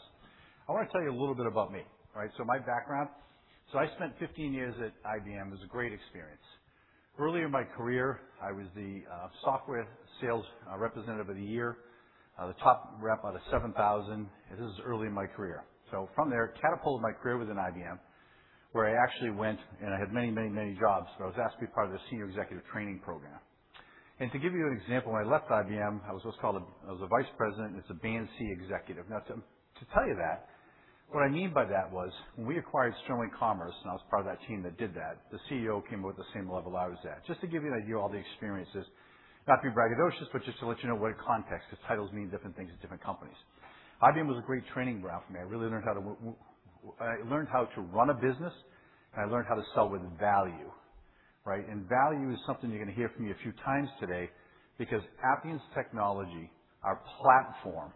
I want to tell you a little bit about me, right? My background. I spent 15 years at IBM. It was a great experience. Early in my career, I was the software sales representative of the year, the top rep out of 7,000. This is early in my career. From there, catapulted my career within IBM, where I actually went and I had many, many, many jobs. I was asked to be part of the senior executive training program. To give you an example, when I left IBM, I was what's called a Vice President, and it's a Band C executive. To tell you that, what I mean by that was when we acquired Sterling Commerce, and I was part of that team that did that, the CEO came up with the same level I was at. Just to give you an idea of all the experiences. Not being braggadocious, but just to let you know what context, 'cause titles mean different things to different companies. IBM was a great training ground for me. I really learned how to run a business, and I learned how to sell with value, right? Value is something you're gonna hear from me a few times today because Appian's technology, our platform,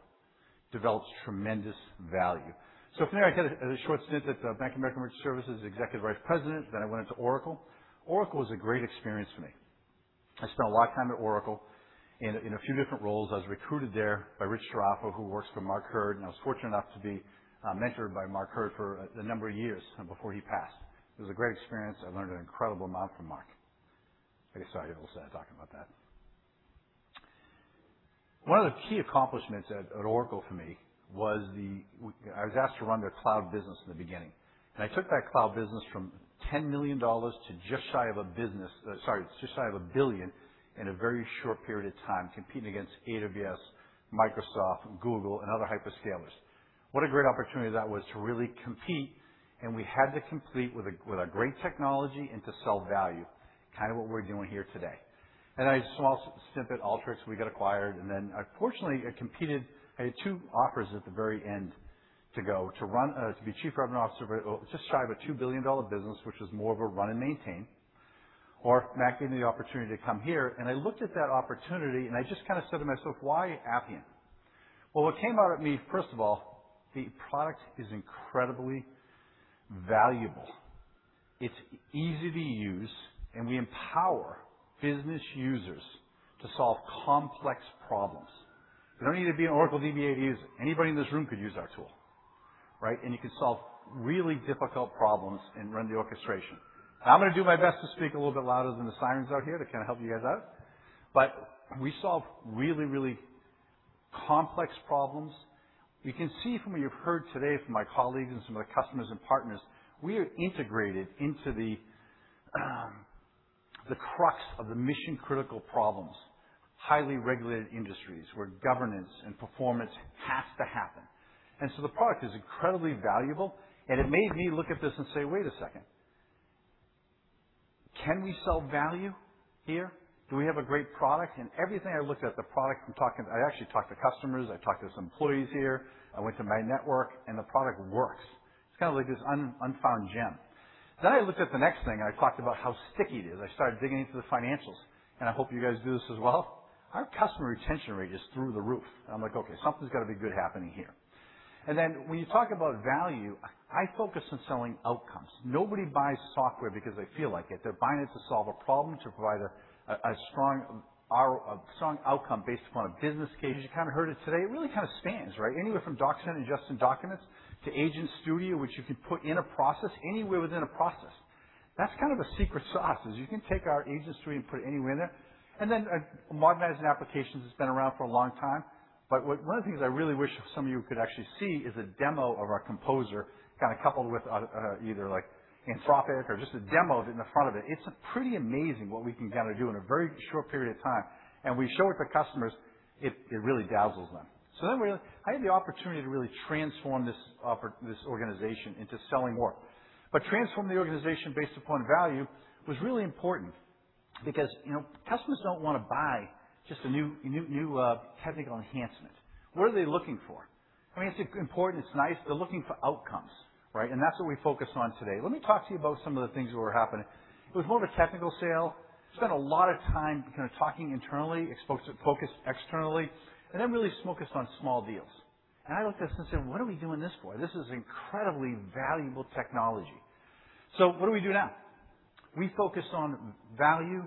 develops tremendous value. From there, I got a short stint at Bank of America Merchant Services, Executive Vice President. I went into Oracle. Oracle was a great experience for me. I spent a lot of time at Oracle in a few different roles. I was recruited there by Rich Sciarra, who works for Mark Hurd, and I was fortunate enough to be mentored by Mark Hurd for a number of years before he passed. It was a great experience. I learned an incredible amount from Mark. I get excited also talking about that. One of the key accomplishments at Oracle for me was I was asked to run their cloud business in the beginning. I took that cloud business from $10 million to, sorry, just shy of $1 billion in a very short period of time, competing against AWS, Microsoft, Google, and other hyperscalers. What a great opportunity that was to really compete, and we had to compete with a, with a great technology and to sell value, kind of what we're doing here today. I small stint at Alteryx, we got acquired, and then unfortunately, I competed. I had two offers at the very end to go to run to be Chief Revenue Officer, but just shy of a $2 billion business, which was more of a run and maintain, or Matt gave me the opportunity to come here. I looked at that opportunity, and I just kinda said to myself, "Why Appian?" Well, what came out at me, first of all, the product is incredibly valuable. It's easy to use, and we empower business users to solve complex problems. You don't need to be an Oracle DBA to use it. Anybody in this room could use our tool, right? You can solve really difficult problems and run the orchestration. I'm gonna do my best to speak a little bit louder than the sirens out here to kinda help you guys out. We solve really complex problems. You can see from what you've heard today from my colleagues and some of my customers and partners, we are integrated into the crux of the mission-critical problems, highly regulated industries where governance and performance has to happen. The product is incredibly valuable, and it made me look at this and say, "Wait a second. Can we sell value here? Do we have a great product?" Everything I looked at the product, I actually talked to customers, I talked to some employees here, I went to my network, and the product works. It's kind of like this unfound gem. I looked at the next thing, and I talked about how sticky it is. I started digging into the financials, and I hope you guys do this as well. Our customer retention rate is through the roof. I'm like, "Okay, something's got to be good happening here." When you talk about value, I focus on selling outcomes. Nobody buys software because they feel like it. They're buying it to solve a problem, to provide a strong outcome based upon a business case. As you kinda heard it today, it really kinda spans, right? Anywhere from DocuSign and adjusting documents to Agent Studio, which you can put in a process, anywhere within a process. That's kind of the secret sauce, is you can take our Agent Studio and put it anywhere in there. Then modernizing applications has been around for a long time. One of the things I really wish some of you could actually see is a demo of our Composer kinda coupled with either like Anthropic or just a demo in front of it. It's pretty amazing what we can kinda do in a very short period of time. When we show it to customers, it really dazzles them. I had the opportunity to really transform this organization into selling more. Transforming the organization based upon value was really important because, you know, customers don't wanna buy just a new technical enhancement. What are they looking for? I mean, it's important, it's nice. They're looking for outcomes, right? That's what we focused on today. Let me talk to you about some of the things that were happening. It was more of a technical sale. Spent a lot of time kinda talking internally, focused externally, really focused on small deals. I looked at this and said, "What are we doing this for? This is incredibly valuable technology." What do we do now? We focus on value,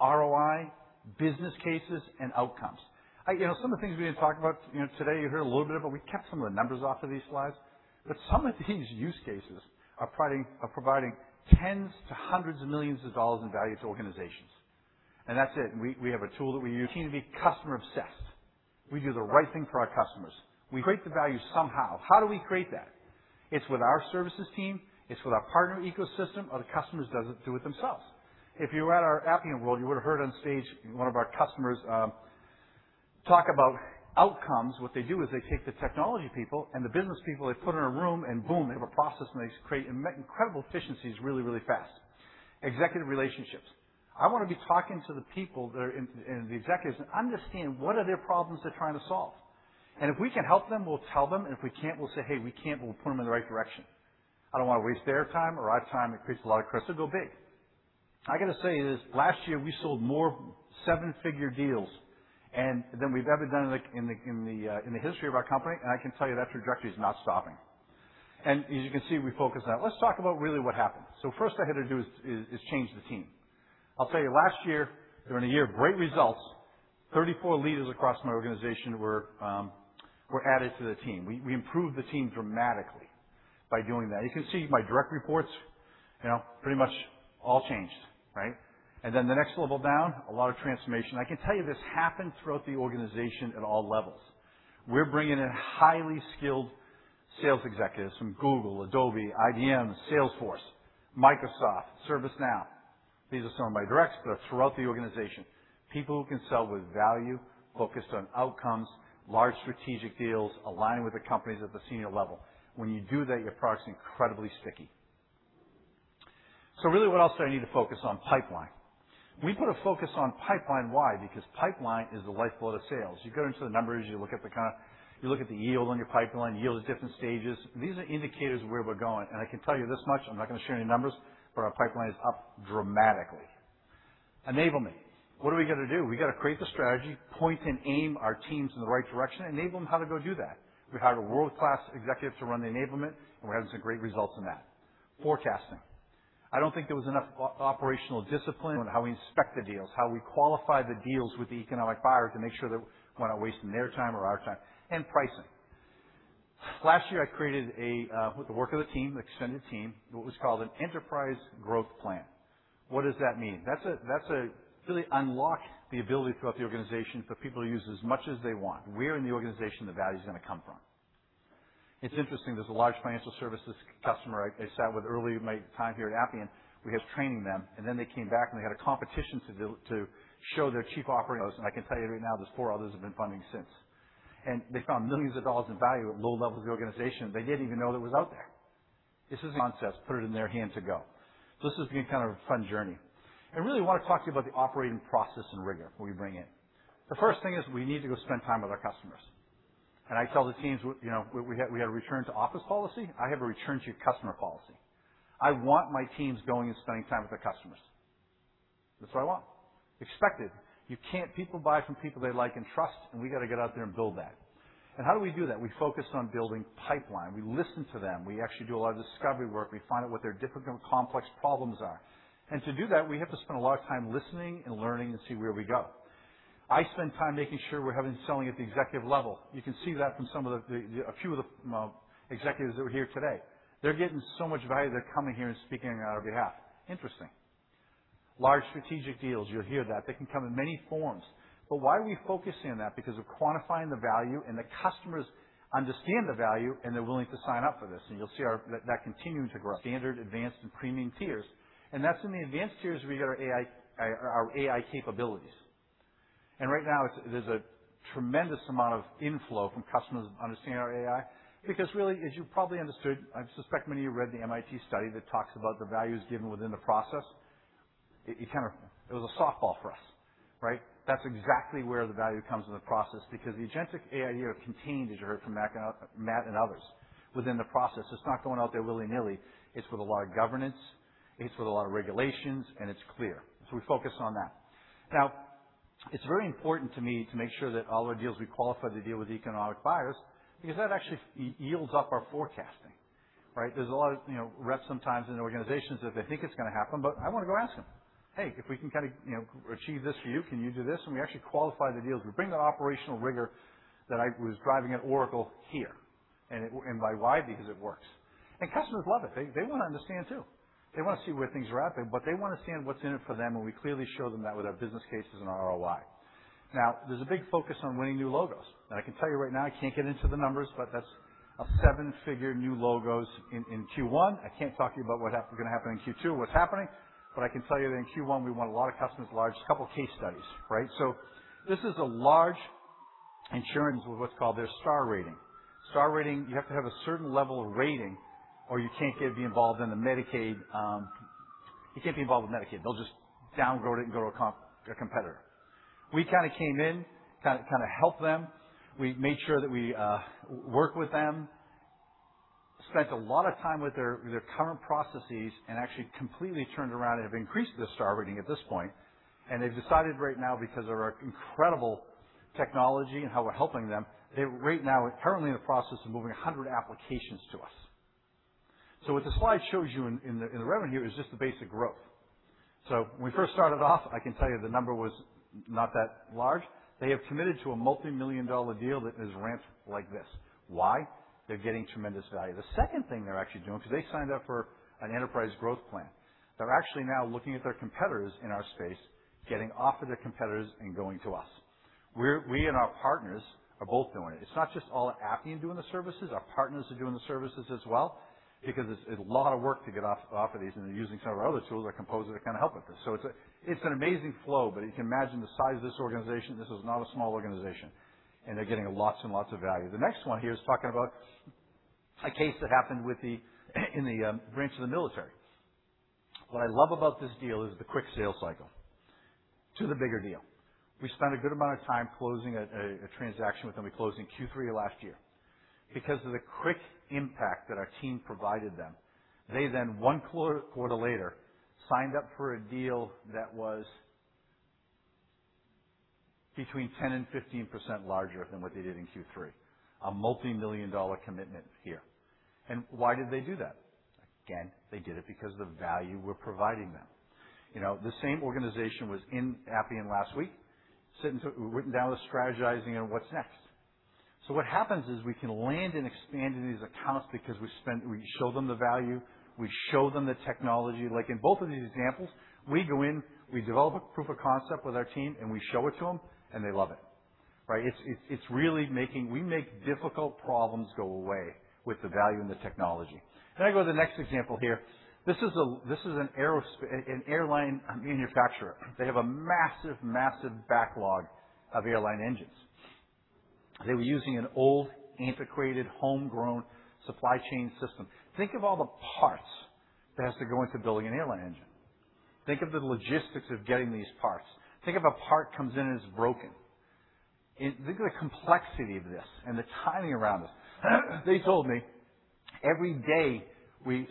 ROI, business cases, and outcomes. I, you know, some of the things we're gonna talk about, you know, today, you heard a little bit of it. We kept some of the numbers off of these slides, but some of these use cases are providing tens to hundreds of millions of dollars in value to organizations. That's it. We have a tool that we use. Continue to be customer obsessed. We do the right thing for our customers. We create the value somehow. How do we create that? It's with our services team, it's with our partner ecosystem, or the customers do it themselves. If you were at our Appian World, you would have heard on stage one of our customers talk about outcomes. What they do is they take the technology people and the business people, they put in a room, and boom, they have a process, and they create incredible efficiencies really, really fast. Executive relationships. I wanna be talking to the people there and the executives and understand what are their problems they're trying to solve. If we can help them, we'll tell them. If we can't, we'll say, "Hey, we can't." We'll point them in the right direction. I don't wanna waste their time or our time. It creates a lot of crystal go big. I gotta say this, last year, we sold more 7-figure deals than we've ever done in the history of our company, and I can tell you that trajectory is not stopping. As you can see, we focus on that. Let's talk about really what happened. First I had to do is change the team. I'll tell you, last year, during a year of great results, 34 leaders across my organization were added to the team. We improved the team dramatically by doing that. You can see my direct reports, you know, pretty much all changed, right? The next level down, a lot of transformation. I can tell you this happened throughout the organization at all levels. We're bringing in highly skilled sales executives from Google, Adobe, IBM, Salesforce, Microsoft, ServiceNow. These are some of my directs, but throughout the organization, people who can sell with value, focused on outcomes, large strategic deals, aligning with the companies at the senior level. When you do that, your product's incredibly sticky. Really what else do I need to focus on? Pipeline. We put a focus on pipeline. Why? Because pipeline is the lifeblood of sales. You go into the numbers, you look at the yield on your pipeline, yield at different stages. These are indicators of where we're going. I can tell you this much, I'm not gonna share any numbers, but our pipeline is up dramatically. Enablement. What are we gonna do? We gotta create the strategy, point and aim our teams in the right direction, enable them how to go do that. We hired a world-class executive to run the enablement, and we're having some great results in that. Forecasting. I don't think there was enough operational discipline on how we inspect the deals, how we qualify the deals with the economic buyers to make sure that we're not wasting their time or our time. Pricing. Last year, I created a, with the work of the team, extended team, what was called an Enterprise Growth Plan. What does that mean? That really unlocked the ability throughout the organization for people to use as much as they want, where in the organization the value's gonna come from. It's interesting. There's a large financial services customer I sat with early in my time here at Appian. We were just training them, they came back, we had a competition to show their Chief Operating Officers. I can tell you right now there's 4 others have been funding since. They found millions of dollars in value at low levels of the organization they didn't even know that was out there. This is a concept, put it in their hand to go. This has been kind of a fun journey. I really wanna talk to you about the operating process and rigor we bring in. The first thing is we need to go spend time with our customers. I tell the teams, you know, we had a return to office policy. I have a return to customer policy. I want my teams going and spending time with their customers. That's what I want. Expected. People buy from people they like and trust, and we gotta get out there and build that. How do we do that? We focus on building pipeline. We listen to them. We actually do a lot of discovery work. We find out what their difficult and complex problems are. To do that, we have to spend a lot of time listening and learning and see where we go. I spend time making sure we're having selling at the executive level. You can see that from some of the a few of the executives that were here today. They're getting so much value, they're coming here and speaking on our behalf. Interesting. Large strategic deals, you'll hear that. They can come in many forms. Why are we focusing on that? We're quantifying the value, and the customers understand the value, and they're willing to sign up for this. You'll see that continuing to grow. Standard, advanced, and premium tiers. That's in the advanced tiers we get our AI, our AI capabilities. Right now there's a tremendous amount of inflow from customers understanding our AI. Really, as you probably understood, I suspect many of you read the MIT study that talks about the values given within the process. It was a softball for us, right? That's exactly where the value comes in the process because the agentic AI here contained, as you heard from Matt and others, within the process. It's not going out there willy-nilly. It's with a lot of governance, it's with a lot of regulations, and it's clear. We focus on that. It's very important to me to make sure that all our deals we qualify to deal with economic buyers because that actually yields up our forecasting, right? There's a lot of, you know, reps sometimes in organizations that they think it's gonna happen, but I wanna go ask them, "Hey, if we can kinda, you know, achieve this for you, can you do this?" We actually qualify the deals. We bring the operational rigor that I was driving at Oracle here. By why? Because it works. Customers love it. They wanna understand too. They wanna see where things are at, but they wanna understand what's in it for them, and we clearly show them that with our business cases and our ROI. Now, there's a big focus on winning new logos. I can tell you right now, I can't get into the numbers, but that's a 7-figure new logos in Q1. I can't talk to you about what's gonna happen in Q2, what's happening, but I can tell you that in Q1, we won a lot of customers large. Couple case studies, right? This is a large insurance with what's called their star rating. Star rating, you have to have a certain level of rating or you can't be involved in the Medicaid, you can't be involved with Medicaid. They'll just downgrade it and go to a competitor. We kinda came in, kinda helped them. We made sure that we worked with them. Spent a lot of time with their current processes and actually completely turned around and have increased their star rating at this point. They've decided right now because of our incredible technology and how we're helping them, they right now are currently in the process of moving 100 applications to us. What the slide shows you in the revenue is just the basic growth. When we first started off, I can tell you the number was not that large. They have committed to a multimillion-dollar deal that is ramped like this. Why? They're getting tremendous value. The second thing they're actually doing, 'cause they signed up for an Enterprise Growth Plan. They're actually now looking at their competitors in our space, getting off of their competitors and going to us. We and our partners are both doing it. It's not just all Appian doing the services, our partners are doing the services as well because it's a lot of work to get off of these, and they're using some of our other tools like Composer to kinda help with this. It's a, it's an amazing flow, but you can imagine the size of this organization. This is not a small organization, and they're getting lots and lots of value. The next one here is talking about a case that happened in the branch of the military. What I love about this deal is the quick sales cycle to the bigger deal. We spent a good amount of time closing a transaction with them. We closed in Q3 of last year. Of the quick impact that our team provided them, they then 1 quarter later signed up for a deal that was between 10% and 15% larger than what they did in Q3. A multimillion-dollar commitment here. Why did they do that? Again, they did it because of the value we're providing them. You know, the same organization was in Appian last week, sitting, written down, was strategizing on what's next. What happens is we can land and expand in these accounts because we show them the value, we show them the technology. Like in both of these examples, we go in, we develop a proof of concept with our team, and we show it to them, and they love it, right? We make difficult problems go away with the value and the technology. Can I go to the next example here? This is an airline manufacturer. They have a massive backlog of airline engines. They were using an old, antiquated homegrown supply chain system. Think of all the parts that has to go into building an airline engine. Think of the logistics of getting these parts. Think if a part comes in and it's broken. Think of the complexity of this and the timing around this. They told me every day we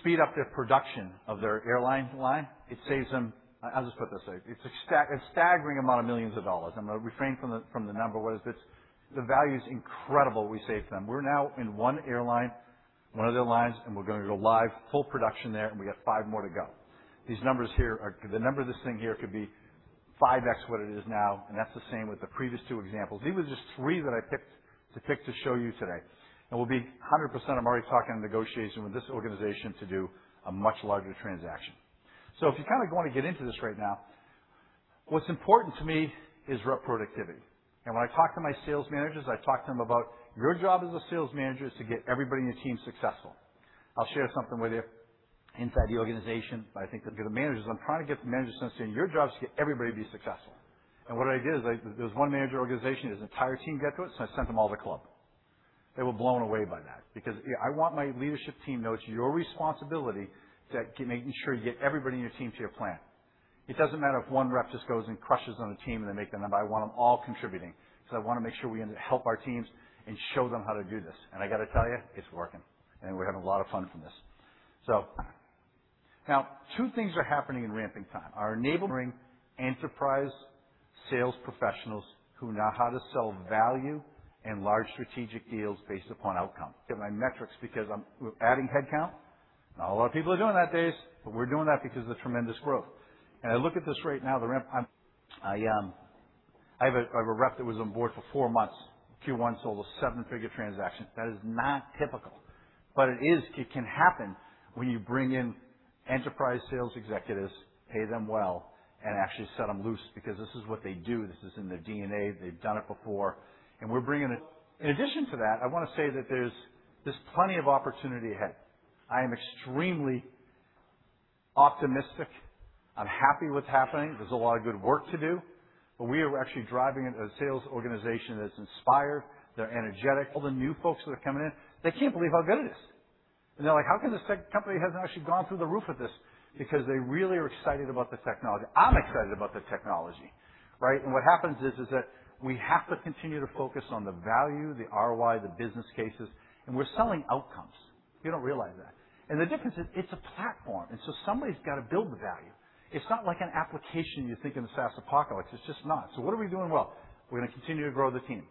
speed up their production of their airline line, it saves them I'll just put this way, it's a staggering amount of millions of dollars. I'm gonna refrain from the number. What is this? The value is incredible we save them. We're now in one airline, one of their lines, and we're gonna go live full production there. We got five more to go. These numbers here, the number of this thing here could be 5x what it is now. That's the same with the previous two examples. These were just three that I picked, to pick to show you today. We'll be 100%, I'm already talking negotiation with this organization to do a much larger transaction. If you kinda wanna get into this right now, what's important to me is rep productivity. When I talk to my sales managers, I talk to them about your job as a sales manager is to get everybody in your team successful. I'll share something with you. Inside the organization, I think that the managers. I'm trying to get the managers to understand your job is to get everybody to be successful. What I did is I. There's one manager organization, his entire team got to it, so I sent them all to Appian World. They were blown away by that because, yeah. I want my leadership team know it's your responsibility to keep making sure you get everybody in your team to your plan. It doesn't matter if one rep just goes and crushes on the team, they make the number. I want them all contributing. I wanna make sure we help our teams and show them how to do this. I gotta tell you, it's working, we're having a lot of fun from this. Now two things are happening in ramping time. Are enabling enterprise sales professionals who know how to sell value and large strategic deals based upon outcome. Get my metrics because we're adding headcount. Not a lot of people are doing that these days, but we're doing that because of the tremendous growth. I look at this right now, the ramp I have a rep that was on board for four months. Q1 sold a 7-figure transaction. That is not typical, but it can happen when you bring in enterprise sales executives, pay them well, and actually set them loose because this is what they do. This is in their DNA. They've done it before, we're bringing it. In addition to that, I wanna say that there's plenty of opportunity ahead. I am extremely optimistic. I'm happy what's happening. There's a lot of good work to do. We are actually driving a sales organization that's inspired. They're energetic. All the new folks that are coming in, they can't believe how good it is. They're like, "How can this tech company hasn't actually gone through the roof with this?" Because they really are excited about the technology. I'm excited about the technology, right? What happens is that we have to continue to focus on the value, the ROI, the business cases, and we're selling outcomes. People don't realize that. The difference is it's a platform. Somebody's gotta build the value. It's not like an application you think in a SaaS apocalypse. It's just not. What are we doing well? We're gonna continue to grow the team.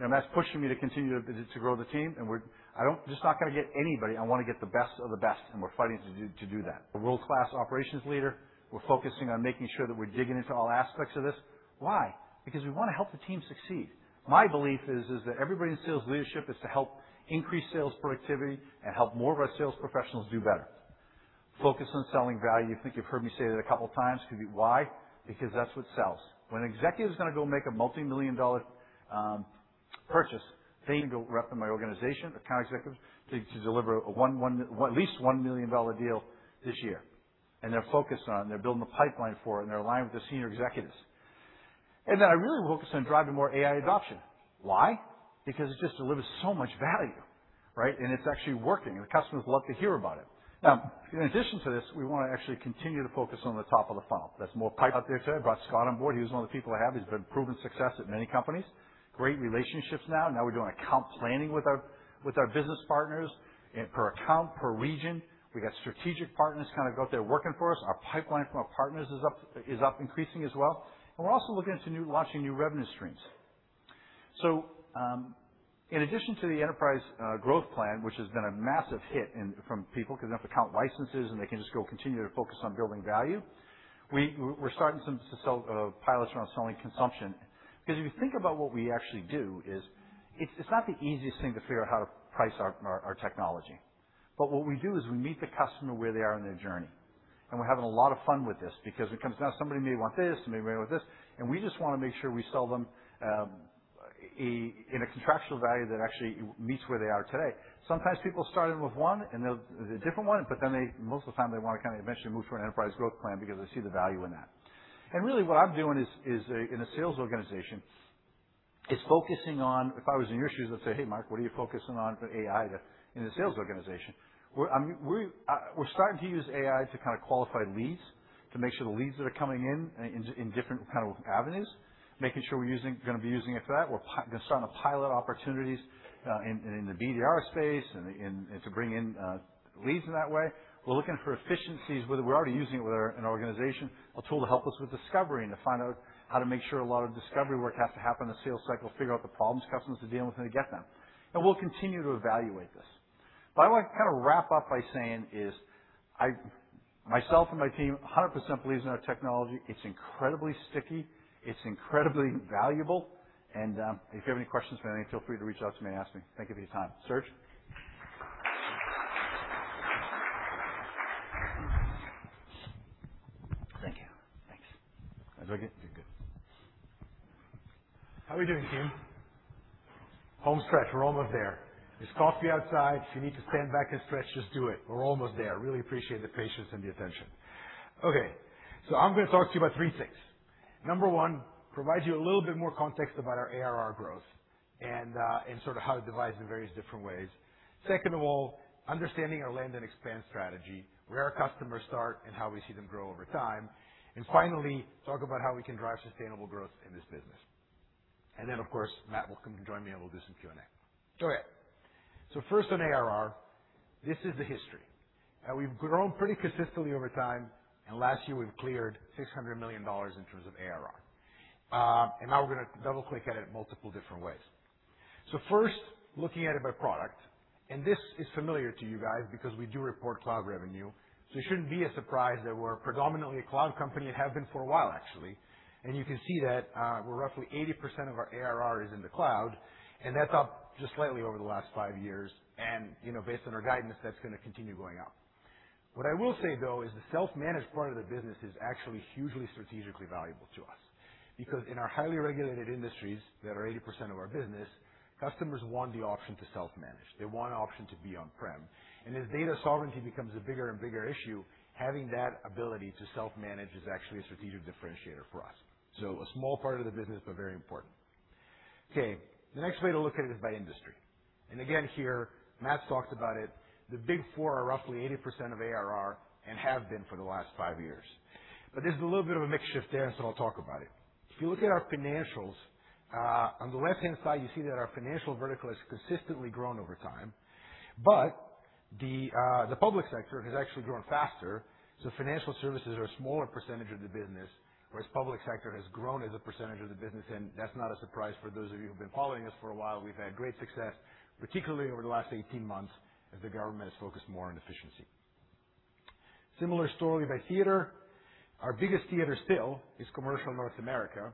Matt's pushing me to continue to grow the team. We're not going to get anybody. I want to get the best of the best, and we're fighting to do that. A world-class operations leader. We're focusing on making sure that we're digging into all aspects of this. Why? We want to help the team succeed. My belief is that everybody in sales leadership is to help increase sales productivity and help more of our sales professionals do better. Focus on selling value. I think you've heard me say that a couple times. Could be why? That's what sells. When an executive is going to go make a multimillion-dollar purchase, they need a rep from my organization, account executives, to deliver at least $1 million deal this year. They're building the pipeline for it, and they're aligned with the senior executives. I really focus on driving more AI adoption. Why? Because it just delivers so much value, right? It's actually working, and the customers love to hear about it. Now, in addition to this, we wanna actually continue to focus on the top of the funnel. That's more pipe out there today. Brought Scott on board. He's one of the people I have. He's been proven success at many companies. Great relationships now. Now we're doing account planning with our business partners and per account, per region. We got strategic partners kind of out there working for us. Our pipeline from our partners is up increasing as well. We're also looking into launching new revenue streams. In addition to the Enterprise Growth Plan, which has been a massive hit from people because they don't have to count licenses, and they can just go continue to focus on building value. We're starting some to sell pilots around selling consumption because if you think about what we actually do is it's not the easiest thing to figure out how to price our technology. What we do is we meet the customer where they are in their journey. We're having a lot of fun with this because somebody may want this, somebody may want this. We just want to make sure we sell them in a contractual value that actually meets where they are today. Sometimes people start in with one, they'll a different one, but then they most of the time, they wanna kinda eventually move to an Enterprise Growth Plan because they see the value in that. Really what I'm doing is in a sales organization is focusing on If I was in your shoes, I'd say, "Hey, Mark, what are you focusing on for AI in the sales organization?" We're starting to use AI to kinda qualify leads to make sure the leads that are coming in different kind of avenues, making sure we're gonna be using it for that. We're gonna start on the pilot opportunities in the BDR space and to bring in leads in that way. We're looking for efficiencies, whether we're already using it with our, an organization, a tool to help us with discovery and to find out how to make sure a lot of discovery work has to happen in the sales cycle, figure out the problems customers are dealing with and to get them. We'll continue to evaluate this. I wanna kinda wrap up by saying is myself and my team 100% believes in our technology. It's incredibly sticky. It's incredibly valuable. If you have any questions for anything, feel free to reach out to me and ask me. Thank you for your time. Serge? Thank you. Thanks. How'd I do? I did good. How we doing, team? Homestretch. We're almost there. There's coffee outside. If you need to stand back and stretch, just do it. We're almost there. Really appreciate the patience and the attention. I'm going to talk to you about three things. Number 1, provide you a little bit more context about our ARR growth and how it divides in various different ways. Second of all, understanding our land and expand strategy, where our customers start and how we see them grow over time. Finally, talk about how we can drive sustainable growth in this business. Of course, Matt will come and join me, and we'll do some Q&A. First on ARR, this is the history. We've grown pretty consistently over time, and last year we've cleared $600 million in terms of ARR. Now we're going to double-click at it multiple different ways. First, looking at it by product, and this is familiar to you guys because we do report cloud revenue. It shouldn't be a surprise that we're predominantly a cloud company and have been for a while actually. You can see that we're roughly 80% of our ARR is in the cloud, and that's up just slightly over the last five years. You know, based on our guidance, that's gonna continue going up. What I will say, though, is the self-managed part of the business is actually hugely strategically valuable to us because in our highly regulated industries that are 80% of our business, customers want the option to self-manage. They want an option to be on-prem. As data sovereignty becomes a bigger and bigger issue, having that ability to self-manage is actually a strategic differentiator for us. A small part of the business, but very important. The next way to look at it is by industry. Again, here, Matt's talked about it. The big four are roughly 80% of ARR and have been for the last five years. There's a little bit of a mix shift there, so I'll talk about it. If you look at our financials, on the left-hand side, you see that our financial vertical has consistently grown over time, but the public sector has actually grown faster. Financial services are a smaller percentage of the business, whereas public sector has grown as a percentage of the business. That's not a surprise for those of you who've been following us for a while. We've had great success, particularly over the last 18 months, as the government has focused more on efficiency. Similar story by theater. Our biggest theater still is commercial North America,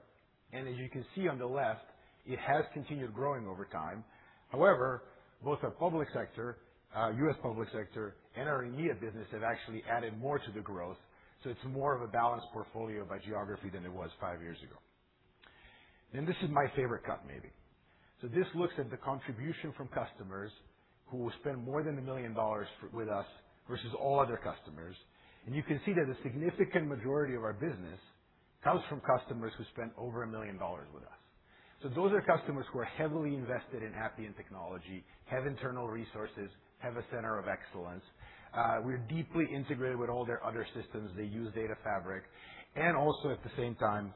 and as you can see on the left, it has continued growing over time. However, both our public sector, U.S. public sector and our EMEA business have actually added more to the growth. It's more of a balanced portfolio by geography than it was 5 years ago. This is my favorite cut, maybe. This looks at the contribution from customers who will spend more than $1 million with us versus all other customers. You can see that a significant majority of our business comes from customers who spend over $1 million with us. Those are customers who are heavily invested in Appian technology, have internal resources, have a center of excellence. We are deeply integrated with all their other systems. They use Data Fabric. Also, at the same time,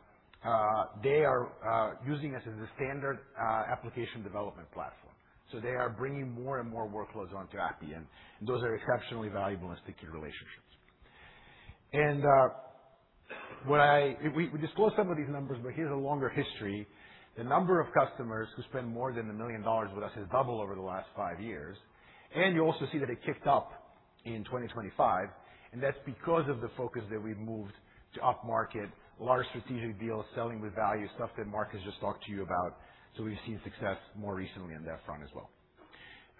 they are using us as a standard application development platform. They are bringing more and more workloads onto Appian, and those are exceptionally valuable and sticky relationships. What we disclosed some of these numbers, but here is a longer history. The number of customers who spend more than $1 million with us has doubled over the last five years. You also see that it kicked up in 2025, and that's because of the focus that we've moved to upmarket, larger strategic deals, selling with value, stuff that Mark has just talked to you about. We've seen success more recently on that front as well.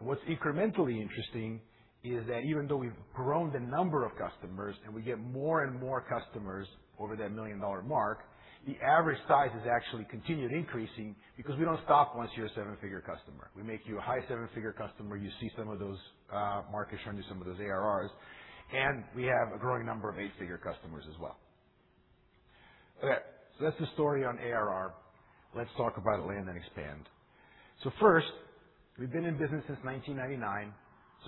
What's incrementally interesting is that even though we've grown the number of customers and we get more and more customers over that $1 million mark, the average size has actually continued increasing because we don't stop once you're a 7-figure customer. We make you a high 7-figure customer. You see some of those, Mark has shown you some of those ARRs, and we have a growing number of 8-figure customers as well. Okay, that's the story on ARR. Let's talk about land and expand. First, we've been in business since 1999,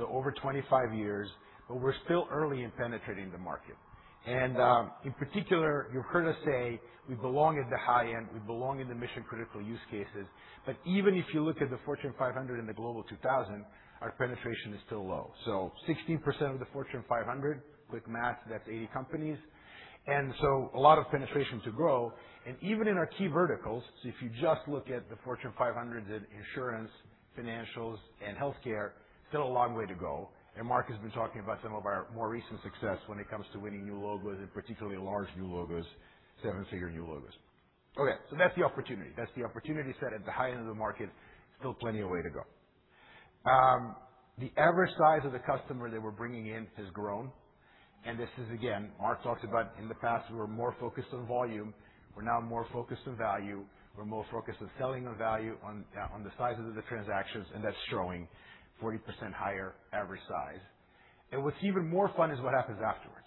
over 25 years, but we're still early in penetrating the market. In particular, you've heard us say we belong at the high end, we belong in the mission-critical use cases. Even if you look at the Fortune 500 and the Global 2000, our penetration is still low. 16% of the Fortune 500, quick math, that's 80 companies. A lot of penetration to grow. Even in our key verticals, if you just look at the Fortune 500 in insurance, financials, and healthcare, still a long way to go. Mark has been talking about some of our more recent success when it comes to winning new logos and particularly large new logos, 7-figure new logos. That's the opportunity. That's the opportunity set at the high end of the market. Still plenty of way to go. The average size of the customer that we're bringing in has grown. This is, again, Mark talked about in the past, we were more focused on volume. We're now more focused on value. We're most focused on selling the value on the sizes of the transactions. That's showing 40% higher average size. What's even more fun is what happens afterwards.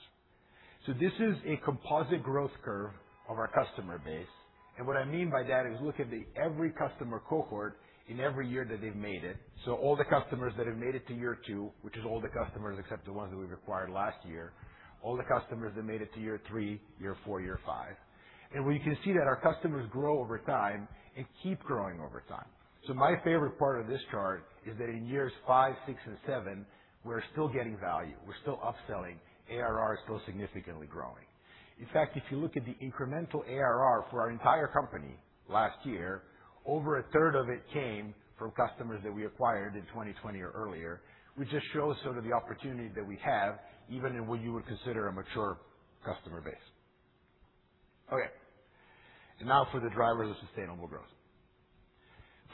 This is a composite growth curve of our customer base. What I mean by that is look at every customer cohort in every year that they've made it. All the customers that have made it to year 2, which is all the customers except the ones that we've acquired last year. All the customers that made it to year 3, year 4, year 5. We can see that our customers grow over time and keep growing over time. My favorite part of this chart is that in years 5, 6, and 7, we're still getting value. We're still upselling. ARR is still significantly growing. In fact, if you look at the incremental ARR for our entire company last year, over a third of it came from customers that we acquired in 2020 or earlier, which just shows sort of the opportunity that we have even in what you would consider a mature customer base. Okay. Now for the drivers of sustainable growth.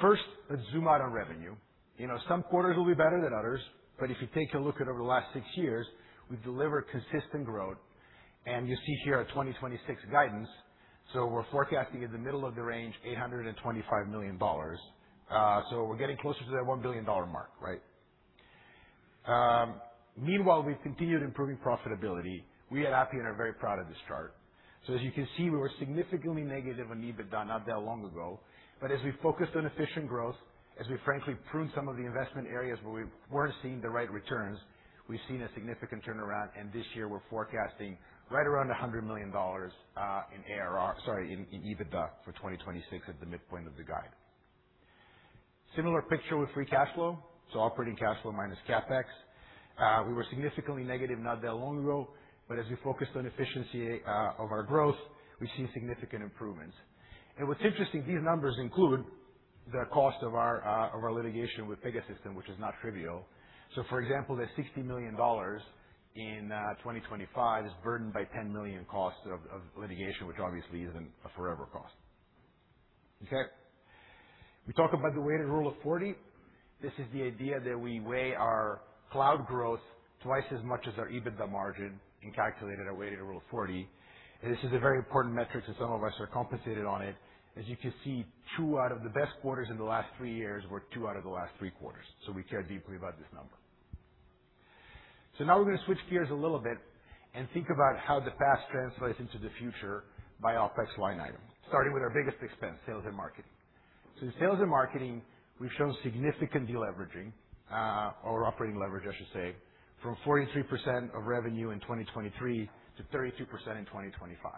First, let's zoom out on revenue. You know, some quarters will be better than others, but if you take a look at over the last six years, we've delivered consistent growth. You see here our 2026 guidance. We're forecasting in the middle of the range, $825 million. We're getting closer to that $1 billion mark, right? Meanwhile, we've continued improving profitability. We at Appian are very proud of this chart. As you can see, we were significantly negative on EBITDA not that long ago. As we focused on efficient growth, as we frankly pruned some of the investment areas where we weren't seeing the right returns, we've seen a significant turnaround, and this year we're forecasting right around $100 million in EBITDA for 2026 at the midpoint of the guide. Similar picture with free cash flow, so operating cash flow minus CapEx. We were significantly negative not that long ago, as we focused on efficiency of our growth, we've seen significant improvements. What's interesting, these numbers include the cost of our litigation with Pegasystems, which is not trivial. For example, the $60 million in 2025 is burdened by $10 million costs of litigation, which obviously isn't a forever cost. We talk about the Weighted Rule of 40. This is the idea that we weigh our cloud growth twice as much as our EBITDA margin and calculate it at a Weighted Rule of 40. This is a very important metric, as some of us are compensated on it. You can see, two out of the best quarters in the last three years were two out of the last three quarters. We care deeply about this number. Now we're going to switch gears a little bit and think about how the past translates into the future by OpEx line item, starting with our biggest expense, sales and marketing. In sales and marketing, we've shown significant deleveraging, or operating leverage, I should say, from 43% of revenue in 2023 to 32% in 2025.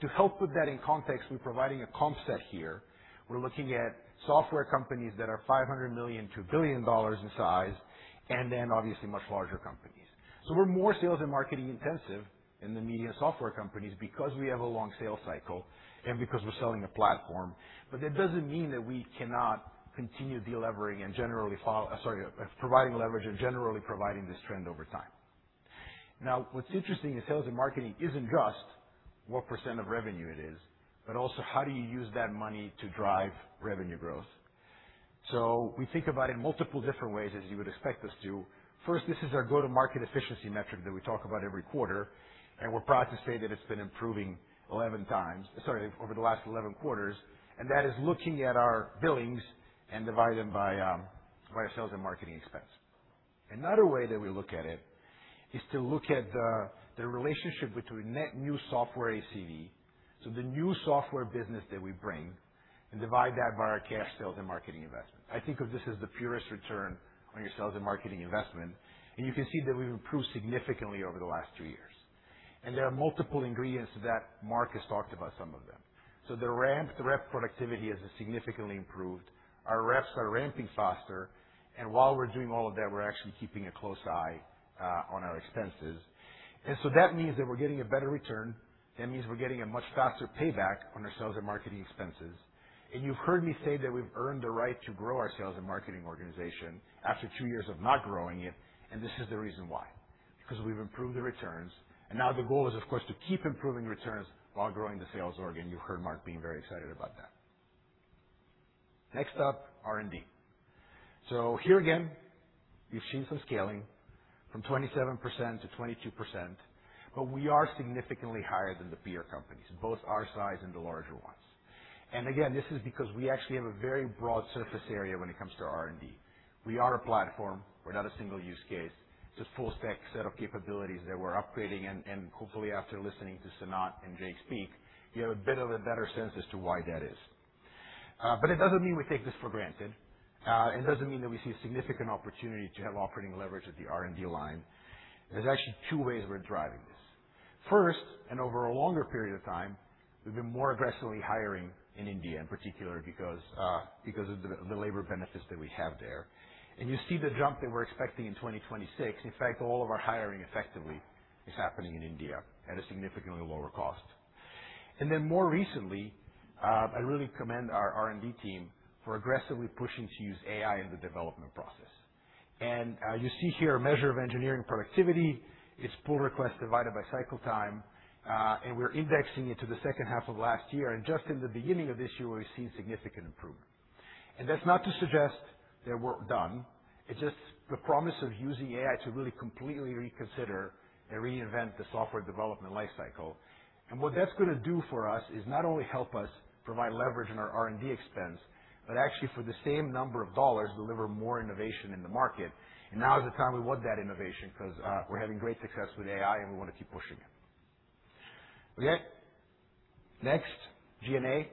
To help put that in context, we're providing a comp set here. We're looking at software companies that are $500 million-$1 billion in size and then obviously much larger companies. We're more sales and marketing intensive in the mid-tier software companies because we have a long sales cycle and because we're selling a platform. That doesn't mean that we cannot continue providing leverage and generally providing this trend over time. What's interesting in sales and marketing isn't just what % of revenue it is, but also how do you use that money to drive revenue growth. We think about it in multiple different ways, as you would expect us to. First, this is our go-to-market efficiency metric that we talk about every quarter, and we're proud to say that it's been improving over the last 11 quarters. That is looking at our billings and divide them by our sales and marketing expense. Another way that we look at it is to look at the relationship between net new software ACV, so the new software business that we bring, and divide that by our cash sales and marketing investment. I think of this as the purest return on your sales and marketing investment, and you can see that we've improved significantly over the last two years. There are multiple ingredients to that. Mark has talked about some of them. The rep productivity has significantly improved. Our reps are ramping faster, and while we're doing all of that, we're actually keeping a close eye on our expenses. That means that we're getting a better return. That means we're getting a much faster payback on our sales and marketing expenses. You've heard me say that we've earned the right to grow our sales and marketing organization after two years of not growing it, and this is the reason why, because we've improved the returns. Now the goal is, of course, to keep improving returns while growing the sales org, and you heard Mark being very excited about that. Next up, R&D. Here again, you've seen some scaling from 27% to 22%, but we are significantly higher than the peer companies, both our size and the larger ones. Again, this is because we actually have a very broad surface area when it comes to R&D. We are a platform. We're not a single use case. It's a full stack set of capabilities that we're upgrading, and hopefully, after listening to Sanat and Jake speak, you have a bit of a better sense as to why that is. It doesn't mean we take this for granted. It doesn't mean that we see a significant opportunity to have operating leverage at the R&D line. There's actually two ways we're driving this. First, over a longer period of time, we've been more aggressively hiring in India in particular because of the labor benefits that we have there. You see the jump that we're expecting in 2026. In fact, all of our hiring effectively is happening in India at a significantly lower cost. More recently, I really commend our R&D team for aggressively pushing to use AI in the development process. You see here a measure of engineering productivity. It's pull request divided by cycle time, we're indexing it to the second half of last year. Just in the beginning of this year, we've seen significant improvement. That's not to suggest there's work done. It's just the promise of using AI to really completely reconsider and reinvent the Software Development Life Cycle. What that's going to do for us is not only help us provide leverage in our R&D expense, but actually for the same number of dollars, deliver more innovation in the market. Now is the time we want that innovation because we're having great success with AI, and we want to keep pushing it. Okay. Next, G&A.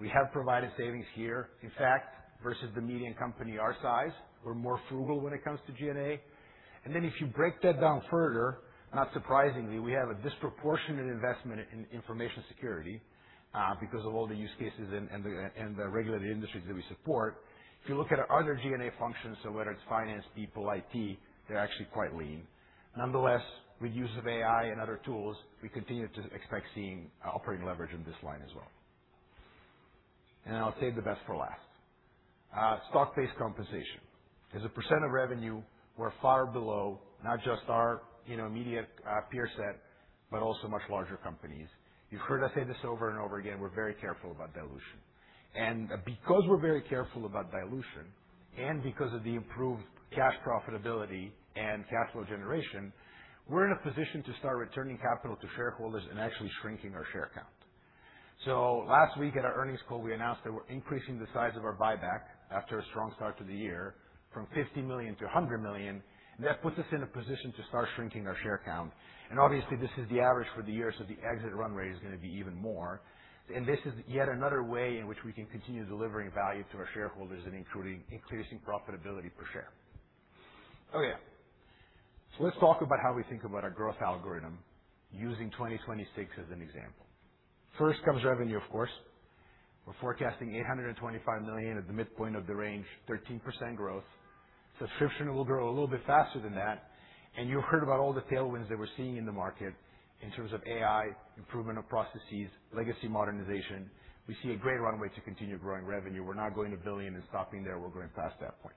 We have provided savings here. In fact, versus the median company our size, we're more frugal when it comes to G&A. If you break that down further, not surprisingly, we have a disproportionate investment in information security because of all the use cases and the regulated industries that we support. If you look at our other G&A functions, so whether it's finance, people, IT, they're actually quite lean. Nonetheless, with use of AI and other tools, we continue to expect seeing operating leverage in this line as well. I'll save the best for last. Stock-based compensation. As a % of revenue, we're far below not just our, you know, immediate peer set, but also much larger companies. You've heard us say this over and over again. We're very careful about dilution. Because we're very careful about dilution and because of the improved cash profitability and cash flow generation, we're in a position to start returning capital to shareholders and actually shrinking our share count. Last week at our earnings call, we announced that we're increasing the size of our buyback after a strong start to the year from $50 million-$100 million. That puts us in a position to start shrinking our share count. Obviously, this is the average for the year, so the exit run rate is going to be even more. This is yet another way in which we can continue delivering value to our shareholders and including increasing profitability per share. Okay. Let's talk about how we think about our growth algorithm using 2026 as an example. First comes revenue, of course. We're forecasting $825 million at the midpoint of the range, 13% growth. Subscription will grow a little bit faster than that. You heard about all the tailwinds that we're seeing in the market in terms of AI, improvement of processes, legacy modernization. We see a great runway to continue growing revenue. We're not going to $1 billion and stopping there. We're going past that point.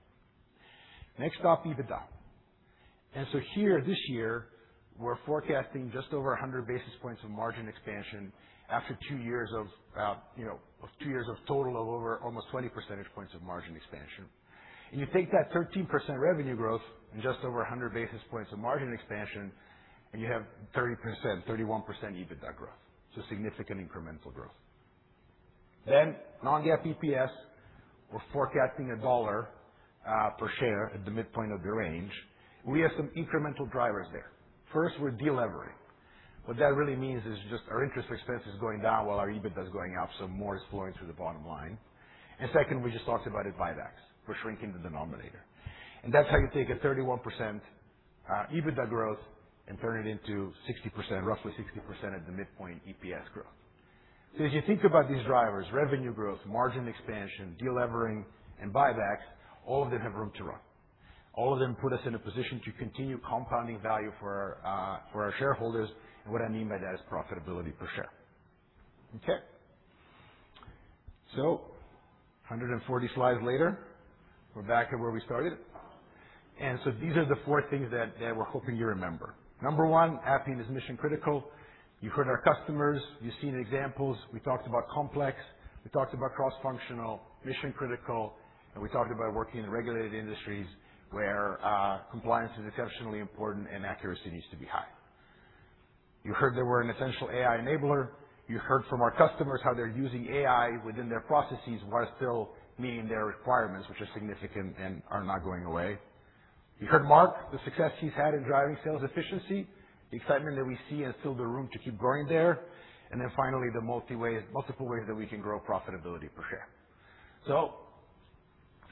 Next stop, EBITDA. Here, this year, we're forecasting just over 100 basis points of margin expansion after two years of, you know, of two years of total of over almost 20 percentage points of margin expansion. You take that 13% revenue growth and just over 100 basis points of margin expansion, you have 30%-31% EBITDA growth. Significant incremental growth. non-GAAP EPS, we're forecasting $1 per share at the midpoint of the range. We have some incremental drivers there. First, we're de-levering. What that really means is just our interest expense is going down while our EBITDA is going up, so more is flowing through the bottom line. Second, we just talked about it, buybacks. We're shrinking the denominator. That's how you take a 31% EBITDA growth and turn it into 60%, roughly 60% at the midpoint EPS growth. As you think about these drivers, revenue growth, margin expansion, de-levering, and buybacks, all of them have room to run. All of them put us in a position to continue compounding value for our for our shareholders, and what I mean by that is profitability per share. Okay. 140 slides later, we're back at where we started. These are the four things that we're hoping you remember. Number 1, Appian is mission-critical. You've heard our customers, you've seen examples. We talked about complex, we talked about cross-functional, mission-critical, and we talked about working in regulated industries where compliance is exceptionally important and accuracy needs to be high. You heard that we're an essential AI enabler. You heard from our customers how they're using AI within their processes while still meeting their requirements, which are significant and are not going away. You heard Marc, the success he's had in driving sales efficiency, the excitement that we see, and still the room to keep growing there. Finally, the multiple ways that we can grow profitability per share. If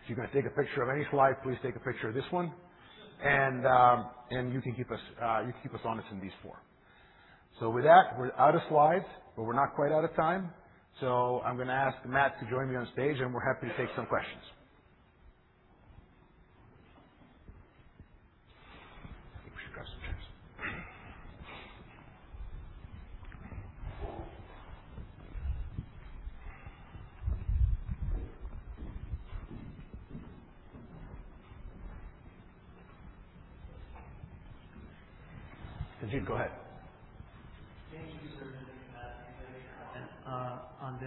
you're gonna take a picture of any slide, please take a picture of this one. You can keep us honest in these four. With that, we're out of slides, but we're not quite out of time. I'm gonna ask Matt to join me on stage, and we're happy to take some questions. I think we should grab some chairs. Sanjit, go ahead. Thank you, sir, and Matt. I was able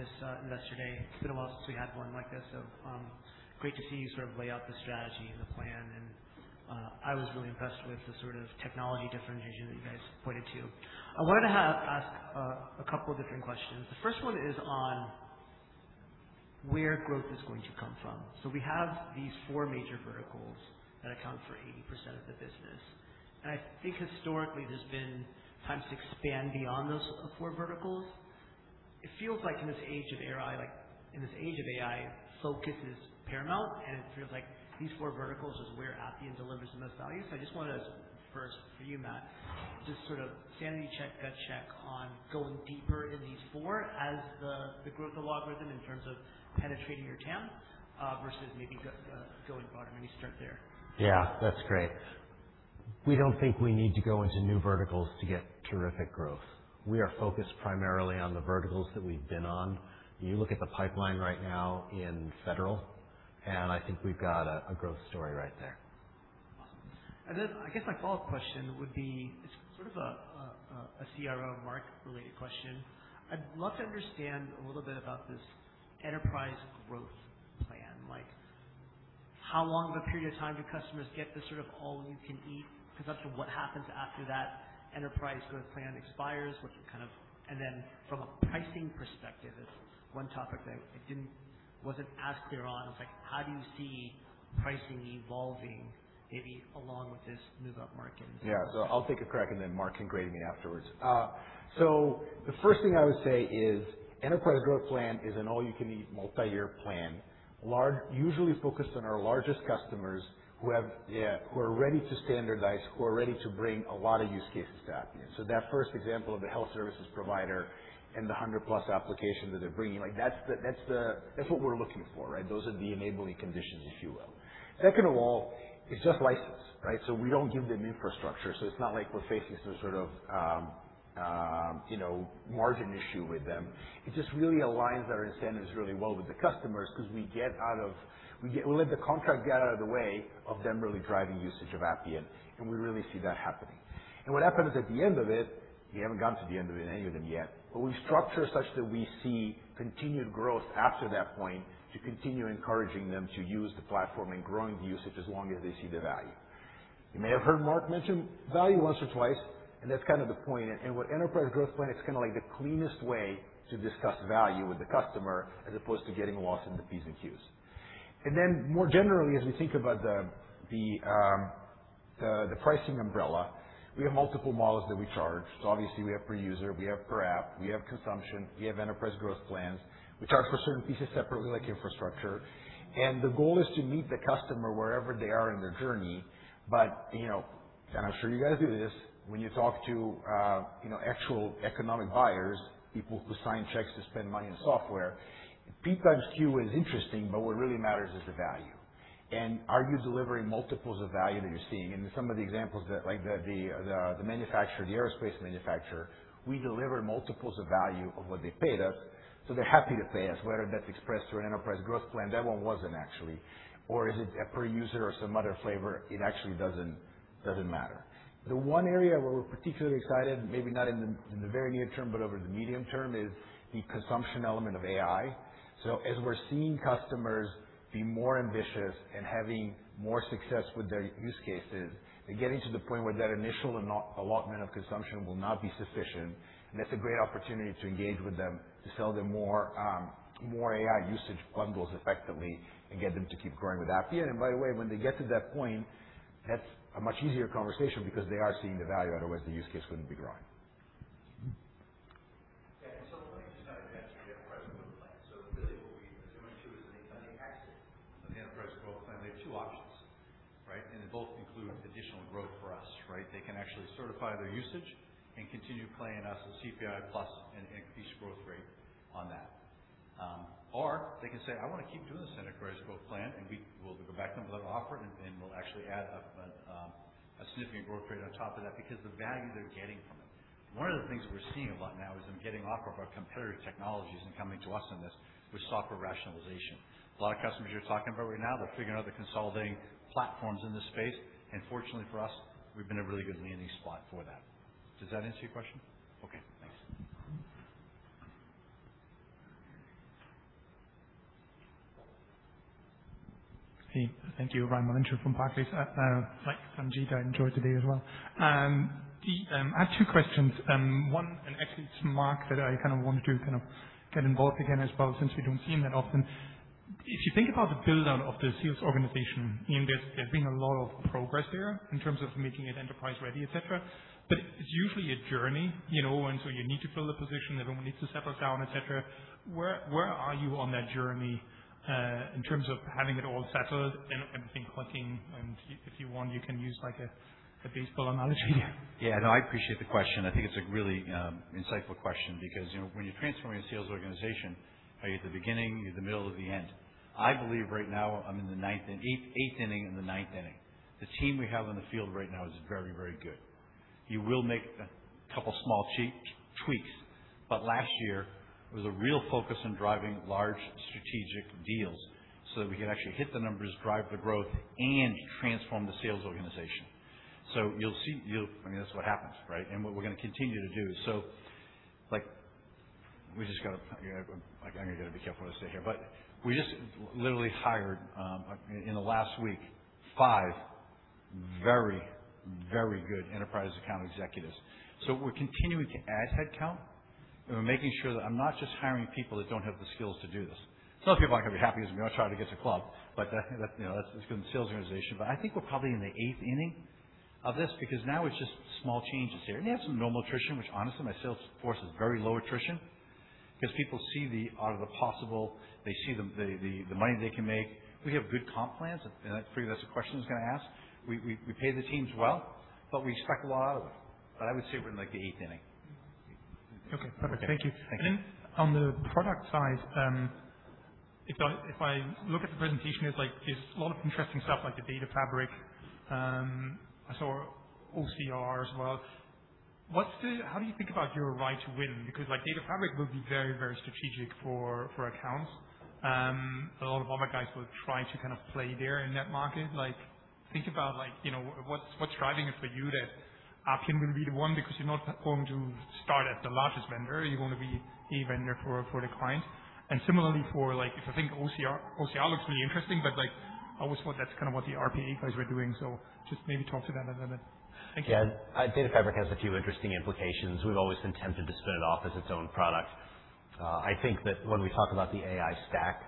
to join on this Investor Day. It's been a while since we had one like this. Great to see you sort of lay out the strategy and the plan. I was really impressed with the sort of technology differentiation that you guys pointed to. I wanted to ask a couple of different questions. The first one is on where growth is going to come from. We have these four major verticals that account for 80% of the business. I think historically there's been times to expand beyond those four verticals. It feels like in this age of AI, focus is paramount, and it feels like these four verticals is where Appian delivers the most value. I just wanted to first for you, Matt, just sort of sanity check, gut check on going deeper in these four as the growth algorithm in terms of penetrating your TAM, versus maybe just going broader? Maybe start there. Yeah, that's great. We don't think we need to go into new verticals to get terrific growth. We are focused primarily on the verticals that we've been on. You look at the pipeline right now in Federal, I think we've got a growth story right there. Awesome. I guess my follow-up question would be sort of a CRO Mark-related question. I'd love to understand a little bit about this Enterprise Growth Plan. Like how long of a period of time do customers get this sort of all you can eat? Because after what happens after that Enterprise Growth Plan expires? From a pricing perspective, it's one topic that I wasn't as clear on. It's like, how do you see pricing evolving maybe along with this move up market? Yeah. I'll take a crack and then Mark can grade me afterwards. The first thing I would say is Enterprise Growth Plan is an all you can eat multi-year plan. Usually focused on our largest customers who are ready to standardize, who are ready to bring a lot of use cases to Appian. That first example of the health services provider and the 100 plus applications that they're bringing, like that's what we're looking for, right? Those are the enabling conditions, if you will. Second of all, it's just license, right? We don't give them infrastructure, so it's not like we're facing some sort of, you know, margin issue with them. It just really aligns our incentives really well with the customers because we let the contract get out of the way of them really driving usage of Appian, and we really see that happening. What happens at the end of it, we haven't gotten to the end of it in any of them yet, but we structure such that we see continued growth after that point to continue encouraging them to use the platform and growing the usage as long as they see the value. You may have heard Marc mention value once or twice, that's kind of the point. What Enterprise Growth Plan, it's kind of like the cleanest way to discuss value with the customer as opposed to getting lost in the P's and Q's. More generally, as we think about the pricing umbrella, we have multiple models that we charge. Obviously we have per user, we have per app, we have consumption, we have Enterprise Growth Plans. We charge for certain pieces separately, like infrastructure. The goal is to meet the customer wherever they are in their journey. You know, and I'm sure you guys do this when you talk to actual economic buyers, people who sign checks to spend money on software. P times Q is interesting, but what really matters is the value. Are you delivering multiples of value that you're seeing? Some of the examples that like the manufacturer, the aerospace manufacturer, we deliver multiples of value of what they paid us, so they're happy to pay us. Whether that's expressed through an Enterprise Growth Plan, that one wasn't actually. Or is it a per user or some other flavor? It actually doesn't matter. The one area where we're particularly excited, maybe not in the very near term, but over the medium term, is the consumption element of AI. As we're seeing customers be more ambitious and having more success with their use cases, they're getting to the point where that initial allotment of consumption will not be sufficient. That's a great opportunity to engage with them, to sell them more AI usage bundles effectively and get them to keep growing with Appian. By the way, when they get to that point, that's a much easier conversation because they are seeing the value. Otherwise, the use case wouldn't be growing. Yeah. Let me just add to the Enterprise Growth Plan. Really as I mentioned, with the Enterprise Growth Plan, they have two options, right? They both include additional growth for us, right? They can actually certify their usage and continue paying us a CPI plus an increased growth rate on that. They can say, "I wanna keep doing this Enterprise Growth Plan," and we will go back to them with that offer, and we'll actually add a significant growth rate on top of that because the value they're getting from it. One of the things that we're seeing a lot now is them getting off of our competitor technologies and coming to us on this with software rationalization. A lot of customers you're talking about right now, they're figuring out they're consolidating platforms in this space. Fortunately for us, we've been a really good landing spot for that. Does that answer your question? Okay, thanks. Hey. Thank you. Raimo Lenschow from Barclays. like Sanjit, I enjoyed today as well. I have two questions. One, actually it's Mark that I kind of wanted to kind of get involved again as well, since we don't see him that often. If you think about the build-out of the sales organization, I mean, there's been a lot of progress there in terms of making it enterprise ready, et cetera. It's usually a journey, you know, you need to fill a position. Everyone needs to settle down, et cetera. Where are you on that journey, in terms of having it all settled and everything clicking? If you want, you can use like a baseball analogy. Yeah, no, I appreciate the question. I think it's a really insightful question because, you know, when you're transforming a sales organization, are you at the beginning, the middle or the end? I believe right now I'm in the ninth and eighth inning. The team we have on the field right now is very, very good. You will make a couple small tweaks. Last year was a real focus on driving large strategic deals so that we could actually hit the numbers, drive the growth, and transform the sales organization. You'll see, I mean, that's what happens, right? What we're gonna continue to do. Like we just got a, you know, like, I gotta be careful what I say here. We just literally hired in the last week, 5 very, very good enterprise account executives. We're continuing to add headcount, and we're making sure that I'm not just hiring people that don't have the skills to do this. Some people aren't gonna be happy because we don't try to get to club, that, you know, that's been sales organization. I think we're probably in the eighth inning of this because now it's just small changes here. We have some normal attrition, which honestly my sales force is very low attrition because people see the art of the possible. They see the money they can make. We have good comp plans, and I figured that's the question I was gonna ask. We pay the teams well, but we expect a lot out of them. I would say we're in like the eighth inning. Okay, perfect. Thank you. Thank you. Then on the product side, if I look at the presentation, it's like there's a lot of interesting stuff like the Data Fabric. I saw OCR as well. How do you think about your right to win? Because like Data Fabric will be very strategic for accounts. A lot of other guys will try to kind of play there in that market. Like think about like, you know, what's driving it for you that Appian will be the one because you're not going to start as the largest vendor. You're going to be a vendor for the client. Similarly for like if I think OCR looks really interesting, but like I always thought that's kind of what the RPA guys were doing. Just maybe talk to that a little bit. Thank you. Yeah. Data fabric has a few interesting implications. We've always been tempted to spin it off as its own product. I think that when we talk about the AI stack,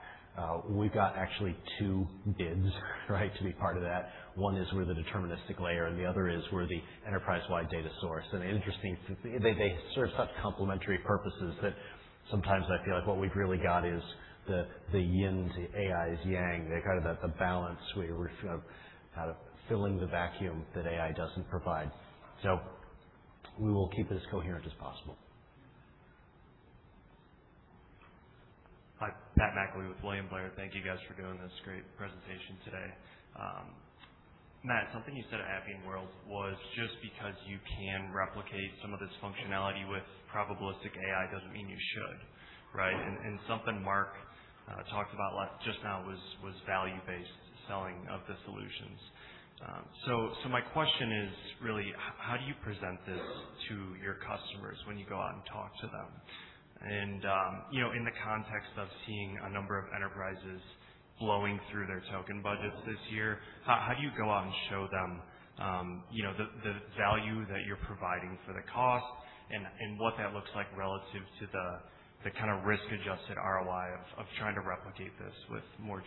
we've got actually two bids, right, to be part of that. One is we're the deterministic layer and the other is we're the enterprise-wide data source. Interesting, they sort of serve such complementary purposes that sometimes I feel like what we've really got is the yin to AI's yang. They're kind of at the balance where we're kind of filling the vacuum that AI doesn't provide. We will keep it as coherent as possible. Hi. Pat Walravens with William Blair. Thank you guys for doing this great presentation today. Matt Calkins, something you said at Appian World was just because you can replicate some of this functionality with probabilistic AI doesn't mean you should, right? Something Marc Wilson talked about like just now was value-based selling of the solutions. My question is really how do you present this to your customers when you go out and talk to them? You know, in the context of seeing a number of enterprises flowing through their token budgets this year, how do you go out and show them, you know, the value that you're providing for the cost and what that looks like relative to the kind of risk-adjusted ROI of trying to replicate this with more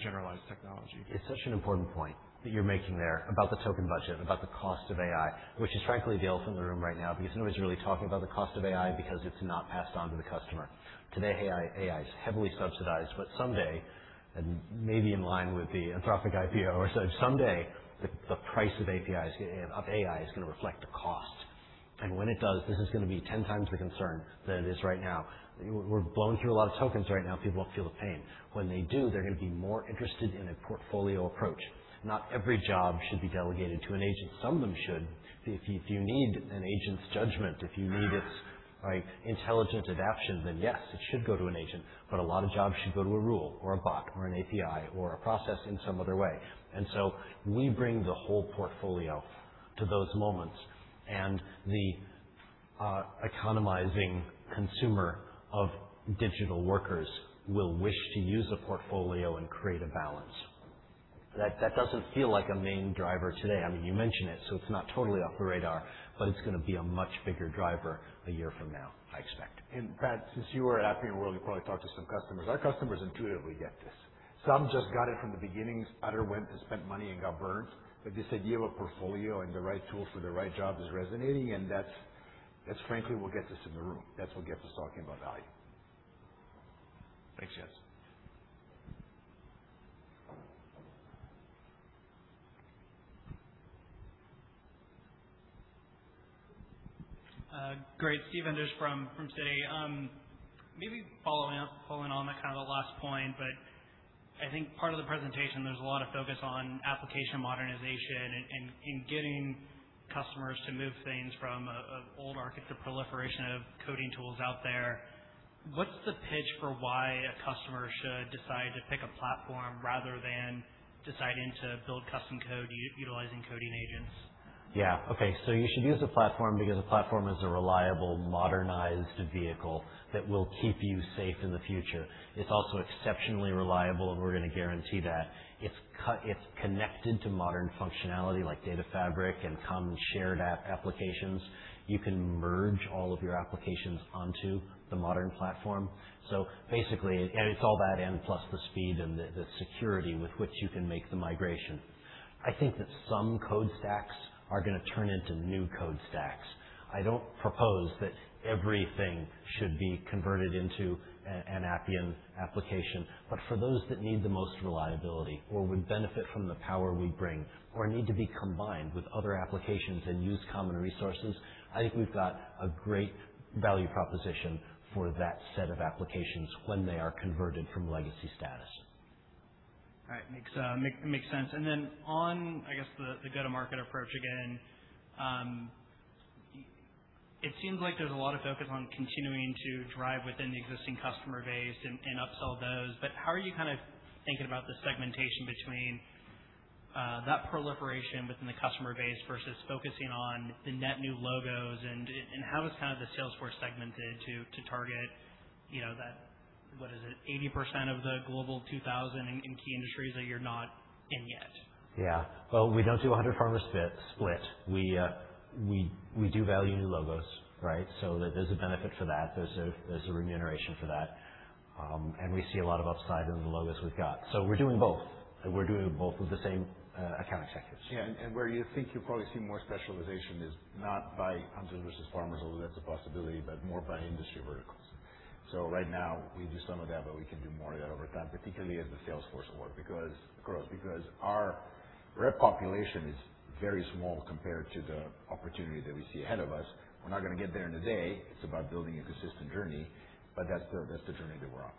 generalized technology? It's such an important point that you're making there about the token budget, about the cost of AI, which is frankly the elephant in the room right now, because no one's really talking about the cost of AI because it's not passed on to the customer. Today AI is heavily subsidized, but someday, and maybe in line with the Anthropic IPO or so, someday the price of AI is gonna reflect the cost. When it does, this is gonna be 10x the concern that it is right now. We're blowing through a lot of tokens right now. People don't feel the pain. When they do, they're gonna be more interested in a portfolio approach. Not every job should be delegated to an agent. Some of them should. If you need an agent's judgment, if you need its, like, intelligent adaption, then yes, it should go to an agent. A lot of jobs should go to a rule or a bot or an API or a process in some other way. We bring the whole portfolio to those moments, and the economizing consumer of digital workers will wish to use a portfolio and create a balance. That doesn't feel like a main driver today. I mean, you mention it, so it's not totally off the radar, but it's gonna be a much bigger driver a year from now, I expect. Pat, since you were at Appian World, you probably talked to some customers. Our customers intuitively get this. Some just got it from the beginning. Other went and spent money and got burned. This idea of a portfolio and the right tool for the right job is resonating, that's frankly will get this in the room. That's what gets us talking about value. Thanks, Jess. Great. Steve Enders from Citi. Maybe following up, following on that kind of the last point, but I think part of the presentation, there's a lot of focus on application modernization and getting customers to move things. The proliferation of coding tools out there. What's the pitch for why a customer should decide to pick a platform rather than deciding to build custom code utilizing developer agents? Yeah. Okay. You should use a platform because a platform is a reliable, modernized vehicle that will keep you safe in the future. It's also exceptionally reliable, and we're gonna guarantee that. It's connected to modern functionality like Data Fabric and common shared app applications. You can merge all of your applications onto the modern platform. Basically, and it's all that and plus the speed and the security with which you can make the migration. I think that some code stacks are gonna turn into new code stacks. I don't propose that everything should be converted into an Appian application. For those that need the most reliability or would benefit from the power we bring or need to be combined with other applications and use common resources, I think we've got a great value proposition for that set of applications when they are converted from legacy status. All right. Makes sense. On, I guess, the go-to-market approach again, it seems like there's a lot of focus on continuing to drive within the existing customer base and upsell those. How are you kind of thinking about the segmentation between that proliferation within the customer base versus focusing on the net new logos and how is kind of the sales force segmented to target, you know, that, what is it, 80% of the Global 2000 in key industries that you're not in yet? Yeah. Well, we don't do 100 farmer split. We do value new logos, right? There's a benefit for that. There's a remuneration for that. We see a lot of upside in the logos we've got. We're doing both, we're doing both with the same account executives. Where you think you'll probably see more specialization is not by hunters versus farmers, although that's a possibility, but more by industry verticals. Right now we do some of that, but we can do more of that over time, particularly as the sales force grows because our rep population is very small compared to the opportunity that we see ahead of us. We're not gonna get there in a day. It's about building a consistent journey, but that's the journey that we're on.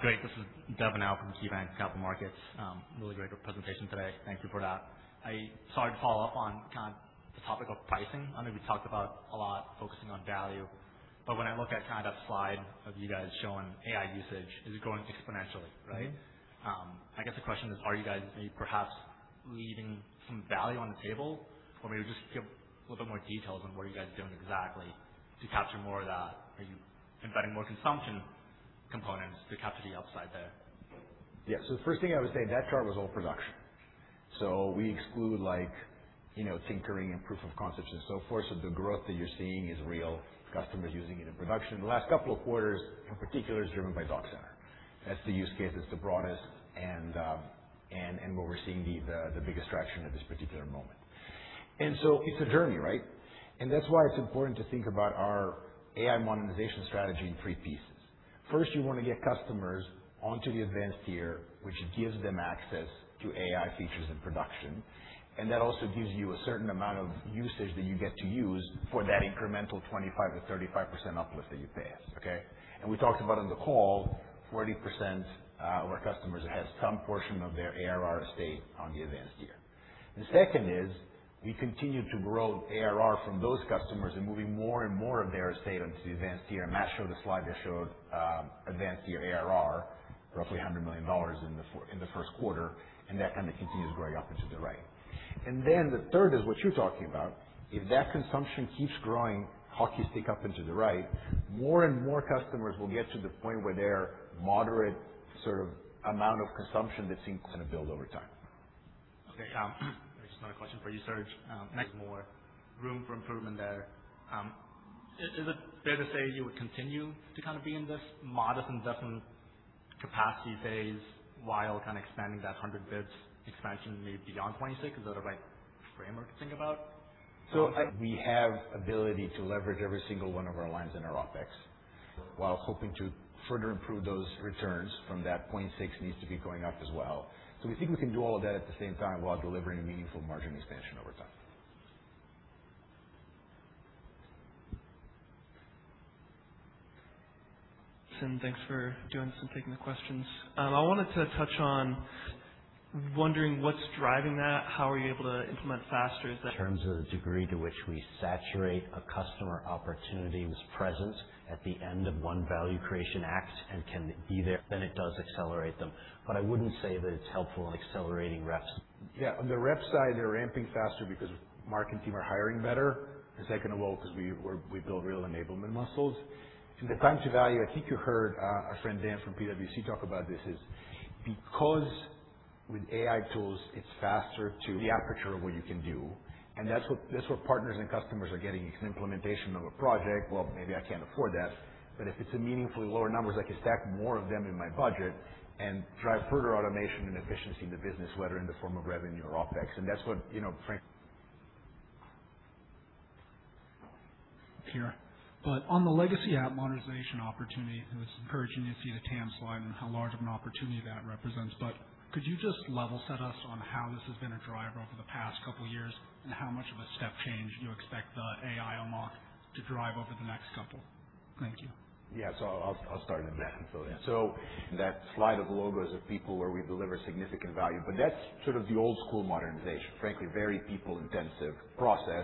Great. This is Devin Au from KeyBanc Capital Markets. Really great presentation today. Thank you for that. Sorry to follow up on kind of the topic of pricing. I know we talked about a lot focusing on value, but when I look at kind of slide of you guys showing AI usage is growing exponentially, right? I guess the question is, are you guys maybe perhaps leaving some value on the table? Maybe just give a little bit more details on what are you guys doing exactly to capture more of that. Are you embedding more consumption components to capture the upside there? Yeah. The first thing I would say, that chart was all production. We exclude like, you know, tinkering and proof of concepts and so forth. The growth that you're seeing is real customers using it in production. The last couple of quarters in particular is driven by Doc Center. That's the use case that's the broadest and where we're seeing the biggest traction at this particular moment. It's a journey, right? That's why it's important to think about our AI monetization strategy in three pieces. First, you wanna get customers onto the advanced tier, which gives them access to AI features and production. That also gives you a certain amount of usage that you get to use for that incremental 25%-35% uplift that you pay us. Okay? We talked about on the call, 40% of our customers has some portion of their ARR estate on the Advanced Tier. The second is we continue to grow ARR from those customers and moving more and more of their estate onto the Advanced Tier. Matt showed a slide that showed Advanced Tier ARR, roughly $100 million in the first quarter, and that kind of continues growing up into the right. Then the third is what you're talking about. If that consumption keeps growing, hockey stick up into the right, more and more customers will get to the point where their moderate sort of amount of consumption that's increased is gonna build over time. Okay. Just another question for you, Serge. There's more room for improvement there. Is it fair to say you would continue to kind of be in this modest investment capacity phase while kind of expanding that 100 basis points expansion maybe beyond 2026? Is that the right framework to think about? We have ability to leverage every single one of our lines in our OpEx. While hoping to further improve those returns from that 0.6 needs to be going up as well. We think we can do all of that at the same time while delivering meaningful margin expansion over time. Tim, thanks for doing this and taking the questions. I wanted to touch on wondering what's driving that. How are you able to implement faster? In terms of the degree to which we saturate a customer opportunity that's present at the end of one value creation act and can be there, then it does accelerate them. I wouldn't say that it's helpful in accelerating reps. Yeah, on the rep side, they're ramping faster because Marc and team are hiring better. Second of all, 'cause we build real enablement muscles. The time to value, I think you heard our friend Dan Scott from PwC talk about this is because with AI tools, the aperture of what you can do, and that's what, that's what partners and customers are getting. It's an implementation of a project. Well, maybe I can't afford that. If it's a meaningfully lower numbers, I can stack more of them in my budget and drive further automation and efficiency in the business, whether in the form of revenue or OpEx. That's what, you know. Here. On the legacy app modernization opportunity, it was encouraging to see the TAM slide and how large of an opportunity that represents. Could you just level set us on how this has been a driver over the past couple years and how much of a step change you expect the AI unlock to drive over the next couple? Thank you. Yeah. I'll start and then Dan fill in. In that slide of logos of people where we deliver significant value, but that's sort of the old school modernization, frankly, very people-intensive process.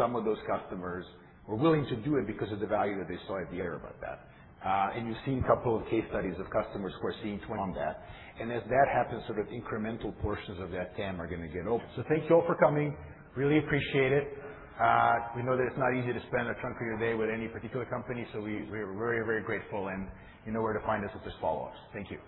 Some of those customers were willing to do it because of the value that they saw at the ARR about that. You've seen a couple of case studies of customers who are seeing 20 on that. As that happens, sort of incremental portions of that TAM are gonna get open. Thank you all for coming. Really appreciate it. We know that it's not easy to spend a chunk of your day with any particular company, so we are very, very grateful and you know where to find us with this follow-ups. Thank you.